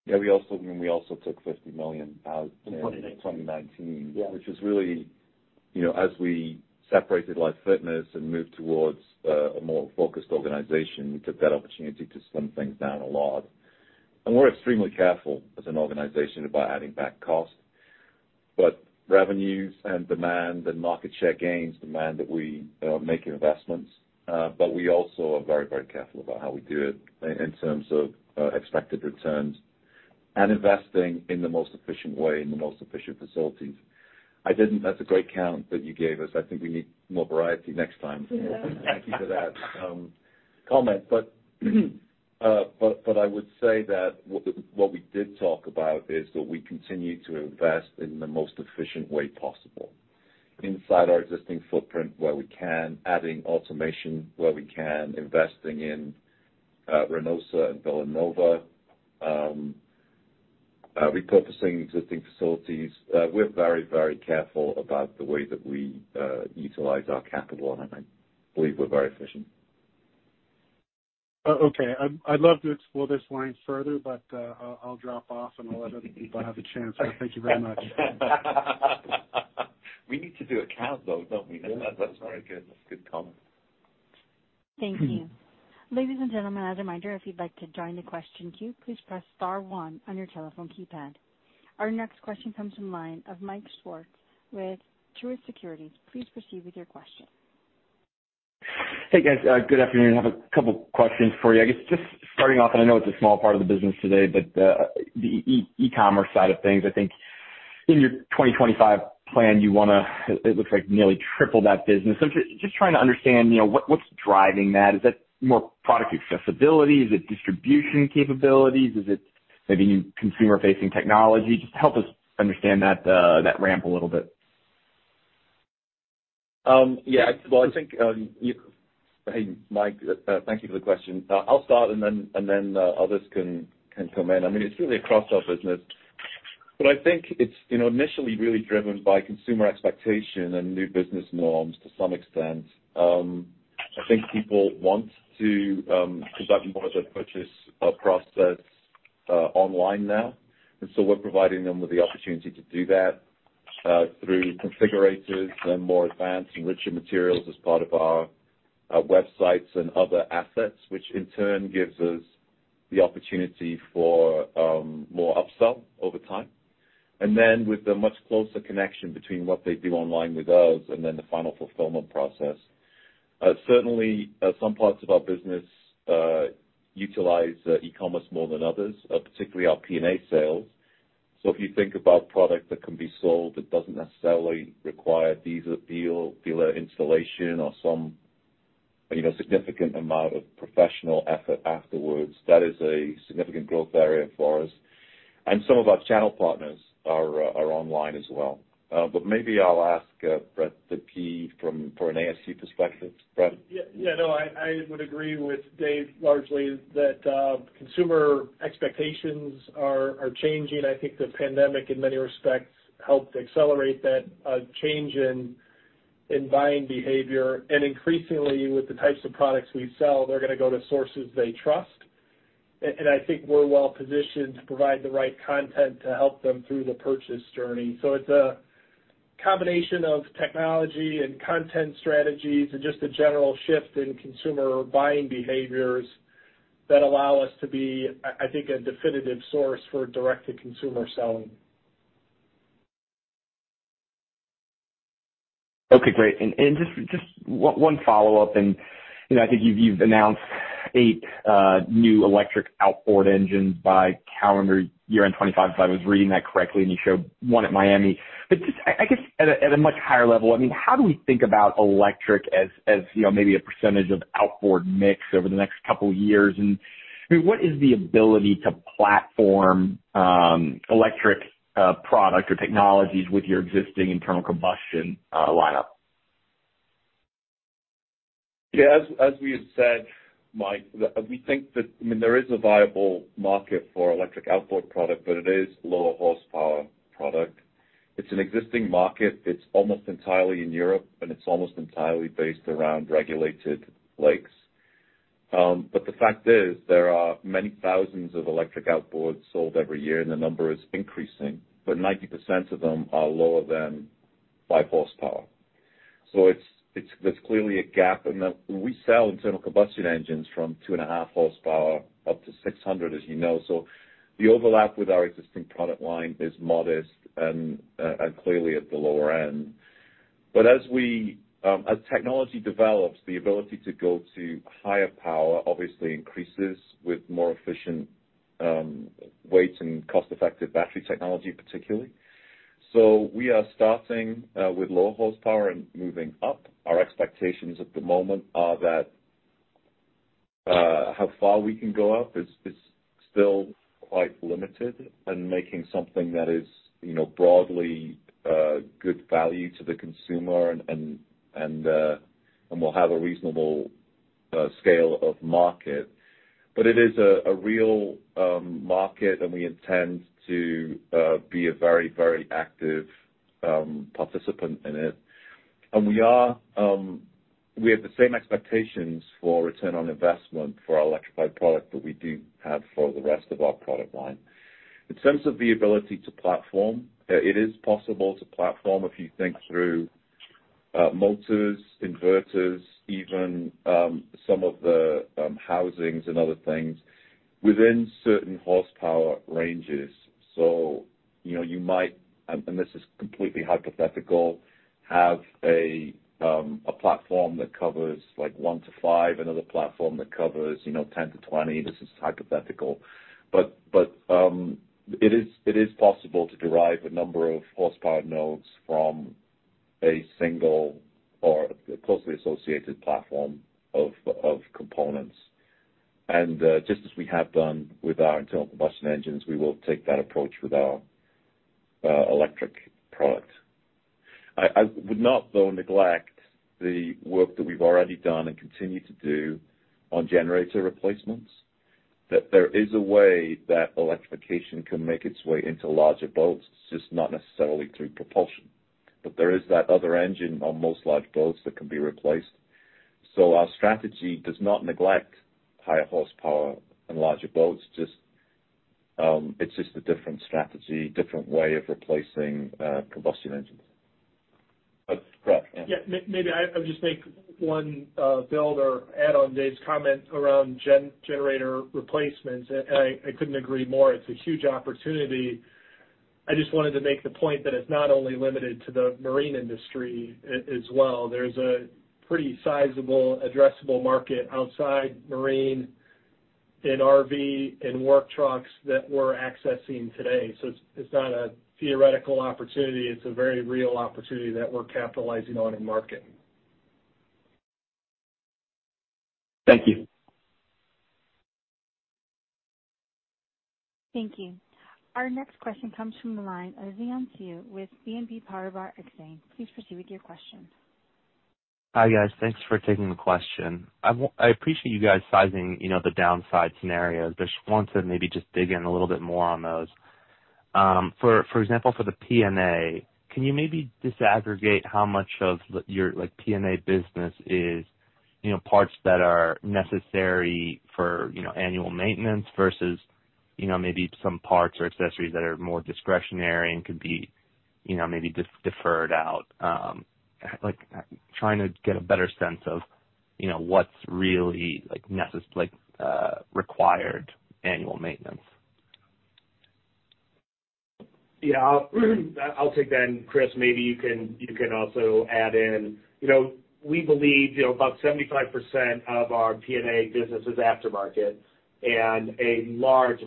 Yeah, we also took $50 million out in- In 2019 2019. Yeah. Which is really, as we separated Life Fitness and moved towards a more focused organization, we took that opportunity to slim things down a lot. We're extremely careful as an organization about adding back costs. Revenues and demand and market share gains demand that we make investments. We also are very, very careful about how we do it in terms of expected returns and investing in the most efficient way, in the most efficient facilities. That's a great count that you gave us. I think we need more variety next time. Thank you for that comment. I would say that what we did talk about is that we continue to invest in the most efficient way possible. Inside our existing footprint where we can, adding automation where we can, investing in Reynosa and Vila Nova de Cerveira, repurposing existing facilities. We're very careful about the way that we utilize our capital, and I believe we're very efficient. Okay. I'd love to explore this line further, but I'll drop off and let other people have a chance. Thank you very much. We need to do a count though, don't we? Yeah. That's very good. That's a good comment. Thank you. Ladies and gentlemen, as a reminder, if you'd like to join the question queue, please press star one on your telephone keypad. Our next question comes from line of Michael Swartz with Truist Securities. Please proceed with your question. Hey, guys. Good afternoon. I have a couple questions for you. I guess just starting off, I know it's a small part of the business today, but the e-commerce side of things. I think in your 2025 plan, it looks like nearly triple that business. Just trying to understand, you know, what's driving that? Is that more product accessibility? Is it distribution capabilities? Is it maybe new consumer-facing technology? Just help us understand that ramp a little bit. Yeah. Well, I think. Hey, Mike, thank you for the question. I'll start and then others can come in. I mean, it's really across our business. I think it's, you know, initially really driven by consumer expectation and new business norms to some extent. I think people want to conduct more of their purchase process online now. We're providing them with the opportunity to do that through configurators and more advanced and richer materials as part of our websites and other assets, which in turn gives us the opportunity for more upsell over time. With the much closer connection between what they do online with us and the final fulfillment process. Certainly, some parts of our business utilize e-commerce more than others, particularly our P&A sales. If you think about product that can be sold that doesn't necessarily require dealer installation or some, you know, significant amount of professional effort afterwards, that is a significant growth area for us. Some of our channel partners are online as well. Maybe I'll ask Brett to speak from an ASG perspective. Brett? Yeah. Yeah, no, I would agree with Dave largely that consumer expectations are changing. I think the pandemic, in many respects, helped accelerate that change in buying behavior. Increasingly, with the types of products we sell, they're gonna go to sources they trust. I think we're well positioned to provide the right content to help them through the purchase journey. It's a combination of technology and content strategies and just a general shift in consumer buying behaviors that allow us to be, I think, a definitive source for direct-to-consumer selling. Okay, great. And just one follow-up, and, you know, I think you've announced 8 new electric outboard engines by calendar year-end 2025, if I was reading that correctly, and you showed one at Miami. But just, I guess at a much higher level, I mean, how do we think about electric as, you know, maybe a percentage of outboard mix over the next couple years? And, I mean, what is the ability to platform electric product or technologies with your existing internal combustion lineup? Yeah, as we have said, Mike, we think that, I mean, there is a viable market for electric outboard product, but it is lower horsepower product. It's an existing market. It's almost entirely in Europe, and it's almost entirely based around regulated lakes. The fact is there are many thousands of electric outboards sold every year, and the number is increasing, but 90% of them are lower than five horsepower. It's clearly a gap. We sell internal combustion engines from 2.5 horsepower up to 600, as you know. The overlap with our existing product line is modest and clearly at the lower end. As technology develops, the ability to go to higher power obviously increases with more efficient weight and cost-effective battery technology, particularly. We are starting with low horsepower and moving up. Our expectations at the moment are that how far we can go up is still quite limited and making something that is, you know, broadly good value to the consumer and will have a reasonable scale of market. It is a real market, and we intend to be a very active participant in it. We have the same expectations for return on investment for our electrified product that we do have for the rest of our product line. In terms of the ability to platform, it is possible to platform if you think through motors, inverters, even some of the housings and other things within certain horsepower ranges. You know, you might, and this is completely hypothetical, have a platform that covers, like, 1-5, another platform that covers, you know, 10-20. This is hypothetical. It is possible to derive a number of horsepower nodes from a single or closely associated platform of components. Just as we have done with our internal combustion engines, we will take that approach with our electric product. I would not, though, neglect the work that we've already done and continue to do on generator replacements, that there is a way that electrification can make its way into larger boats, just not necessarily through propulsion. There is that other engine on most large boats that can be replaced. Our strategy does not neglect higher horsepower and larger boats, just, it's just a different strategy, different way of replacing combustion engines. Go ahead. Yeah. Maybe I'll just make one build or add on Dave's comment around generator replacements, and I couldn't agree more. It's a huge opportunity. I just wanted to make the point that it's not only limited to the marine industry as well. There's a pretty sizable addressable market outside marine in RV and work trucks that we're accessing today. It's not a theoretical opportunity. It's a very real opportunity that we're capitalizing on and marketing. Thank you. Thank you. Our next question comes from the line of Xian Siew with BNP Paribas Exane. Please proceed with your question. Hi, guys. Thanks for taking the question. I appreciate you guys sizing, you know, the downside scenarios, but just wanted to maybe just dig in a little bit more on those. For example, for the P&A, can you maybe disaggregate how much of your P&A business is, you know, parts that are necessary for annual maintenance versus maybe some parts or accessories that are more discretionary and could be deferred out? Like, trying to get a better sense of what's really required annual maintenance. Yeah. I'll take that, and Chris, maybe you can also add in. You know, we believe, you know, about 75% of our P&A business is aftermarket, and a large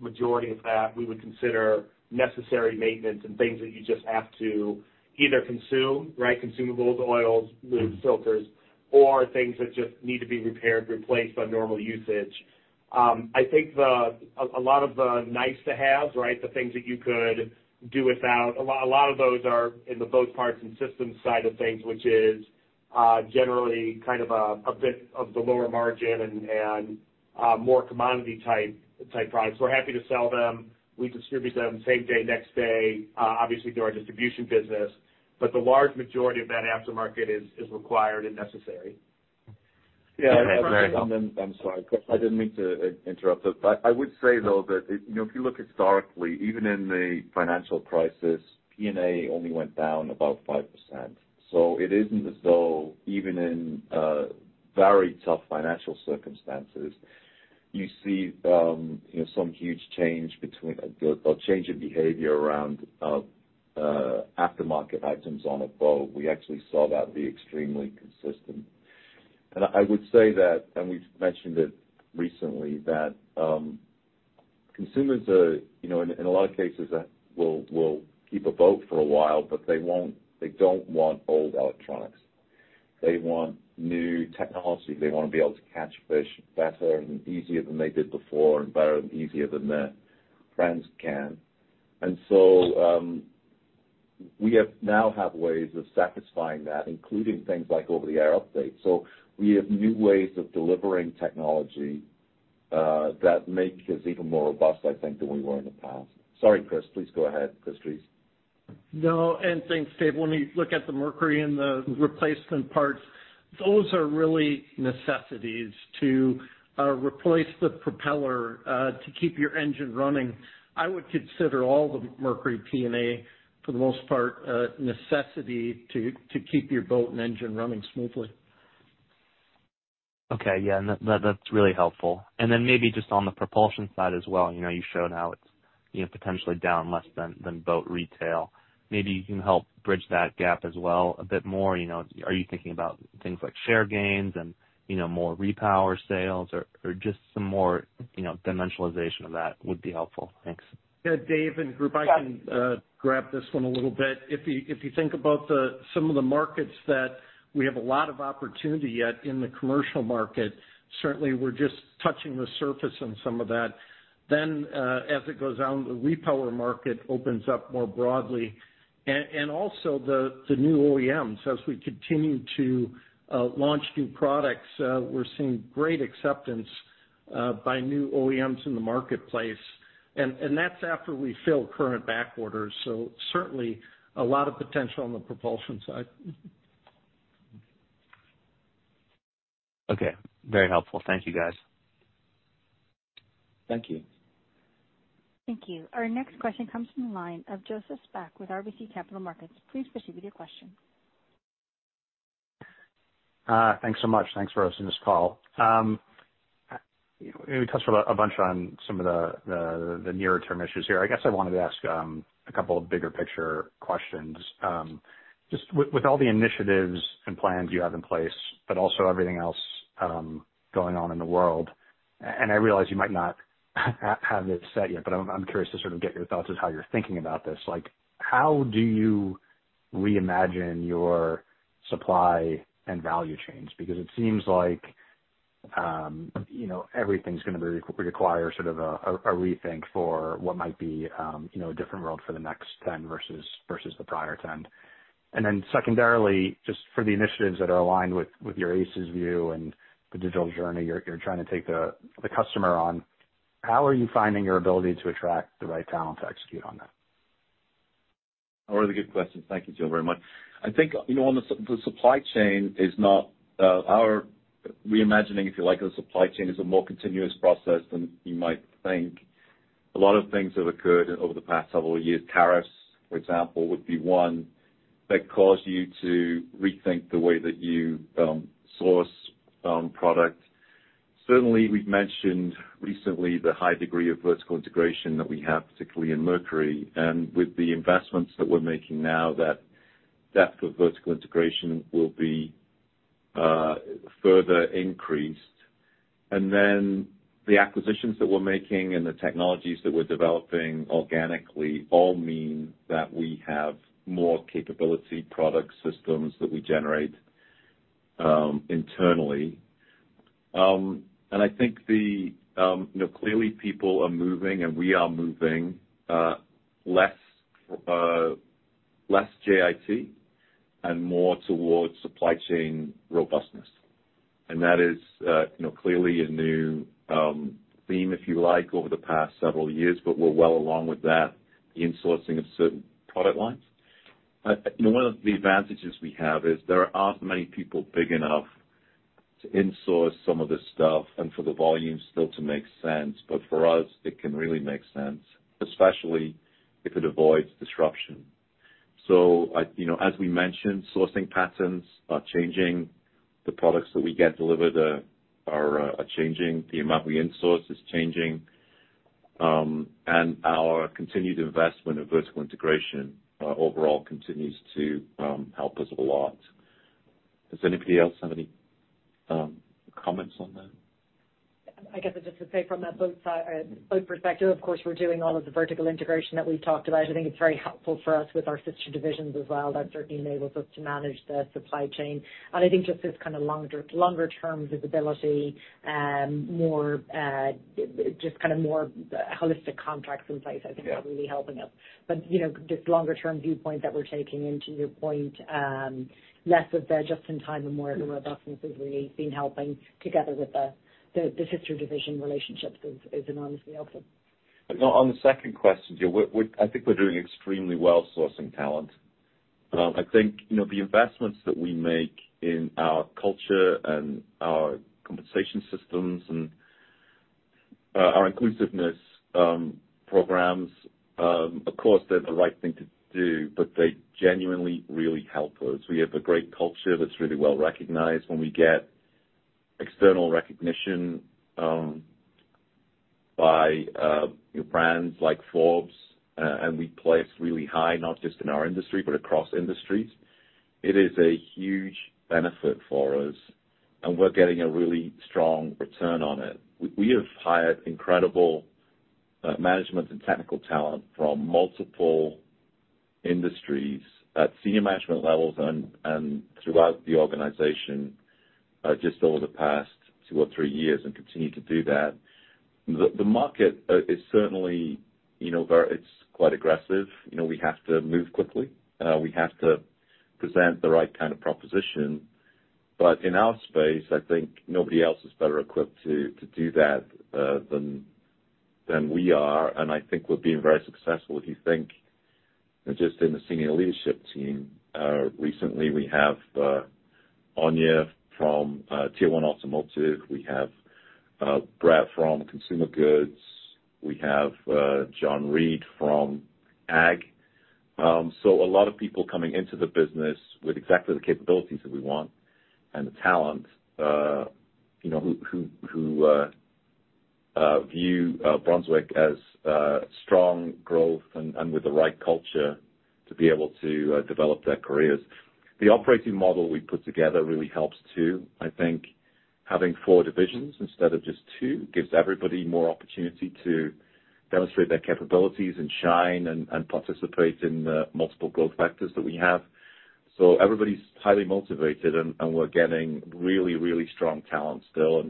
majority of that we would consider necessary maintenance and things that you just have to either consume, right, consumables, oils, lube, filters, or things that just need to be repaired, replaced on normal usage. I think a lot of the nice-to-haves, right, the things that you could do without, a lot of those are in the boat parts and systems side of things, which is generally kind of a bit of the lower margin and more commodity type products. We're happy to sell them. We distribute them same day, next day, obviously through our distribution business, but the large majority of that aftermarket is required and necessary. Yeah. Okay. I'm sorry, Chris, I didn't mean to interrupt. I would say, though, that, you know, if you look historically, even in the financial crisis, P&A only went down about 5%. It isn't as though even in very tough financial circumstances, you see some huge change in behavior around aftermarket items on a boat. We actually saw that be extremely consistent. I would say that, and we've mentioned it recently, that consumers are, you know, in a lot of cases will keep a boat for a while, but they don't want old electronics. They want new technology. They wanna be able to catch fish better and easier than they did before and better and easier than their friends can. We now have ways of satisfying that, including things like over-the-air updates. We have new ways of delivering technology that make us even more robust, I think, than we were in the past. Sorry, Chris. Please go ahead, Chris Drees. No, thanks, Dave. When we look at the Mercury and the replacement parts, those are really necessities to replace the propeller to keep your engine running. I would consider all the Mercury P&A, for the most part, a necessity to keep your boat and engine running smoothly. Okay. Yeah, that's really helpful. Then maybe just on the propulsion side as well, you know, you showed how it's, you know, potentially down less than boat retail. Maybe you can help bridge that gap as well a bit more, you know. Are you thinking about things like share gains and, you know, more repower sales or just some more, you know, dimensionalization of that would be helpful. Thanks. Yeah, Dave and group, I can grab this one a little bit. If you think about some of the markets that we have a lot of opportunity at in the commercial market Certainly we're just touching the surface on some of that. As it goes on, the repower market opens up more broadly. Also the new OEMs. As we continue to launch new products, we're seeing great acceptance by new OEMs in the marketplace, and that's after we fill current back orders. Certainly a lot of potential on the propulsion side. Okay. Very helpful. Thank you, guys. Thank you. Thank you. Our next question comes from the line of Joseph Spak with RBC Capital Markets. Please proceed with your question. Thanks so much. Thanks for hosting this call. You know, we touched a bunch on some of the near-term issues here. I guess I wanted to ask a couple of bigger picture questions. Just with all the initiatives and plans you have in place, but also everything else going on in the world, and I realize you might not have it set yet, but I'm curious to sort of get your thoughts as how you're thinking about this. Like, how do you reimagine your supply and value chains? Because it seems like, you know, everything's gonna require sort of a rethink for what might be, you know, a different world for the next 10 versus the prior 10. Secondarily, just for the initiatives that are aligned with your ACES view and the digital journey you're trying to take the customer on, how are you finding your ability to attract the right talent to execute on that? All really good questions. Thank you, Joe, very much. I think, you know, on the supply chain is not our reimagining, if you like, of the supply chain is a more continuous process than you might think. A lot of things have occurred over the past several years. Tariffs, for example, would be one that cause you to rethink the way that you source product. Certainly, we've mentioned recently the high degree of vertical integration that we have, particularly in Mercury. With the investments that we're making now, that depth of vertical integration will be further increased. Then the acquisitions that we're making and the technologies that we're developing organically all mean that we have more capability product systems that we generate internally. I think, you know, clearly people are moving, and we are moving less JIT and more towards supply chain robustness. That is, you know, clearly a new theme, if you like, over the past several years. We're well along with that insourcing of certain product lines. You know, one of the advantages we have is there aren't many people big enough to insource some of this stuff and for the volume still to make sense, but for us, it can really make sense, especially if it avoids disruption. I, you know, as we mentioned, sourcing patterns are changing. The products that we get delivered are changing. The amount we insource is changing. Our continued investment of vertical integration overall continues to help us a lot. Does anybody else have any comments on that? I guess just to say from a boat side, boat perspective, of course, we're doing all of the vertical integration that we've talked about. I think it's very helpful for us with our sister divisions as well. That certainly enables us to manage the supply chain. I think just this kind of longer term visibility, more holistic contracts in place, I think are really helping us. You know, this longer term viewpoint that we're taking, and to your point, less of the just in time and more of the robustness has really been helping together with the sister division relationships is enormously helpful. You know, on the second question, Joe, I think we're doing extremely well sourcing talent. I think, you know, the investments that we make in our culture and our compensation systems and our inclusiveness programs, of course they're the right thing to do, but they genuinely really help us. We have a great culture that's really well recognized. When we get external recognition by you know brands like Forbes and we place really high, not just in our industry, but across industries, it is a huge benefit for us, and we're getting a really strong return on it. We have hired incredible management and technical talent from multiple industries at senior management levels and throughout the organization just over the past two or three years and continue to do that. The market is certainly, you know, it's quite aggressive. You know, we have to move quickly. We have to present the right kind of proposition. In our space, I think nobody else is better equipped to do that than we are. I think we're being very successful if you think just in the senior leadership team. Recently, we have Áine Denari from Tier One Automotive. We have Brett Dibkey from Consumer Goods. We have John Buelow from Ag. A lot of people coming into the business with exactly the capabilities that we want and the talent, you know, who view Brunswick as strong growth and with the right culture to be able to develop their careers. The operating model we put together really helps too. I think having four divisions instead of just two gives everybody more opportunity to demonstrate their capabilities and shine and participate in the multiple growth factors that we have. Everybody's highly motivated and we're getting really strong talent still.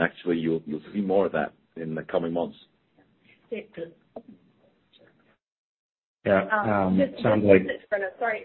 Actually, you'll see more of that in the coming months. Great. Yeah, sounds like. Sorry.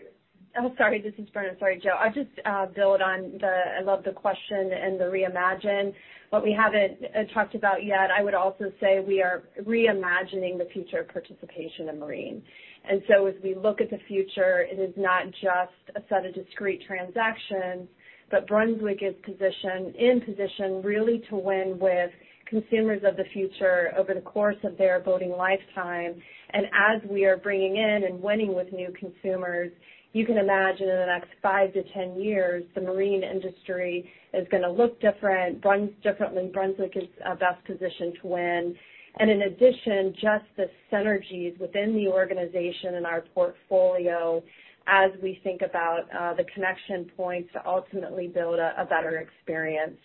Sorry. This is Brenna. Sorry, Joe. I'll just build on the I love the question and the reimagine. What we haven't talked about yet, I would also say we are reimagining the future of participation in marine. as we look at the future, it is not just a set of discrete transactions, but Brunswick is positioned in position really to win with consumers of the future over the course of their boating lifetime. as we are bringing in and winning with new consumers, you can imagine in the next 5 to 10 years, the marine industry is gonna look different. differently, and Brunswick is best positioned to win. In addition, just the synergies within the organization and our portfolio as we think about the connection points to ultimately build a better experience.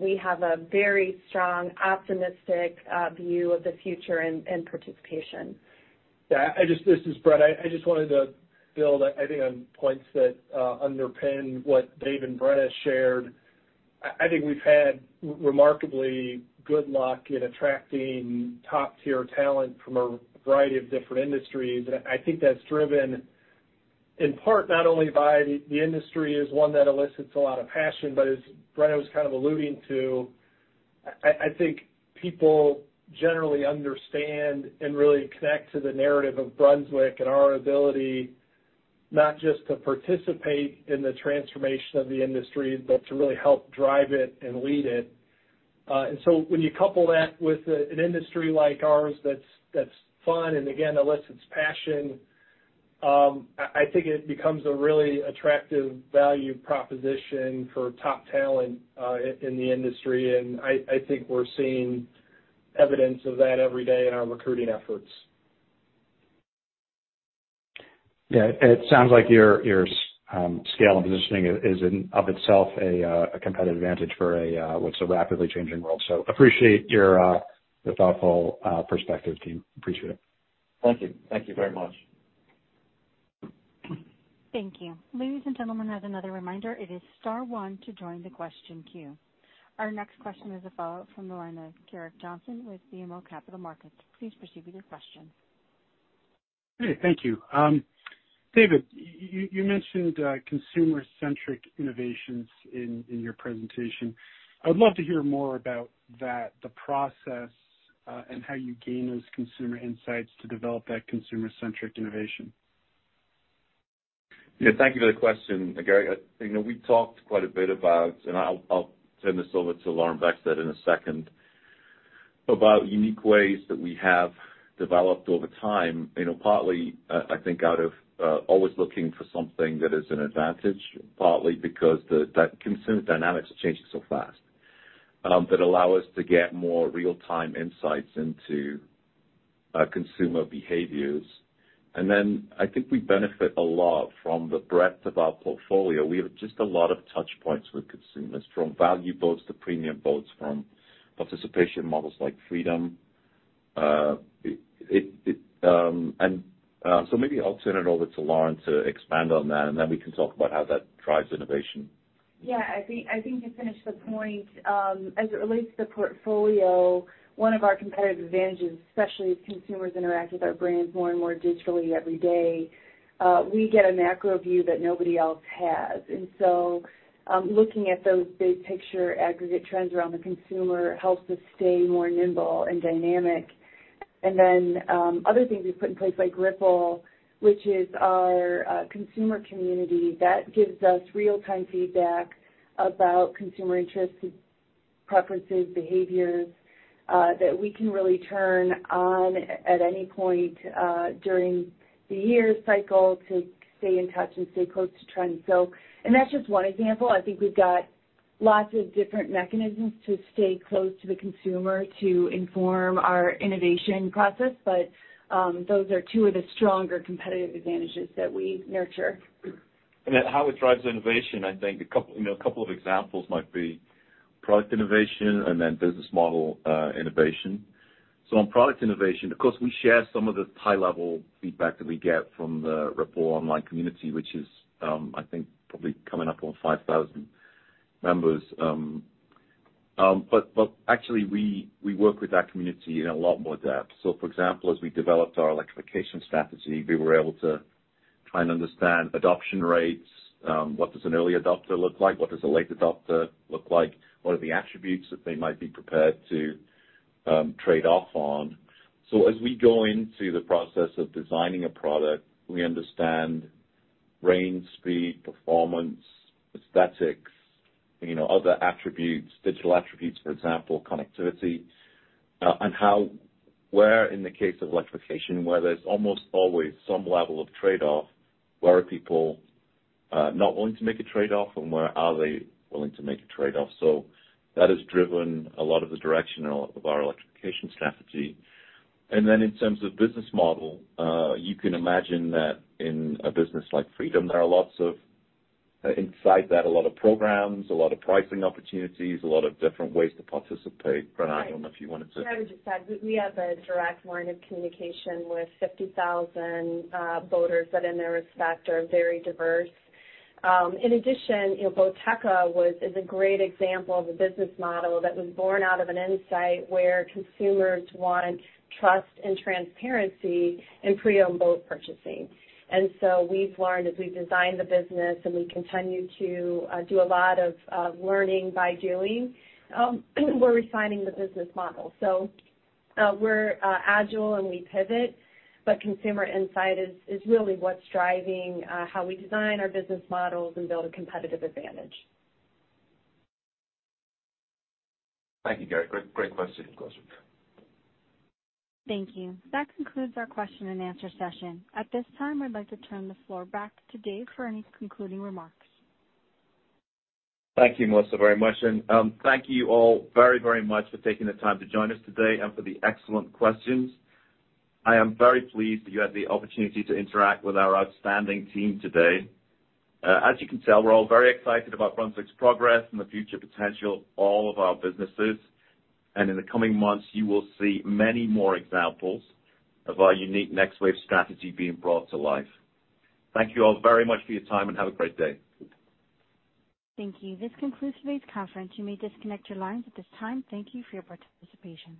We have a very strong, optimistic view of the future and participation. This is Brett. I just wanted to build, I think, on points that underpin what Dave and Brenna shared. I think we've had remarkably good luck in attracting top-tier talent from a variety of different industries. I think that's driven, in part, not only by the industry as one that elicits a lot of passion, but as Brenna was kind of alluding to, I think people generally understand and really connect to the narrative of Brunswick and our ability not just to participate in the transformation of the industry, but to really help drive it and lead it. When you couple that with an industry like ours that's fun and again elicits passion, I think it becomes a really attractive value proposition for top talent in the industry. I think we're seeing evidence of that every day in our recruiting efforts. Yeah. It sounds like your scale and positioning is in and of itself a competitive advantage in a rapidly changing world. Appreciate your thoughtful perspective, team. Appreciate it. Thank you. Thank you very much. Thank you. Ladies and gentlemen, as another reminder, it is star one to join the question queue. Our next question is a follow-up from the line of Gerrick Johnson with BMO Capital Markets. Please proceed with your question. Hey, thank you. Dave, you mentioned consumer-centric innovations in your presentation. I would love to hear more about that, the process, and how you gain those consumer insights to develop that consumer-centric innovation. Yeah. Thank you for the question, Garrick You know, we talked quite a bit about, and I'll turn this over to Lauren Beckstedt in a second, about unique ways that we have developed over time, you know, partly, I think out of always looking for something that is an advantage, partly because that consumer dynamics are changing so fast, that allow us to get more real-time insights into consumer behaviors. And then I think we benefit a lot from the breadth of our portfolio. We have just a lot of touch points with consumers, from value boats to premium boats, from participation models like Freedom. So maybe I'll turn it over to Lauren to expand on that, and then we can talk about how that drives innovation. Yeah. I think to finish the point, as it relates to portfolio, one of our competitive advantages, especially as consumers interact with our brands more and more digitally every day, we get a macro view that nobody else has. Looking at those big picture aggregate trends around the consumer helps us stay more nimble and dynamic. Other things we've put in place, like Ripple, which is our consumer community that gives us real-time feedback about consumer interests, preferences, behaviors, that we can really turn on at any point during the year cycle to stay in touch and stay close to trends. That's just one example. I think we've got lots of different mechanisms to stay close to the consumer to inform our innovation process. Those are two of the stronger competitive advantages that we nurture. Then how it drives innovation, I think a couple, you know, of examples might be product innovation and then business model innovation. On product innovation, of course, we share some of the high-level feedback that we get from the Ripple online community, which is, I think probably coming up on 5,000 members. But actually we work with that community in a lot more depth. For example, as we developed our electrification strategy, we were able to try and understand adoption rates, what does an early adopter look like? What does a late adopter look like? What are the attributes that they might be prepared to trade off on? As we go into the process of designing a product, we understand range, speed, performance, aesthetics, you know, other attributes, digital attributes, for example, connectivity. Where in the case of electrification, where there's almost always some level of trade-off, where are people not willing to make a trade-off, and where are they willing to make a trade-off? That has driven a lot of the direction and a lot of our electrification strategy. In terms of business model, you can imagine that in a business like Freedom, there are lots of inside that, a lot of programs, a lot of pricing opportunities, a lot of different ways to participate. Brenna, I don't know if you wanted to. I would just add, we have a direct line of communication with 50,000 boaters that in their respective, are very diverse. In addition, you know, Boateka is a great example of a business model that was born out of an insight where consumers want trust and transparency in pre-owned boat purchasing. We've learned as we've designed the business, and we continue to do a lot of learning by doing, we're refining the business model. We're agile and we pivot, but consumer insight is really what's driving how we design our business models and build a competitive advantage. Thank you, Gerrick. Great, great question. Of course. Thank you. That concludes our question and answer session. At this time, I'd like to turn the floor back to Dave for any concluding remarks. Thank you, Melissa, very much. Thank you all very, very much for taking the time to join us today and for the excellent questions. I am very pleased that you had the opportunity to interact with our outstanding team today. As you can tell, we're all very excited about Brunswick's progress and the future potential of all of our businesses. In the coming months, you will see many more examples of our unique Next Wave strategy being brought to life. Thank you all very much for your time, and have a great day. Thank you. This concludes today's conference. You may disconnect your lines at this time. Thank you for your participation.